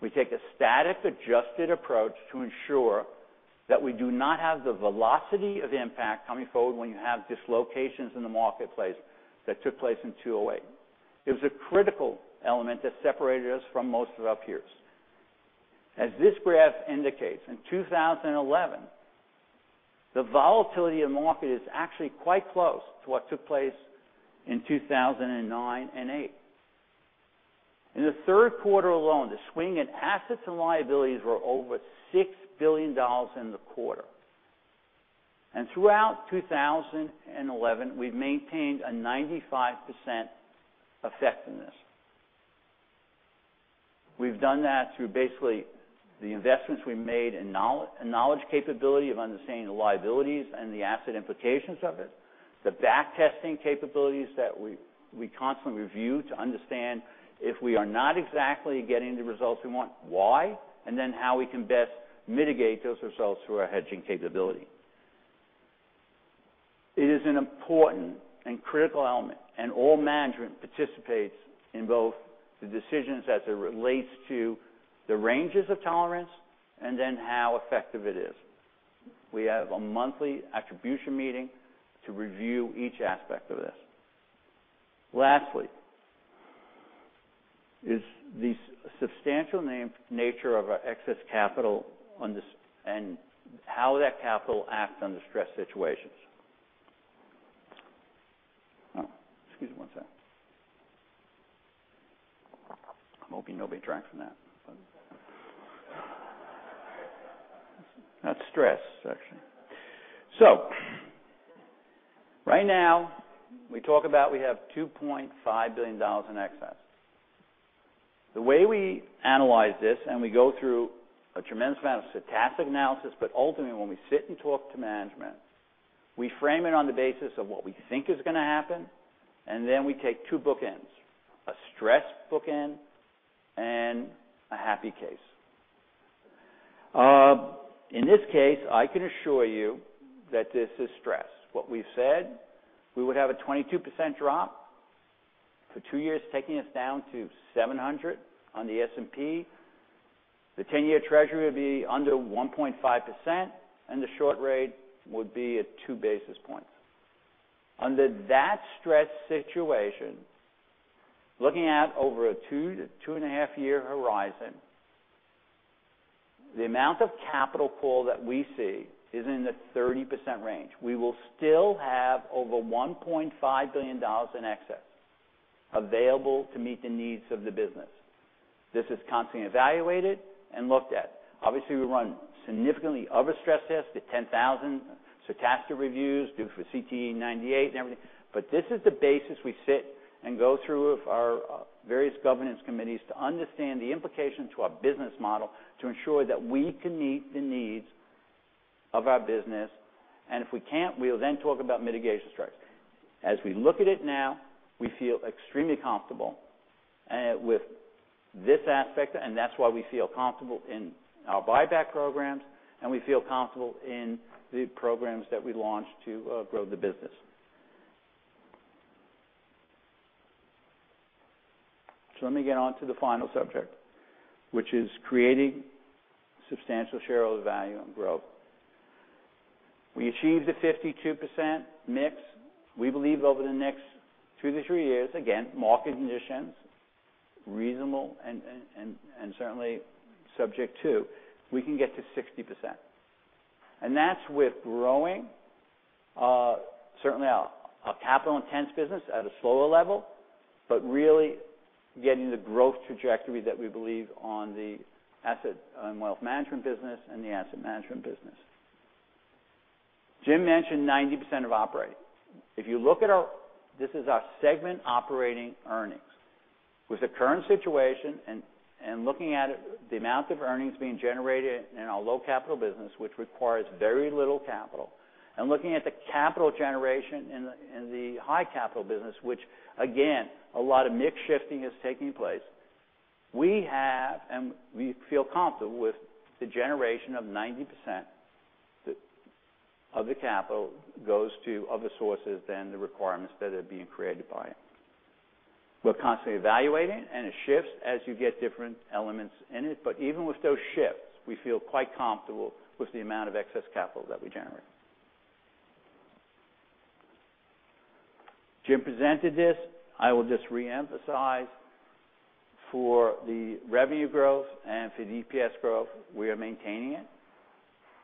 We take a static, adjusted approach to ensure that we do not have the velocity of impact coming forward when you have dislocations in the marketplace that took place in 2008. It was a critical element that separated us from most of our peers. As this graph indicates, in 2011, the volatility of the market is actually quite close to what took place in 2009 and 2008. In the third quarter alone, the swing in assets and liabilities were over $6 billion in the quarter. Throughout 2011, we've maintained a 95% effectiveness. We've done that through basically the investments we made in knowledge capability of understanding the liabilities and the asset implications of it, the back testing capabilities that we constantly review to understand if we are not exactly getting the results we want, why, and then how we can best mitigate those results through our hedging capability. It is an important and critical element, and all management participates in both the decisions as it relates to the ranges of tolerance and then how effective it is. We have a monthly attribution meeting to review each aspect of this. Lastly, is the substantial nature of our excess capital and how that capital acts under stress situations. Excuse me one second. I'm hoping nobody drank from that. That's stress, actually. Right now, we talk about we have $2.5 billion in excess. The way we analyze this, and we go through a tremendous amount of stochastic analysis, ultimately, when we sit and talk to management, we frame it on the basis of what we think is going to happen, and then we take two bookends, a stress bookend and a happy case. In this case, I can assure you that this is stress. What we've said, we would have a 22% drop for two years, taking us down to 700 on the S&P. The 10-year Treasury would be under 1.5%, and the short rate would be at two basis points. Under that stress situation, looking at over a two to two and a half year horizon, the amount of capital call that we see is in the 30% range. We will still have over $1.5 billion in excess available to meet the needs of the business. This is constantly evaluated and looked at. Obviously, we run significantly other stress tests at 10,000 stochastic reviews due for CTE98 and everything. This is the basis we sit and go through with our various governance committees to understand the implications to our business model to ensure that we can meet the needs of our business. If we can't, we'll then talk about mitigation strategies. As we look at it now, we feel extremely comfortable with this aspect, and that's why we feel comfortable in our buyback programs, and we feel comfortable in the programs that we launched to grow the business. Let me get on to the final subject, which is creating substantial shareholder value and growth. We achieved the 52% mix. We believe over the next two to three years, again, market conditions, reasonable and certainly subject to, we can get to 60%. That's with growing, certainly a capital-intense business at a slower level, but really getting the growth trajectory that we believe on the asset and wealth management business and the asset management business. Jim mentioned 90% of operating. This is our segment operating earnings. With the current situation and looking at the amount of earnings being generated in our low capital business, which requires very little capital, and looking at the capital generation in the high capital business, which again, a lot of mix shifting is taking place. We have, and we feel comfortable with the generation of 90% of the capital goes to other sources than the requirements that are being created by it. We're constantly evaluating, and it shifts as you get different elements in it. Even with those shifts, we feel quite comfortable with the amount of excess capital that we generate. Jim presented this. I will just reemphasize for the revenue growth and for the EPS growth, we are maintaining it.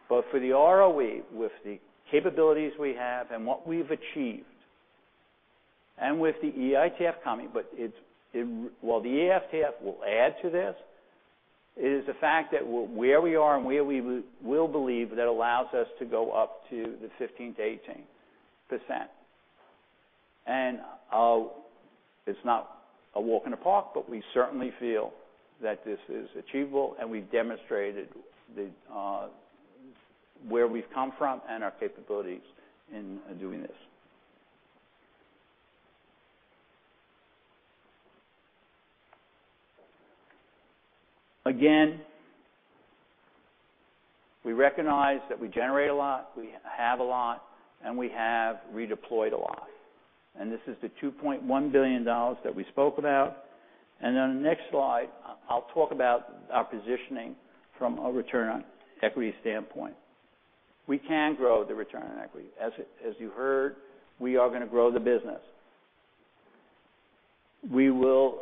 For the ROE, with the capabilities we have and what we've achieved, and with the EITF coming, while the EITF will add to this, is the fact that where we are and where we will believe that allows us to go up to the 15%-18%. It's not a walk in the park, but we certainly feel that this is achievable, and we've demonstrated where we've come from and our capabilities in doing this. Again, we recognize that we generate a lot, we have a lot, and we have redeployed a lot. This is the $2.1 billion that we spoke about. Then on the next slide, I'll talk about our positioning from a return on equity standpoint. We can grow the return on equity. As you heard, we are going to grow the business. We will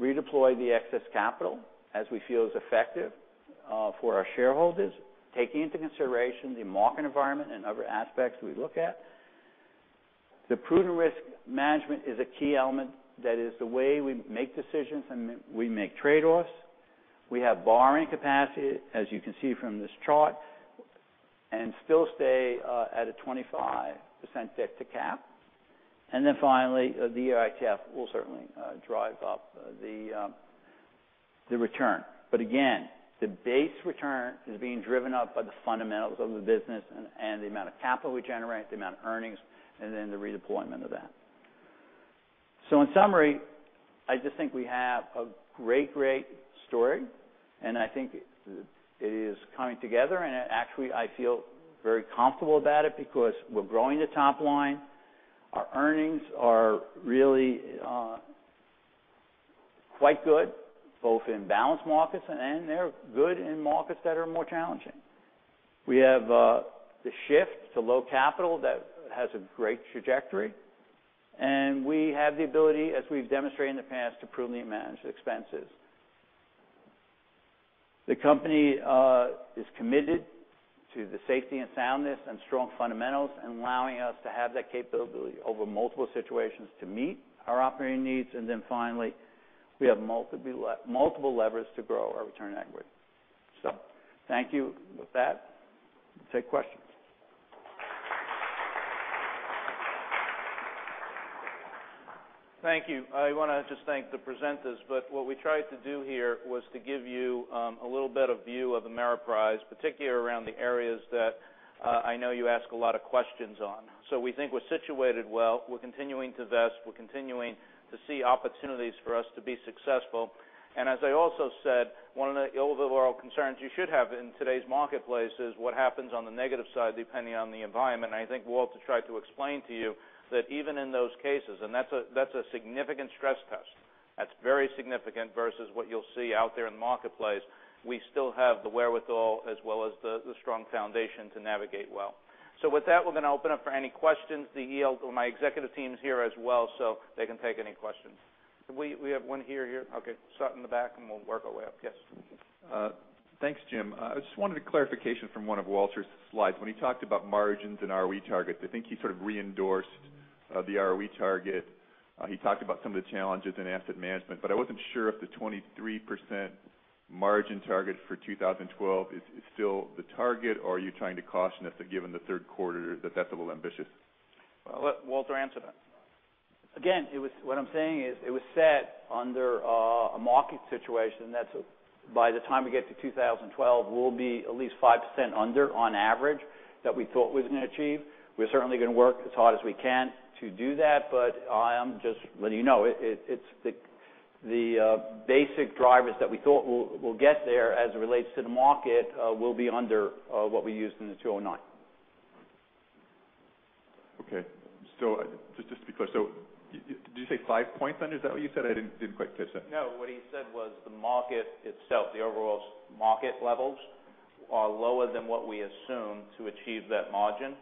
redeploy the excess capital as we feel is effective for our shareholders, taking into consideration the market environment and other aspects we look at. The prudent risk management is a key element that is the way we make decisions and we make trade-offs. We have borrowing capacity, as you can see from this chart, and still stay at a 25% debt to cap. Then finally, the EITF will certainly drive up the return. Again, the base return is being driven up by the fundamentals of the business and the amount of capital we generate, the amount of earnings, and then the redeployment of that. In summary, I just think we have a great story, and I think it is coming together, and actually, I feel very comfortable about it because we're growing the top line. Our earnings are really quite good, both in balanced markets and they're good in markets that are more challenging. We have the shift to low capital that has a great trajectory, and we have the ability, as we've demonstrated in the past, to prudently manage expenses. The company is committed to the safety and soundness and strong fundamentals and allowing us to have that capability over multiple situations to meet our operating needs. Finally, we have multiple levers to grow our return on equity. Thank you. With that, we'll take questions. Thank you. I want to just thank the presenters, but what we tried to do here was to give you a little bit of view of Ameriprise, particularly around the areas that I know you ask a lot of questions on. We think we're situated well. We're continuing to vest. We're continuing to see opportunities for us to be successful. As I also said, one of the overall concerns you should have in today's marketplace is what happens on the negative side, depending on the environment. I think Walter tried to explain to you that even in those cases, and that's a significant stress test. That's very significant versus what you'll see out there in the marketplace. We still have the wherewithal as well as the strong foundation to navigate well. With that, we're going to open up for any questions. My executive team's here as well, they can take any questions. We have one here. Okay. Start in the back, we'll work our way up. Yes. Thanks, Jim. I just wanted a clarification from one of Walter's slides. When he talked about margins and ROE targets, I think he sort of re-endorsed the ROE target. He talked about some of the challenges in asset management, but I wasn't sure if the 23% margin target for 2012 is still the target, or are you trying to caution us that given the third quarter, that that's a little ambitious? I'll let Walter answer that. What I'm saying is it was set under a market situation that by the time we get to 2012, we'll be at least 5% under on average that we thought we was going to achieve. We're certainly going to work as hard as we can to do that, I am just letting you know, the basic drivers that we thought we'll get there as it relates to the market will be under what we used in the 2009. Okay. Just to be clear, did you say five points then? Is that what you said? I didn't quite catch that. No, what he said was the market itself, the overall market levels, are lower than what we assumed to achieve that margin.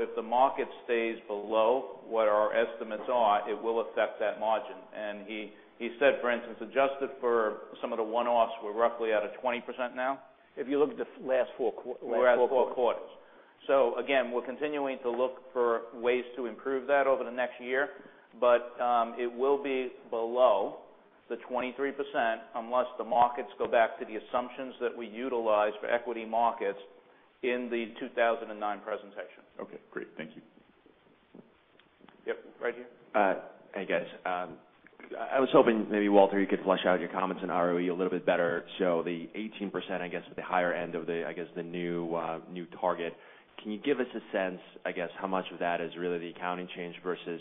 If the market stays below what our estimates are, it will affect that margin. He said, for instance, adjusted for some of the one-offs, we're roughly at a 20% now. If you look at the last four quarters. Last four quarters. Again, we're continuing to look for ways to improve that over the next year. It will be below the 23% unless the markets go back to the assumptions that we utilized for equity markets in the 2009 presentation. Okay, great. Thank you. Yep. Right here. Hey, guys. I was hoping maybe, Walter, you could flesh out your comments on ROE a little bit better. The 18%, I guess, at the higher end of the new target. Can you give us a sense, I guess, how much of that is really the accounting change versus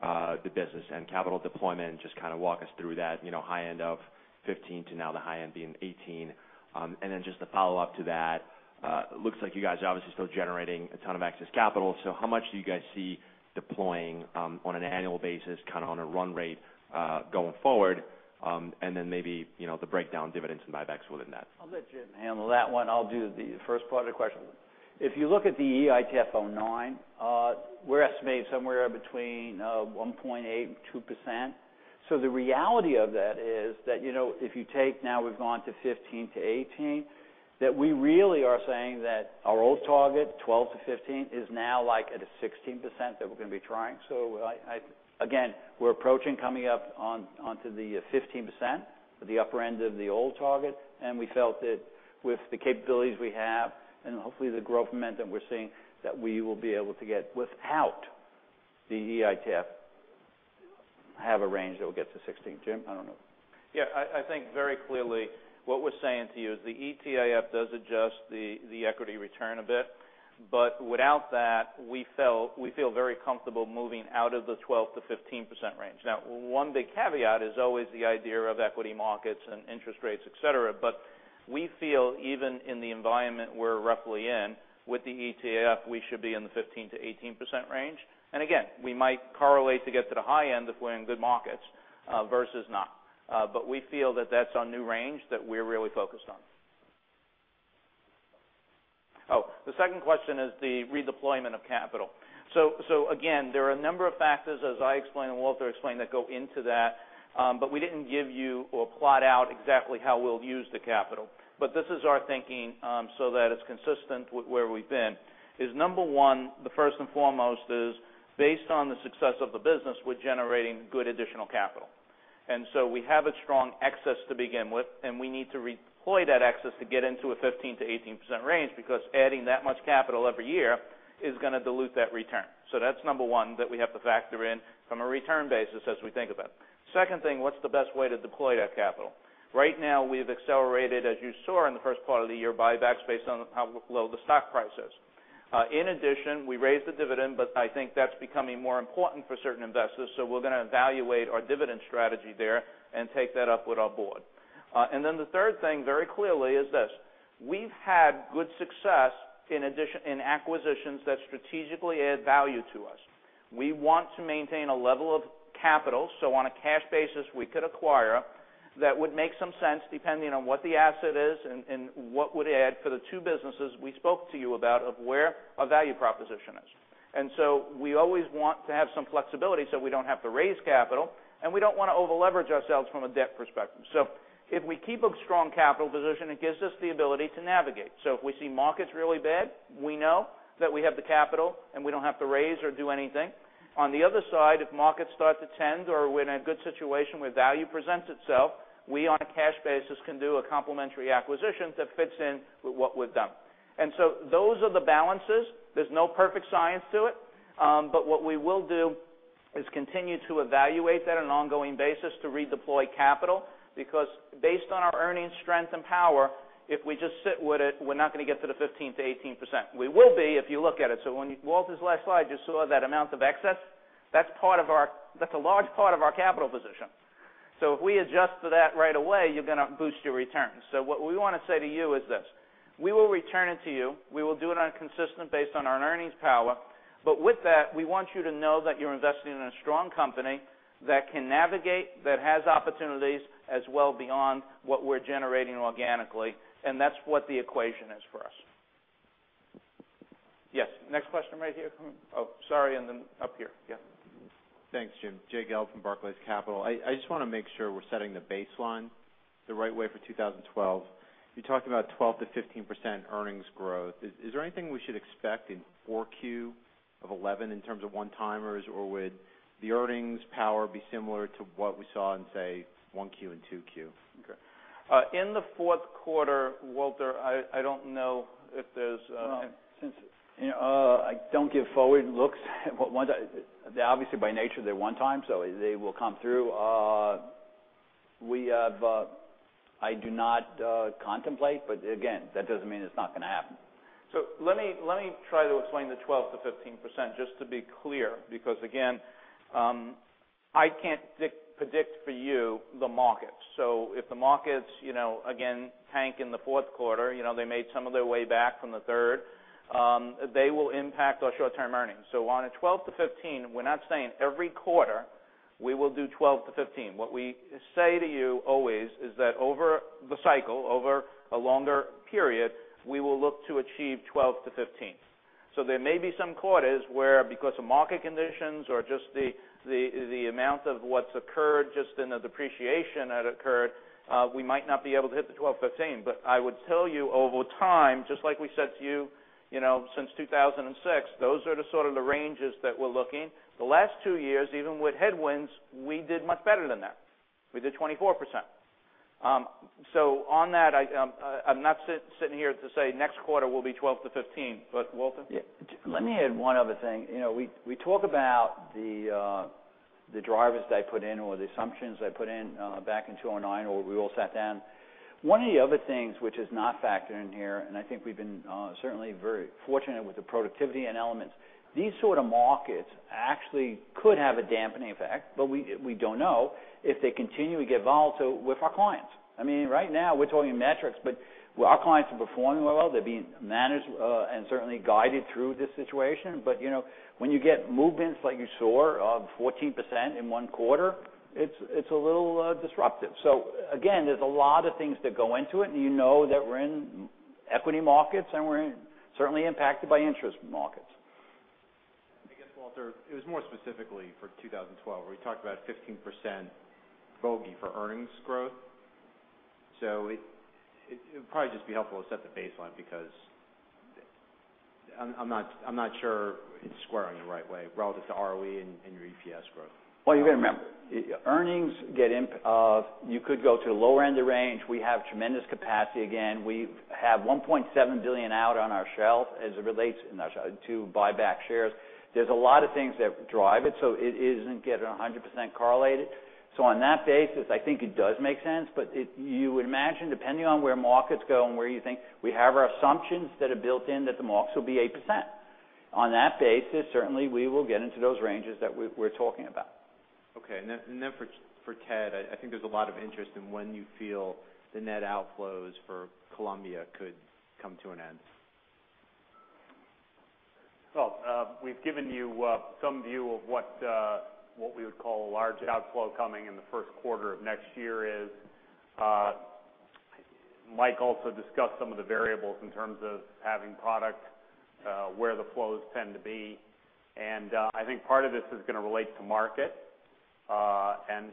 the business and capital deployment, and just kind of walk us through that, high end of 15 to now the high end being 18? Just a follow-up to that, looks like you guys are obviously still generating a ton of excess capital. How much do you guys see deploying on an annual basis, kind of on a run rate going forward? Then maybe the breakdown dividends and buybacks within that? I'll let Jim handle that one. I'll do the first part of the question. If you look at the EITF 09-G, we're estimating somewhere between 1.8% and 2%. The reality of that is that, if you take now we've gone to 15%-18%, that we really are saying that our old target, 12%-15%, is now like at a 16% that we're going to be trying. Again, we're approaching coming up onto the 15%, or the upper end of the old target, and we felt that with the capabilities we have and hopefully the growth momentum we're seeing, that we will be able to get without the EITF, have a range that will get to 16%. Jim, I don't know. Yeah, I think very clearly what we're saying to you is the EITF does adjust the equity return a bit. Without that, we feel very comfortable moving out of the 12% to 15% range. One big caveat is always the idea of equity markets and interest rates, et cetera. We feel even in the environment we're roughly in, with the EITF, we should be in the 15% to 18% range. Again, we might correlate to get to the high end if we're in good markets versus not. We feel that that's our new range that we're really focused on. The second question is the redeployment of capital. Again, there are a number of factors, as I explained and Walter explained, that go into that, but we didn't give you or plot out exactly how we'll use the capital. This is our thinking so that it's consistent with where we've been, is number 1, the first and foremost is based on the success of the business, we're generating good additional capital. We have a strong excess to begin with, and we need to redeploy that excess to get into a 15% to 18% range, because adding that much capital every year is going to dilute that return. That's number 1 that we have to factor in from a return basis as we think of it. Second thing, what's the best way to deploy that capital? Right now, we've accelerated, as you saw in the first part of the year, buybacks based on how low the stock price is. We raised the dividend, but I think that's becoming more important for certain investors, we're going to evaluate our dividend strategy there and take that up with our board. The third thing, very clearly, is this. We've had good success in acquisitions that strategically add value to us. We want to maintain a level of capital, on a cash basis, we could acquire, that would make some sense depending on what the asset is and what would add for the two businesses we spoke to you about of where our value proposition is. We always want to have some flexibility so we don't have to raise capital, and we don't want to over-leverage ourselves from a debt perspective. If we keep a strong capital position, it gives us the ability to navigate. If we see markets really bad, we know that we have the capital, and we don't have to raise or do anything. On the other side, if markets start to tend or we're in a good situation where value presents itself, we on a cash basis can do a complementary acquisition that fits in with what we've done. Those are the balances. There's no perfect science to it. What we will do is continue to evaluate that on an ongoing basis to redeploy capital, because based on our earnings strength and power, if we just sit with it, we're not going to get to the 15%-18%. We will be, if you look at it. On Walter's last slide, you saw that amount of excess. That's a large part of our capital position. If we adjust to that right away, you're going to boost your returns. What we want to say to you is this. We will return it to you. We will do it on a consistent based on our earnings power. But with that, we want you to know that you're investing in a strong company that can navigate, that has opportunities as well beyond what we're generating organically. That's what the equation is for us. Yes. Next question, right here. Oh, sorry, up here. Yeah. Thanks, Jim. Jay Gelb from Barclays Capital. I just want to make sure we're setting the baseline the right way for 2012. You talked about 12%-15% earnings growth. Is there anything we should expect in 4Q of 2011 in terms of one-timers, or would the earnings power be similar to what we saw in, say, 1Q and 2Q? Okay. In the fourth quarter, Walter, I don't know if there's. Well, I don't give forward looks. They're obviously by nature, they're one time, so they will come through. I do not contemplate, but again, that doesn't mean it's not going to happen. Let me try to explain the 12%-15%, just to be clear, because again, I can't predict for you the market. If the markets, again, tank in the fourth quarter, they made some of their way back from the third, they will impact our short-term earnings. On a 12%-15%, we're not saying every quarter we will do 12%-15%. What we say to you always is that over the cycle, over a longer period, we will look to achieve 12%-15%. There may be some quarters where, because of market conditions or just the amount of what's occurred, just in the depreciation that occurred, we might not be able to hit the 12%-15%. I would tell you over time, just like we said to you since 2006, those are the sort of the ranges that we're looking. The last two years, even with headwinds, we did much better than that. We did 24%. On that, I'm not sitting here to say next quarter will be 12%-15%, but Walter? Yeah. Let me add one other thing. We talk about the drivers that I put in or the assumptions I put in back in 2009, where we all sat down. One of the other things which is not factored in here, and I think we've been certainly very fortunate with the productivity and elements. These sort of markets actually could have a dampening effect, but we don't know if they continue to get volatile with our clients. Right now we're talking metrics, but our clients are performing well. They're being managed and certainly guided through this situation. But when you get movements like you saw of 14% in one quarter, it is a little disruptive. Again, there is a lot of things that go into it, and you know that we are in equity markets and we are certainly impacted by interest markets. I guess, Walter, it was more specifically for 2012 where we talked about 15% bogey for earnings growth. It would probably just be helpful to set the baseline because I am not sure it is squaring the right way relative to ROE and your EPS growth. Well, you got to remember, earnings get you could go to the lower end of range. We have tremendous capacity again. We have $1.7 billion out on our shelf as it relates to buy back shares. There is a lot of things that drive it is not getting 100% correlated. On that basis, I think it does make sense. You would imagine, depending on where markets go and where you think we have our assumptions that are built in that the markets will be 8%. On that basis, certainly we will get into those ranges that we are talking about. Okay. Then for Ted, I think there is a lot of interest in when you feel the net outflows for Columbia could come to an end. We've given you some view of what we would call a large outflow coming in the first quarter of next year is. Mike also discussed some of the variables in terms of having product where the flows tend to be, and I think part of this is going to relate to market, and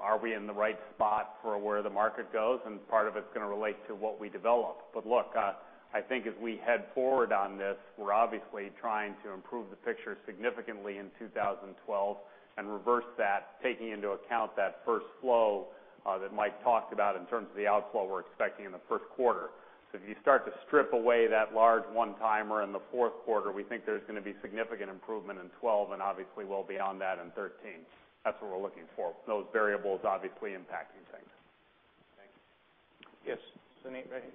are we in the right spot for where the market goes? Part of it's going to relate to what we develop. Look, I think as we head forward on this, we're obviously trying to improve the picture significantly in 2012 and reverse that, taking into account that first flow that Mike talked about in terms of the outflow we're expecting in the first quarter. If you start to strip away that large one-timer in the fourth quarter, we think there's going to be significant improvement in 2012 and obviously well beyond that in 2013. That's what we're looking for. Those variables obviously impacting things. Thanks. Yes. Suneet, right here.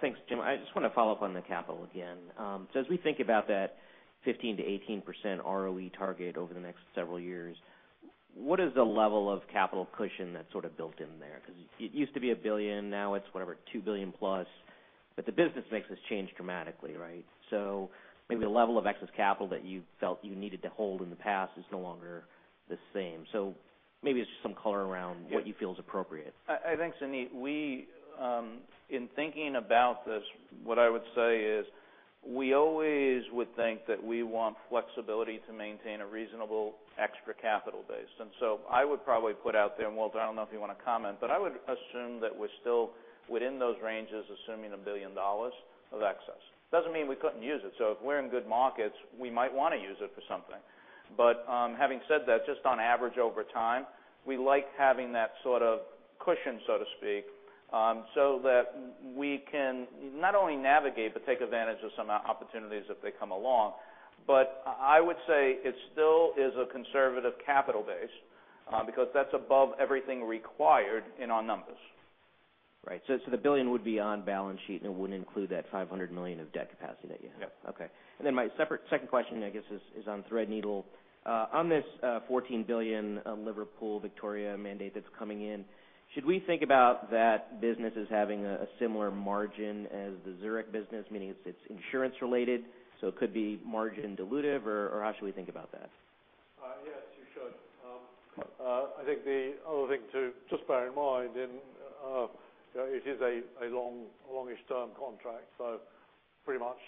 Thanks, Jim. I just want to follow up on the capital again. As we think about that 15%-18% ROE target over the next several years, what is the level of capital cushion that's sort of built in there? Because it used to be $1 billion, now it's whatever, $2 billion plus. The business mix has changed dramatically, right? Maybe the level of excess capital that you felt you needed to hold in the past is no longer the same. Maybe it's just some color around what you feel is appropriate. I think, Suneet, in thinking about this, what I would say is we always would think that we want flexibility to maintain a reasonable extra capital base. I would probably put out there, and Walter, I don't know if you want to comment, I would assume that we're still within those ranges, assuming $1 billion of excess. Doesn't mean we couldn't use it. If we're in good markets, we might want to use it for something. Having said that, just on average over time, we like having that sort of cushion, so to speak, so that we can not only navigate but take advantage of some opportunities if they come along. I would say it still is a conservative capital base because that's above everything required in our numbers. Right. The $1 billion would be on balance sheet, and it wouldn't include that $500 million of debt capacity that you have. Yep. Okay. My second question, I guess is on Threadneedle. On this $14 billion Liverpool Victoria mandate that's coming in, should we think about that business as having a similar margin as the Zurich business? Meaning it's insurance related, it could be margin dilutive, or how should we think about that? Yes, you should. I think the other thing to just bear in mind, it is a longish term contract, pretty much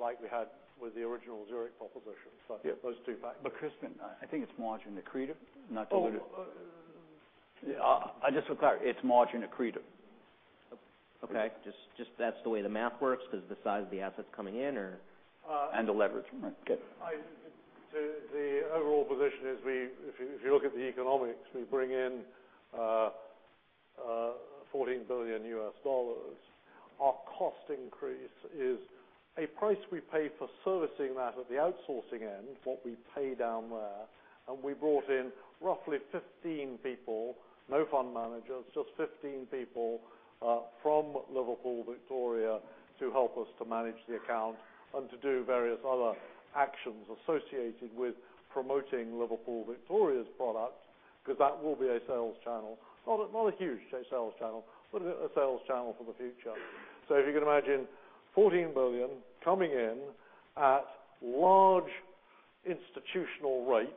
like we had with the original Zurich proposition. Those two factors. Crispin, I think it's margin accretive, not dilutive. Oh. Just for clarity, it's margin accretive. Okay. Just that's the way the math works because the size of the assets coming in. The leverage. Right. Okay. The overall position is, if you look at the economics, we bring in $14 billion U.S. dollars. Our cost increase is a price we pay for servicing that at the outsourcing end, what we pay down there. We brought in roughly 15 people, no fund managers, just 15 people from Liverpool Victoria to help us to manage the account and to do various other actions associated with promoting Liverpool Victoria's products, because that will be a sales channel. Not a huge sales channel, but a sales channel for the future. If you can imagine $14 billion coming in at large institutional rates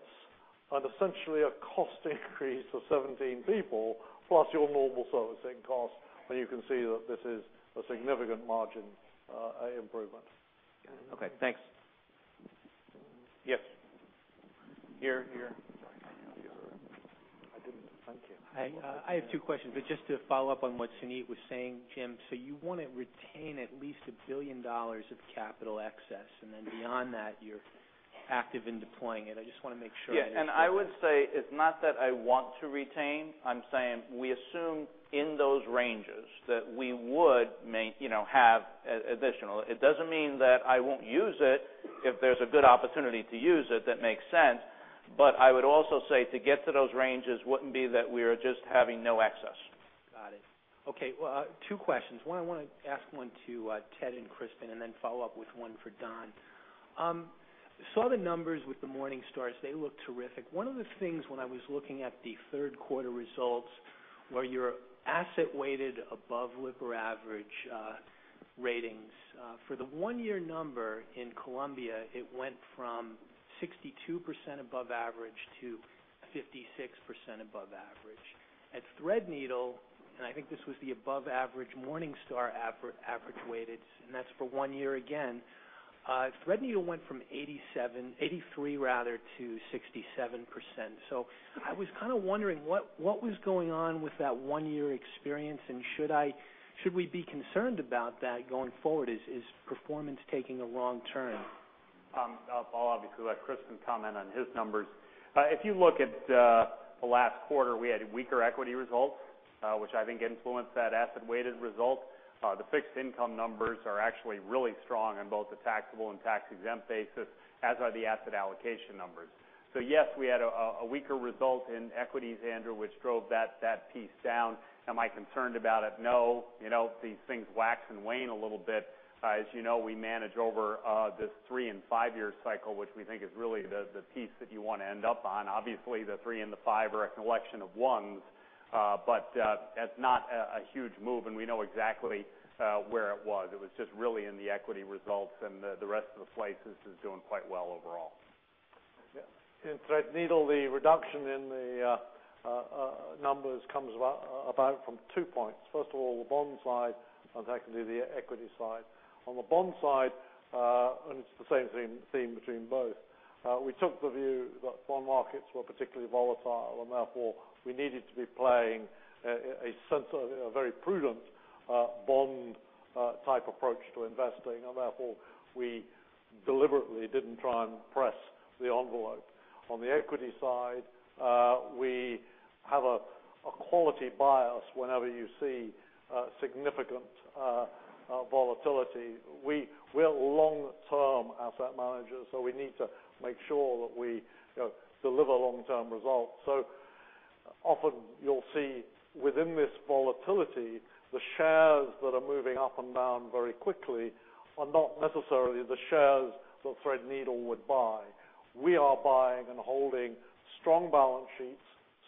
at essentially a cost increase of 17 people, plus your normal servicing costs, and you can see that this is a significant margin improvement. Okay, thanks. Yes. Here. I have two questions. Just to follow up on what Suneet was saying, Jim, you want to retain at least $1 billion of capital excess, and then beyond that, you're active in deploying it. I just want to make sure. Yeah. I would say it's not that I want to retain. I'm saying we assume in those ranges that we would have additional. It doesn't mean that I won't use it if there's a good opportunity to use it that makes sense. I would also say to get to those ranges wouldn't be that we are just having no access. Got it. Okay. Well, two questions. One, I want to ask one to Ted and Crispin and then follow up with one for Don. Saw the numbers with the Morningstar, they look terrific. One of the things when I was looking at the third quarter results were your asset-weighted above Lipper average ratings. For the one-year number in Columbia, it went from 62% above average to 56% above average. At Threadneedle, and I think this was the above-average Morningstar average weighted, and that's for one year again. Threadneedle went from 87, 83 rather, to 67%. I was kind of wondering what was going on with that one-year experience, and should we be concerned about that going forward? Is performance taking a wrong turn? I'll obviously let Crispin comment on his numbers. If you look at the last quarter, we had weaker equity results, which I think influenced that asset-weighted result. The fixed income numbers are actually really strong on both the taxable and tax-exempt basis, as are the asset allocation numbers. Yes, we had a weaker result in equities, Andrew, which drove that piece down. Am I concerned about it? No. These things wax and wane a little bit. As you know, we manage over this three and five-year cycle, which we think is really the piece that you want to end up on. Obviously, the three and the five are a collection of ones. That's not a huge move, and we know exactly where it was. It was just really in the equity results and the rest of the places is doing quite well overall. In Threadneedle, the reduction in the numbers comes about from two points. First of all, the bond side, and secondarily the equity side. On the bond side, it's the same theme between both, we took the view that bond markets were particularly volatile, therefore, we needed to be playing a sense of a very prudent bond type approach to investing. Therefore, we deliberately didn't try and press the envelope. On the equity side, we have a quality bias whenever you see significant volatility. We are long-term asset managers, so we need to make sure that we deliver long-term results. Often you'll see within this volatility, the shares that are moving up and down very quickly are not necessarily the shares that Threadneedle would buy. We are buying and holding strong balance sheets,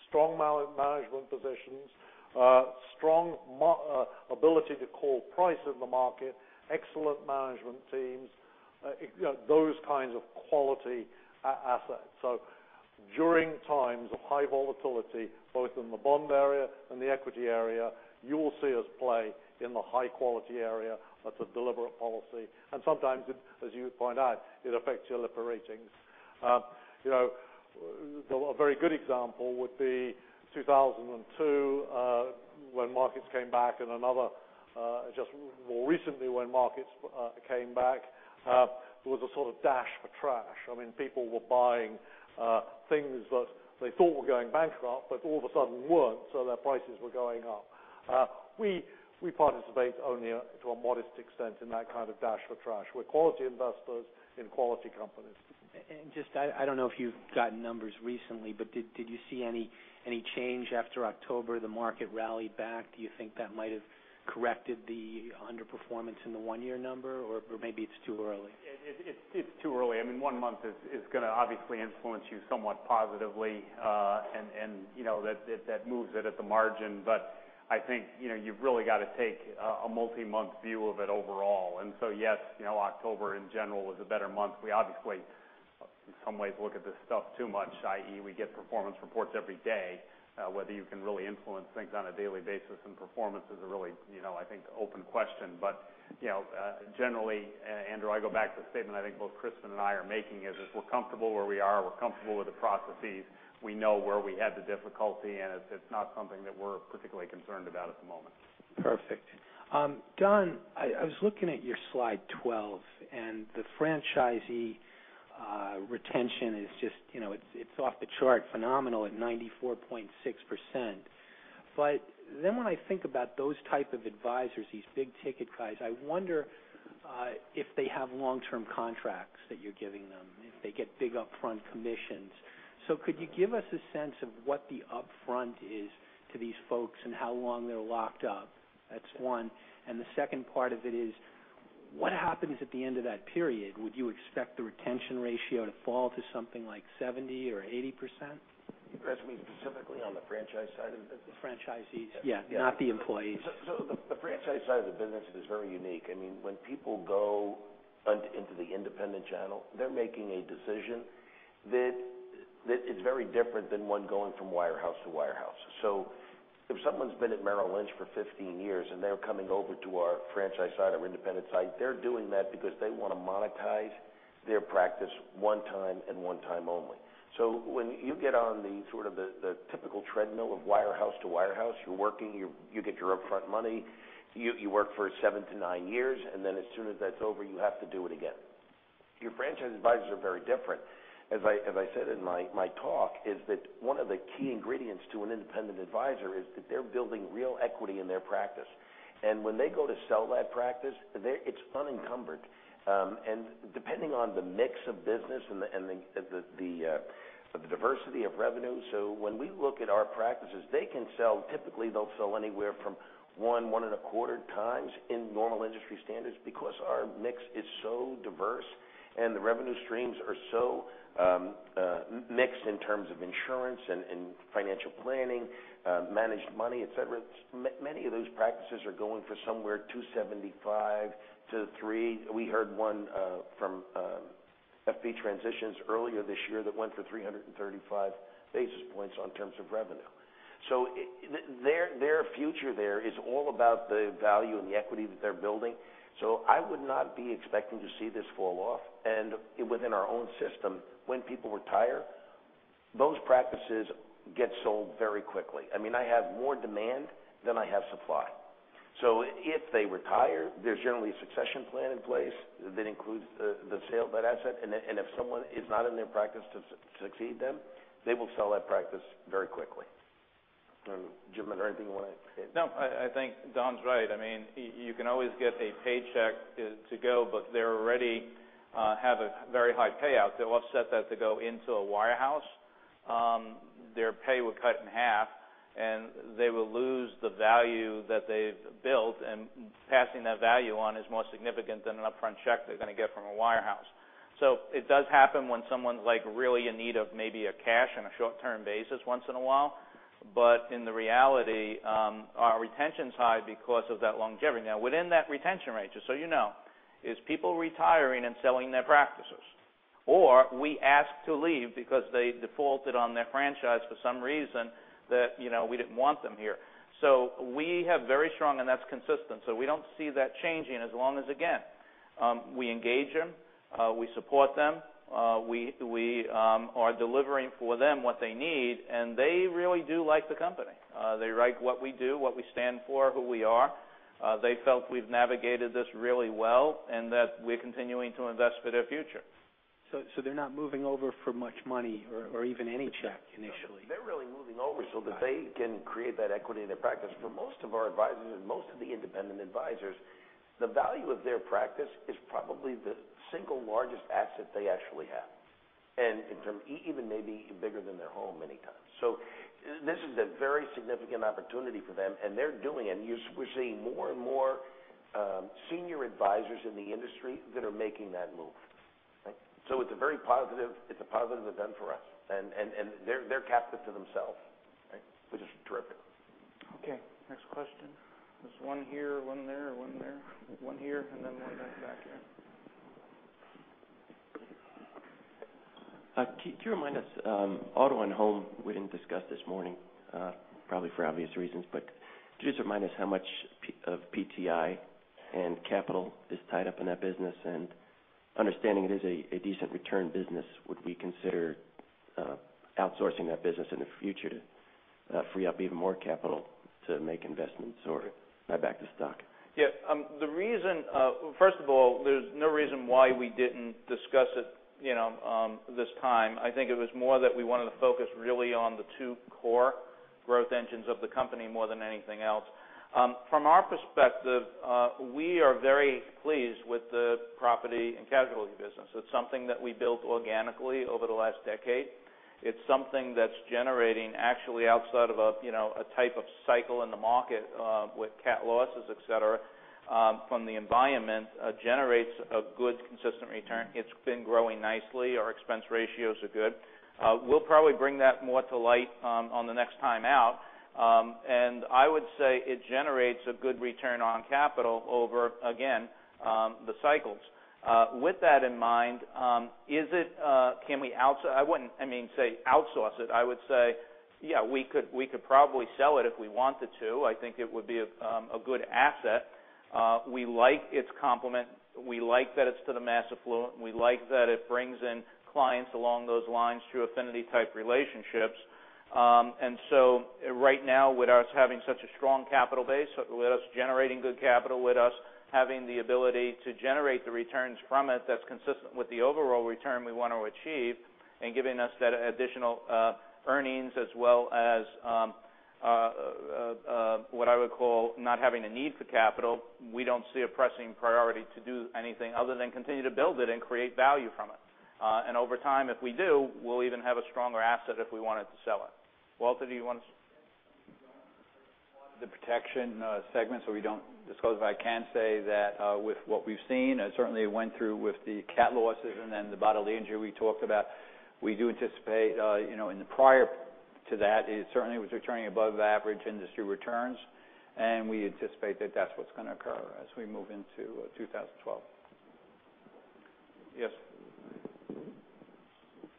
strong management positions, strong ability to call price in the market, excellent management teams, those kinds of quality assets. During times of high volatility, both in the bond area and the equity area, you will see us play in the high-quality area. That's a deliberate policy. Sometimes, as you point out, it affects your Lipper ratings. A very good example would be 2002, when markets came back, and another just more recently when markets came back. There was a sort of dash for trash. People were buying things that they thought were going bankrupt, but all of a sudden weren't, so their prices were going up. We participate only to a modest extent in that kind of dash for trash. We're quality investors in quality companies. Just, I don't know if you've gotten numbers recently, but did you see any change after October? The market rallied back. Do you think that might have corrected the underperformance in the one-year number? Maybe it's too early. It's too early. One month is going to obviously influence you somewhat positively, and that moves it at the margin. I think you've really got to take a multi-month view of it overall. Yes, October in general was a better month. We obviously, in some ways look at this stuff too much, i.e., we get performance reports every day. Whether you can really influence things on a daily basis and performance is a really, I think, open question. Generally, Andrew, I go back to the statement I think both Crispin and I are making is, we're comfortable where we are, we're comfortable with the processes. We know where we had the difficulty, and it's not something that we're particularly concerned about at the moment. Perfect. Don, I was looking at your slide 12, the franchisee retention is off the chart, phenomenal at 94.6%. When I think about those type of advisors, these big-ticket guys, I wonder if they have long-term contracts that you're giving them, if they get big upfront commissions. Could you give us a sense of what the upfront is to these folks and how long they're locked up? That's one. The second part of it is what happens at the end of that period? Would you expect the retention ratio to fall to something like 70% or 80%? You guys mean specifically on the franchise side of the business? The franchisees. Yeah. Not the employees. The franchise side of the business is very unique. When people go into the independent channel, they're making a decision that is very different than one going from wire house to wire house. If someone's been at Merrill Lynch for 15 years and they're coming over to our franchise side, our independent side, they're doing that because they want to monetize their practice one time and one time only. When you get on the typical treadmill of wire house to wire house, you're working, you get your upfront money, you work for seven to nine years, then as soon as that's over, you have to do it again. Your franchise advisors are very different. As I said in my talk, is that one of the key ingredients to an independent advisor is that they're building real equity in their practice. When they go to sell that practice, it's unencumbered. Depending on the mix of business and the diversity of revenue, when we look at our practices, they can sell, typically they'll sell anywhere from one and a quarter times in normal industry standards because our mix is so diverse and the revenue streams are so mixed in terms of insurance and financial planning, managed money, et cetera. Many of those practices are going for somewhere 275 to three. We heard one from FP Transitions earlier this year that went for 335 basis points on terms of revenue. Their future there is all about the value and the equity that they're building. I would not be expecting to see this fall off. Within our own system, when people retire, those practices get sold very quickly. I have more demand than I have supply. If they retire, there's generally a succession plan in place that includes the sale of that asset. If someone is not in their practice to succeed them, they will sell that practice very quickly. Jim, is there anything you want to add? No, I think Don's right. You can always get a paycheck to go, but they already have a very high payout. They'll offset that to go into a wire house. Their pay will cut in half, they will lose the value that they've built, and passing that value on is more significant than an upfront check they're going to get from a wire house. It does happen when someone's really in need of maybe cash on a short-term basis once in a while. In reality, our retention's high because of that longevity. Now, within that retention ratio, you know, is people retiring and selling their practices, or we ask to leave because they defaulted on their franchise for some reason that we didn't want them here. We have very strong, and that's consistent. We don't see that changing as long as, again, we engage them, we support them, we are delivering for them what they need, and they really do like the company. They like what we do, what we stand for, who we are. They felt we've navigated this really well, that we're continuing to invest for their future. They're not moving over for much money or even any check initially. They're really moving over so that they can create that equity in their practice. For most of our advisors, and most of the independent advisors, the value of their practice is probably the single largest asset they actually have, and even maybe bigger than their home many times. This is a very significant opportunity for them, and they're doing it. We're seeing more and more senior advisors in the industry that are making that move. It's a very positive event for us. They're captive to themselves, which is terrific. Okay. Next question. There's one here, one there, one there. One here, then one in the back there. Can you remind us, auto and home we didn't discuss this morning probably for obvious reasons, but could you just remind us how much of PTI and capital is tied up in that business? Understanding it is a decent return business, would we consider outsourcing that business in the future to free up even more capital to make investments or buy back the stock? Yeah. First of all, there's no reason why we didn't discuss it this time. I think it was more that we wanted to focus really on the two core growth engines of the company more than anything else. From our perspective, we are very pleased with the property and casualty business. It's something that we built organically over the last decade. It's something that's generating actually outside of a type of cycle in the market with cat losses, et cetera, from the environment, generates a good, consistent return. It's been growing nicely. Our expense ratios are good. We'll probably bring that more to light on the next time out. I would say it generates a good return on capital over, again, the cycles. With that in mind, I wouldn't say outsource it. I would say, yeah, we could probably sell it if we wanted to. I think it would be a good asset. We like its complement. We like that it's to the mass affluent. We like that it brings in clients along those lines through affinity type relationships. Right now, with us having such a strong capital base, with us generating good capital, with us having the ability to generate the returns from it that's consistent with the overall return we want to achieve, and giving us that additional earnings as well as what I would call not having a need for capital, we don't see a pressing priority to do anything other than continue to build it and create value from it. Over time, if we do, we'll even have a stronger asset if we wanted to sell it. Walter, do you want to? The protection segment, we don't disclose, but I can say that with what we've seen, certainly it went through with the cat losses and then the bodily injury we talked about. We do anticipate in the prior to that, it certainly was returning above average industry returns, we anticipate that that's what's going to occur as we move into 2012. Yes.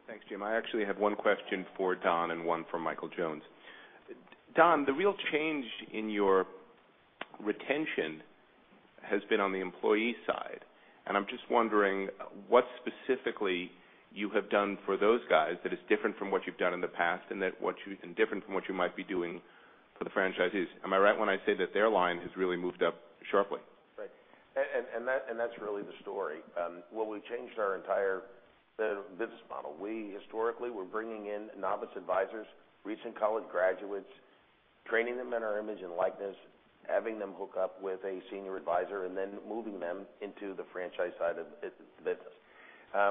Thanks, Jim. I actually have one question for Don and one for Mike Jones. Don, the real change in your retention has been on the employee side, I'm just wondering what specifically you have done for those guys that is different from what you've done in the past, and different from what you might be doing for the franchisees. Am I right when I say that their line has really moved up sharply? Right. That's really the story. We've changed our entire business model. We historically were bringing in novice advisors, recent college graduates, training them in our image and likeness, having them hook up with a senior advisor, then moving them into the franchise side of the business.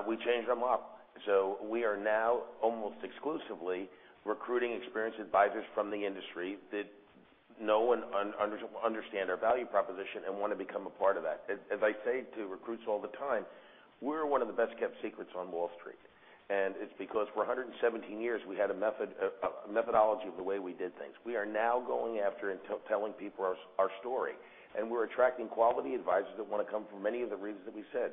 We changed them up. We are now almost exclusively recruiting experienced advisors from the industry that know and understand our value proposition and want to become a part of that. As I say to recruits all the time, we're one of the best-kept secrets on Wall Street. It's because for 117 years, we had a methodology of the way we did things. We are now going after and telling people our story, and we're attracting quality advisors that want to come for many of the reasons that we said.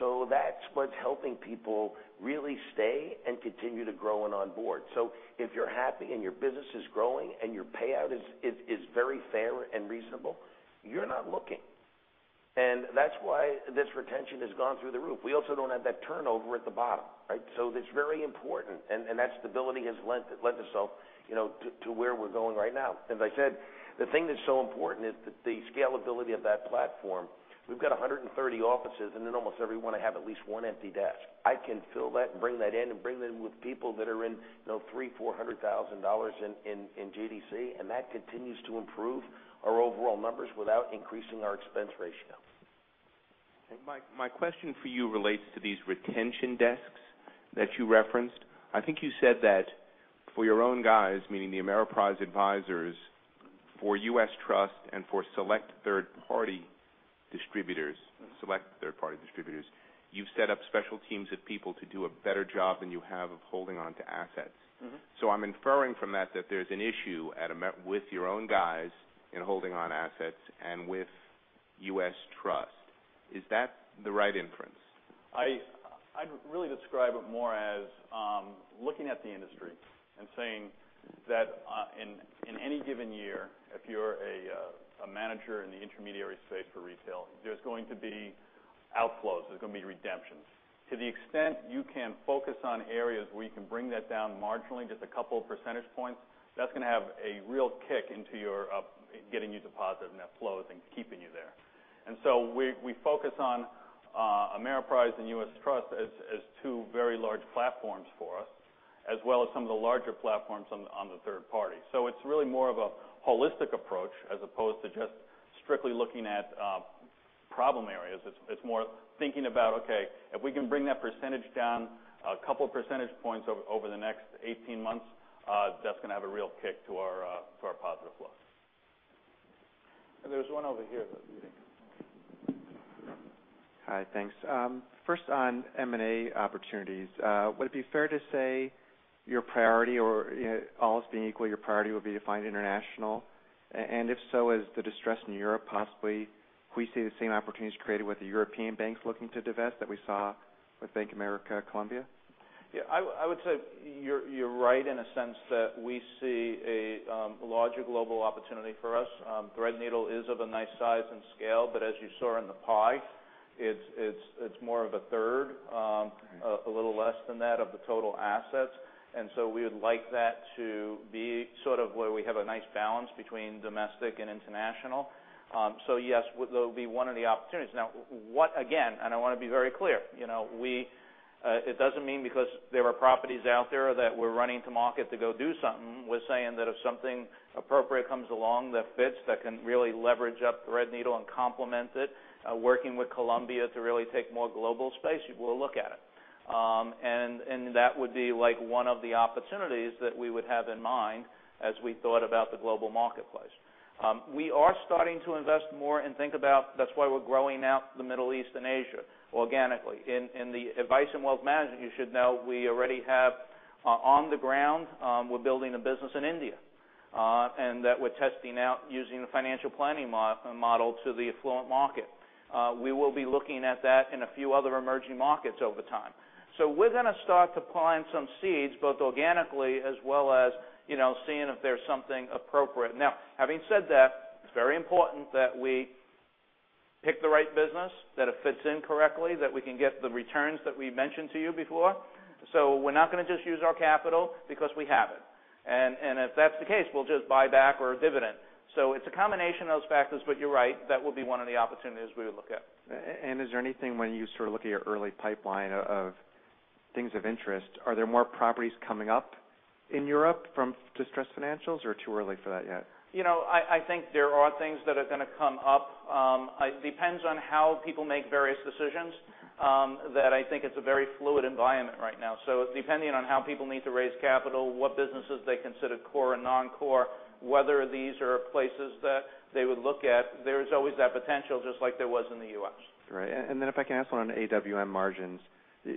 We also don't have that turnover at the bottom. It's very important, and that stability has lent itself to where we're going right now. As I said, the thing that's so important is the scalability of that platform. third-party distributors, you've set up special teams of people to do a better job than you have of holding onto assets. I'm inferring from that there's an issue with your own guys in holding on assets and with U.S. Trust. Is that the right inference? I'd really describe it more as looking at the industry and saying that in any given year, if you're a manager in the intermediary space for retail, there's going to be outflows. There's going to be redemptions. To the extent you can focus on areas where you can bring that down marginally just a couple of percentage points, that's going to have a real kick into getting you to positive net flows and keeping you there. We focus on Ameriprise and U.S. Trust as two very large platforms for us, as well as some of the larger platforms on the third party. It's really more of a holistic approach as opposed to just strictly looking at problem areas. It's more thinking about, okay, if we can bring that percentage down a couple percentage points over the next 18 months, that's going to have a real kick to our positive flow. There's one over here that's waiting. Hi, thanks. First on M&A opportunities. Would it be fair to say your priority, or all else being equal, your priority would be to find international? If so, is the distress in Europe possibly we see the same opportunities created with the European banks looking to divest that we saw with Bank of America Columbia? Yeah, I would say you're right in a sense that we see a larger global opportunity for us. Threadneedle is of a nice size and scale, but as you saw in the pie, it's more of a third, a little less than that of the total assets. We would like that to be where we have a nice balance between domestic and international. Yes, that would be one of the opportunities. Again, I want to be very clear. It doesn't mean because there are properties out there that we're running to market to go do something. We're saying that if something appropriate comes along that fits, that can really leverage up Threadneedle and complement it, working with Columbia to really take more global space, we'll look at it. That would be one of the opportunities that we would have in mind as we thought about the global marketplace. We are starting to invest more and think about that's why we're growing out the Middle East and Asia organically. In the advice and wealth management, you should know we already have on the ground, we're building a business in India. That we're testing out using the financial planning model to the affluent market. We will be looking at that in a few other emerging markets over time. We're going to start to plant some seeds, both organically as well as seeing if there's something appropriate. Having said that, it's very important that we pick the right business, that it fits in correctly, that we can get the returns that we mentioned to you before. We're not going to just use our capital because we have it. If that's the case, we'll just buy back or dividend. It's a combination of those factors, but you're right, that will be one of the opportunities we would look at. Is there anything when you sort of look at your early pipeline of things of interest, are there more properties coming up in Europe from distressed financials or too early for that yet? I think there are things that are going to come up. It depends on how people make various decisions, that I think it's a very fluid environment right now. Depending on how people need to raise capital, what businesses they consider core and non-core, whether these are places that they would look at, there's always that potential, just like there was in the U.S. Right. If I can ask one on AWM margins,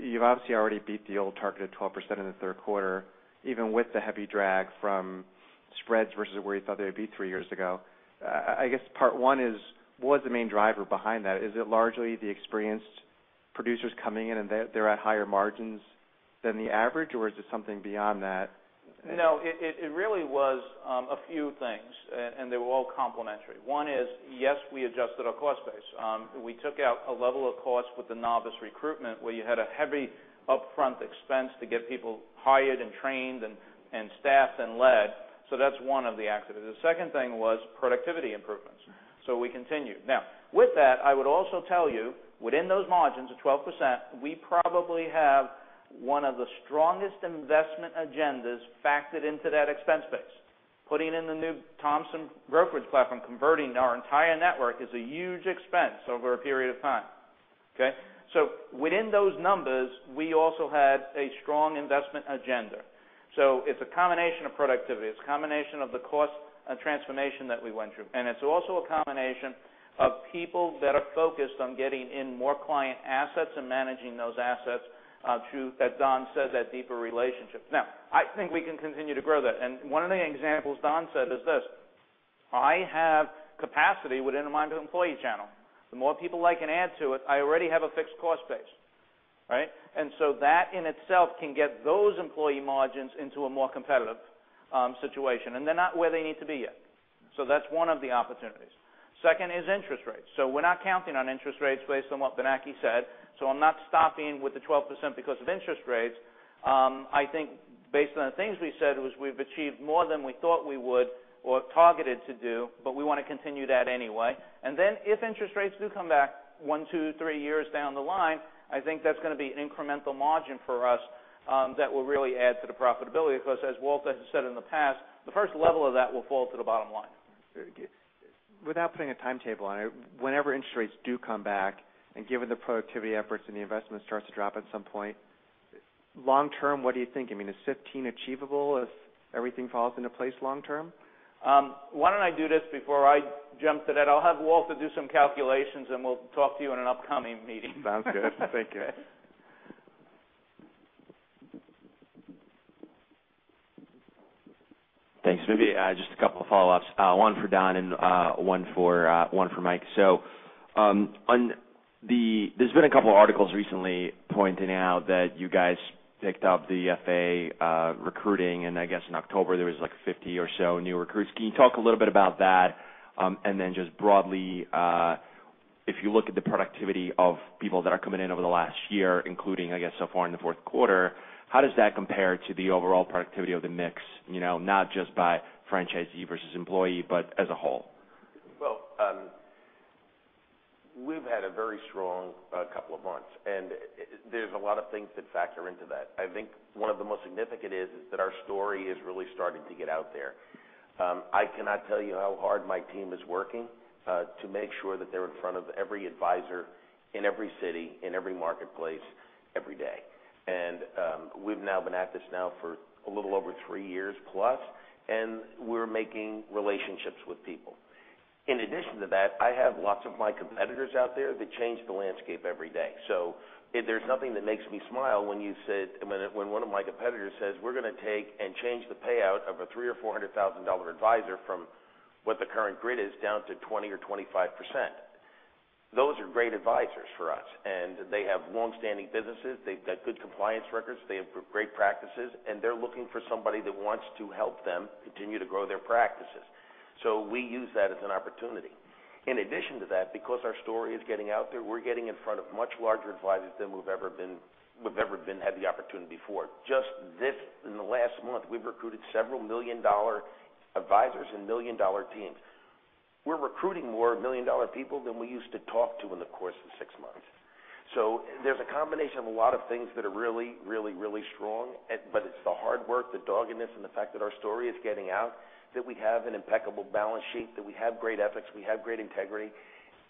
you've obviously already beat the old target of 12% in the third quarter, even with the heavy drag from spreads versus where you thought they would be three years ago. I guess part one is, what was the main driver behind that? Is it largely the experienced producers coming in and they're at higher margins than the average? Or is it something beyond that? It really was a few things, and they were all complementary. One is, yes, we adjusted our cost base. We took out a level of cost with the novice recruitment where you had a heavy upfront expense to get people hired and trained and staffed and led. That's one of the activities. The second thing was productivity improvements. We continued. Now, with that, I would also tell you, within those margins of 12%, we probably have one of the strongest investment agendas factored into that expense base. Putting in the new Thomson brokerage platform, converting our entire network is a huge expense over a period of time. Okay? Within those numbers, we also had a strong investment agenda. It's a combination of productivity. It's a combination of the cost and transformation that we went through. It's also a combination of people that are focused on getting in more client assets and managing those assets to, as Don said, that deeper relationship. I think we can continue to grow that. One of the examples Don said is this. I have capacity within my employee channel. The more people I can add to it, I already have a fixed cost base. Right? That in itself can get those employee margins into a more competitive situation. They're not where they need to be yet. That's one of the opportunities. Second is interest rates. We're not counting on interest rates based on what Ben Bernanke said. I'm not stopping with the 12% because of interest rates. I think based on the things we said was we've achieved more than we thought we would or targeted to do, we want to continue that anyway. If interest rates do come back one, two, three years down the line, I think that's going to be incremental margin for us that will really add to the profitability because as Walter has said in the past, the first level of that will fall to the bottom line. Without putting a timetable on it, whenever interest rates do come back, given the productivity efforts and the investment starts to drop at some point, long term, what do you think? I mean, is 15 achievable if everything falls into place long term? Why don't I do this before I jump to that? I'll have Walter do some calculations, we'll talk to you in an upcoming meeting. Sounds good. Thank you. Thanks. Maybe just a couple of follow-ups, one for Don and one for Mike. There's been a couple of articles recently pointing out that you guys picked up the FA recruiting, and I guess in October, there was 50 or so new recruits. Can you talk a little bit about that? Just broadly, if you look at the productivity of people that are coming in over the last year, including, I guess, so far in the fourth quarter, how does that compare to the overall productivity of the mix, not just by franchisee versus employee, but as a whole? Well, we've had a very strong couple of months, there's a lot of things that factor into that. I think one of the most significant is that our story is really starting to get out there. I cannot tell you how hard my team is working to make sure that they're in front of every advisor in every city, in every marketplace, every day. We've now been at this now for a little over 3 years plus, we're making relationships with people. In addition to that, I have lots of my competitors out there that change the landscape every day. There's nothing that makes me smile when one of my competitors says, "We're going to take and change the payout of a $300,000 or $400,000 advisor from what the current grid is down to 20% or 25%." Those are great advisors for us, they have longstanding businesses. They've got good compliance records. They have great practices, they're looking for somebody that wants to help them continue to grow their practices. We use that as an opportunity. In addition to that, because our story is getting out there, we're getting in front of much larger advisors than we've ever had the opportunity before. Just in the last month, we've recruited several million-dollar advisors and million-dollar teams. We're recruiting more million-dollar people than we used to talk to in the course of 6 months. There's a combination of a lot of things that are really, really, really strong, it's the hard work, the doggedness, and the fact that our story is getting out, that we have an impeccable balance sheet, that we have great ethics, we have great integrity.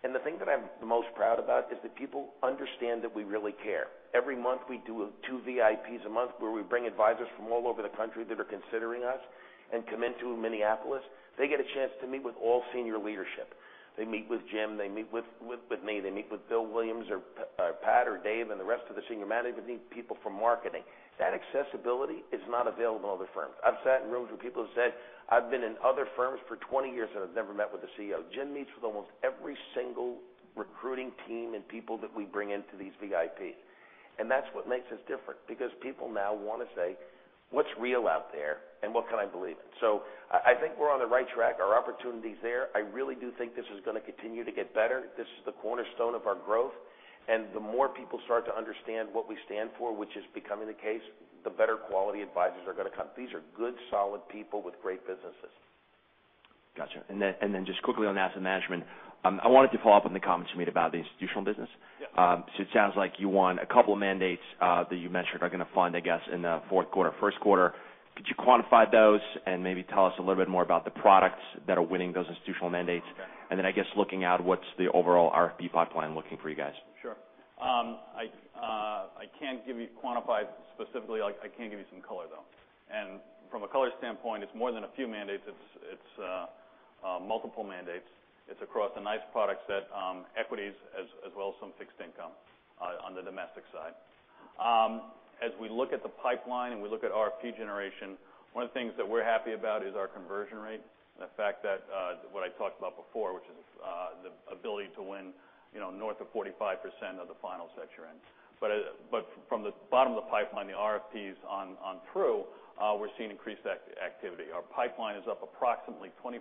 The thing that I'm the most proud about is that people understand that we really care. Every month we do two VIPs a month where we bring advisors from all over the country that are considering us and come into Minneapolis. They get a chance to meet with all senior leadership They meet with Jim, they meet with me, they meet with Bill Williams or Pat or Dave and the rest of the senior management, people from marketing. That accessibility is not available in other firms. I've sat in rooms where people have said, "I've been in other firms for 20 years, and I've never met with the CEO." Jim meets with almost every single recruiting team and people that we bring into these VIPs. That's what makes us different, because people now want to say, "What's real out there, and what can I believe in?" I think we're on the right track. Our opportunity's there. I really do think this is going to continue to get better. This is the cornerstone of our growth. The more people start to understand what we stand for, which is becoming the case, the better quality advisors are going to come. These are good, solid people with great businesses. Got you. Just quickly on asset management, I wanted to follow up on the comments you made about the institutional business. Yeah. It sounds like you won a couple mandates that you mentioned are going to fund, I guess, in the fourth quarter, first quarter. Could you quantify those and maybe tell us a little bit more about the products that are winning those institutional mandates? Okay. I guess, looking out, what's the overall RFP pipeline looking for you guys? Sure. I can't give you quantified specifically. I can give you some color, though. From a color standpoint, it's more than a few mandates. It's multiple mandates. It's across a nice product set, equities, as well as some fixed income on the domestic side. As we look at the pipeline and we look at RFP generation, one of the things that we're happy about is our conversion rate, and the fact that what I talked about before, which is the ability to win north of 45% of the finals that you're in. From the bottom of the pipeline, the RFPs on through, we're seeing increased activity. Our pipeline is up approximately 25%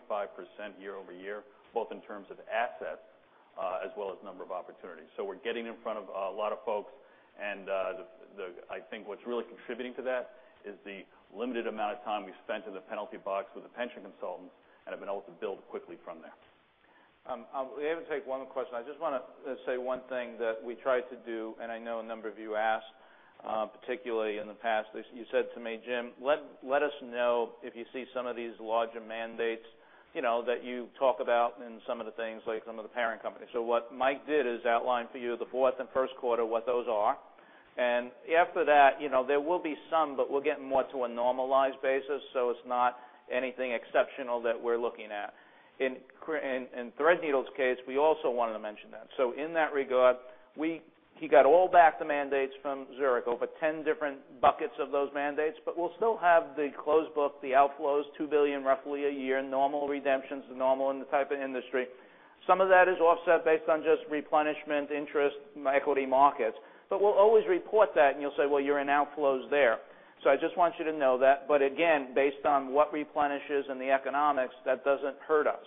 year-over-year, both in terms of assets as well as number of opportunities. We're getting in front of a lot of folks, and I think what's really contributing to that is the limited amount of time we spent in the penalty box with the pension consultants and have been able to build quickly from there. We aim to take one question. I just want to say one thing that we try to do, and I know a number of you asked, particularly in the past, you said to me, "Jim, let us know if you see some of these larger mandates that you talk about in some of the things, like some of the parent companies." What Mike did is outline for you the fourth and first quarter, what those are. After that, there will be some, but we're getting more to a normalized basis, so it's not anything exceptional that we're looking at. In Threadneedle's case, we also wanted to mention that. In that regard, he got all back the mandates from Zurich over 10 different buckets of those mandates. We'll still have the close book, the outflows, $2 billion roughly a year. Normal redemptions, normal in the type of industry. Some of that is offset based on just replenishment interest in equity markets. We'll always report that, and you'll say, "Well, you're in outflows there." I just want you to know that. Again, based on what replenishes in the economics, that doesn't hurt us.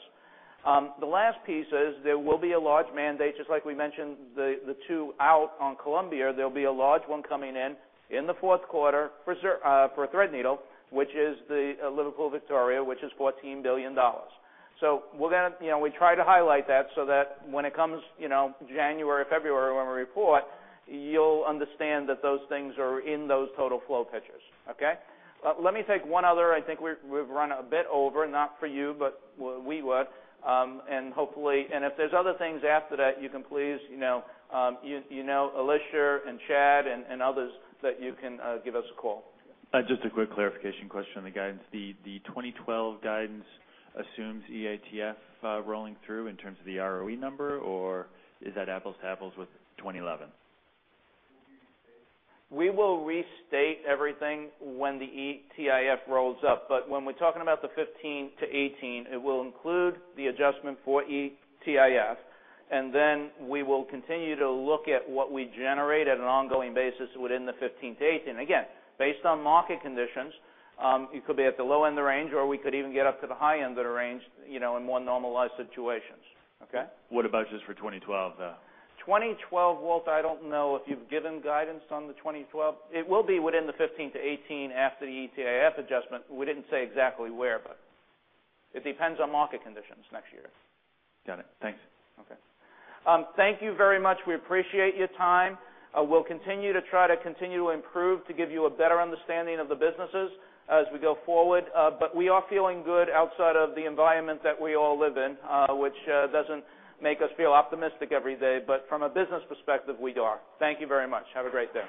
The last piece is there will be a large mandate, just like we mentioned the two out on Columbia. There'll be a large one coming in in the fourth quarter for Threadneedle, which is the Liverpool Victoria, which is $14 billion. We try to highlight that so that when it comes January, February, when we report, you'll understand that those things are in those total flow pictures. Okay? Let me take one other. I think we've run a bit over, not for you, but we would. If there's other things after that, you can please, you know Alicia and Chad and others that you can give us a call. Just a quick clarification question on the guidance. The 2012 guidance assumes EITF rolling through in terms of the ROE number, or is that apples to apples with 2011? We will restate everything when the EITF rolls up. When we're talking about the 15%-18%, it will include the adjustment for EITF, then we will continue to look at what we generate at an ongoing basis within the 15%-18%. Again, based on market conditions, it could be at the low end of the range, or we could even get up to the high end of the range, in more normalized situations. Okay? What about just for 2012, though? 2012, Walt, I don't know if you've given guidance on the 2012. It will be within the 15%-18% after the EITF adjustment. We didn't say exactly where, it depends on market conditions next year. Got it. Thanks. Okay. Thank you very much. We appreciate your time. We'll continue to improve to give you a better understanding of the businesses as we go forward. We are feeling good outside of the environment that we all live in, which doesn't make us feel optimistic every day. From a business perspective, we are. Thank you very much. Have a great day.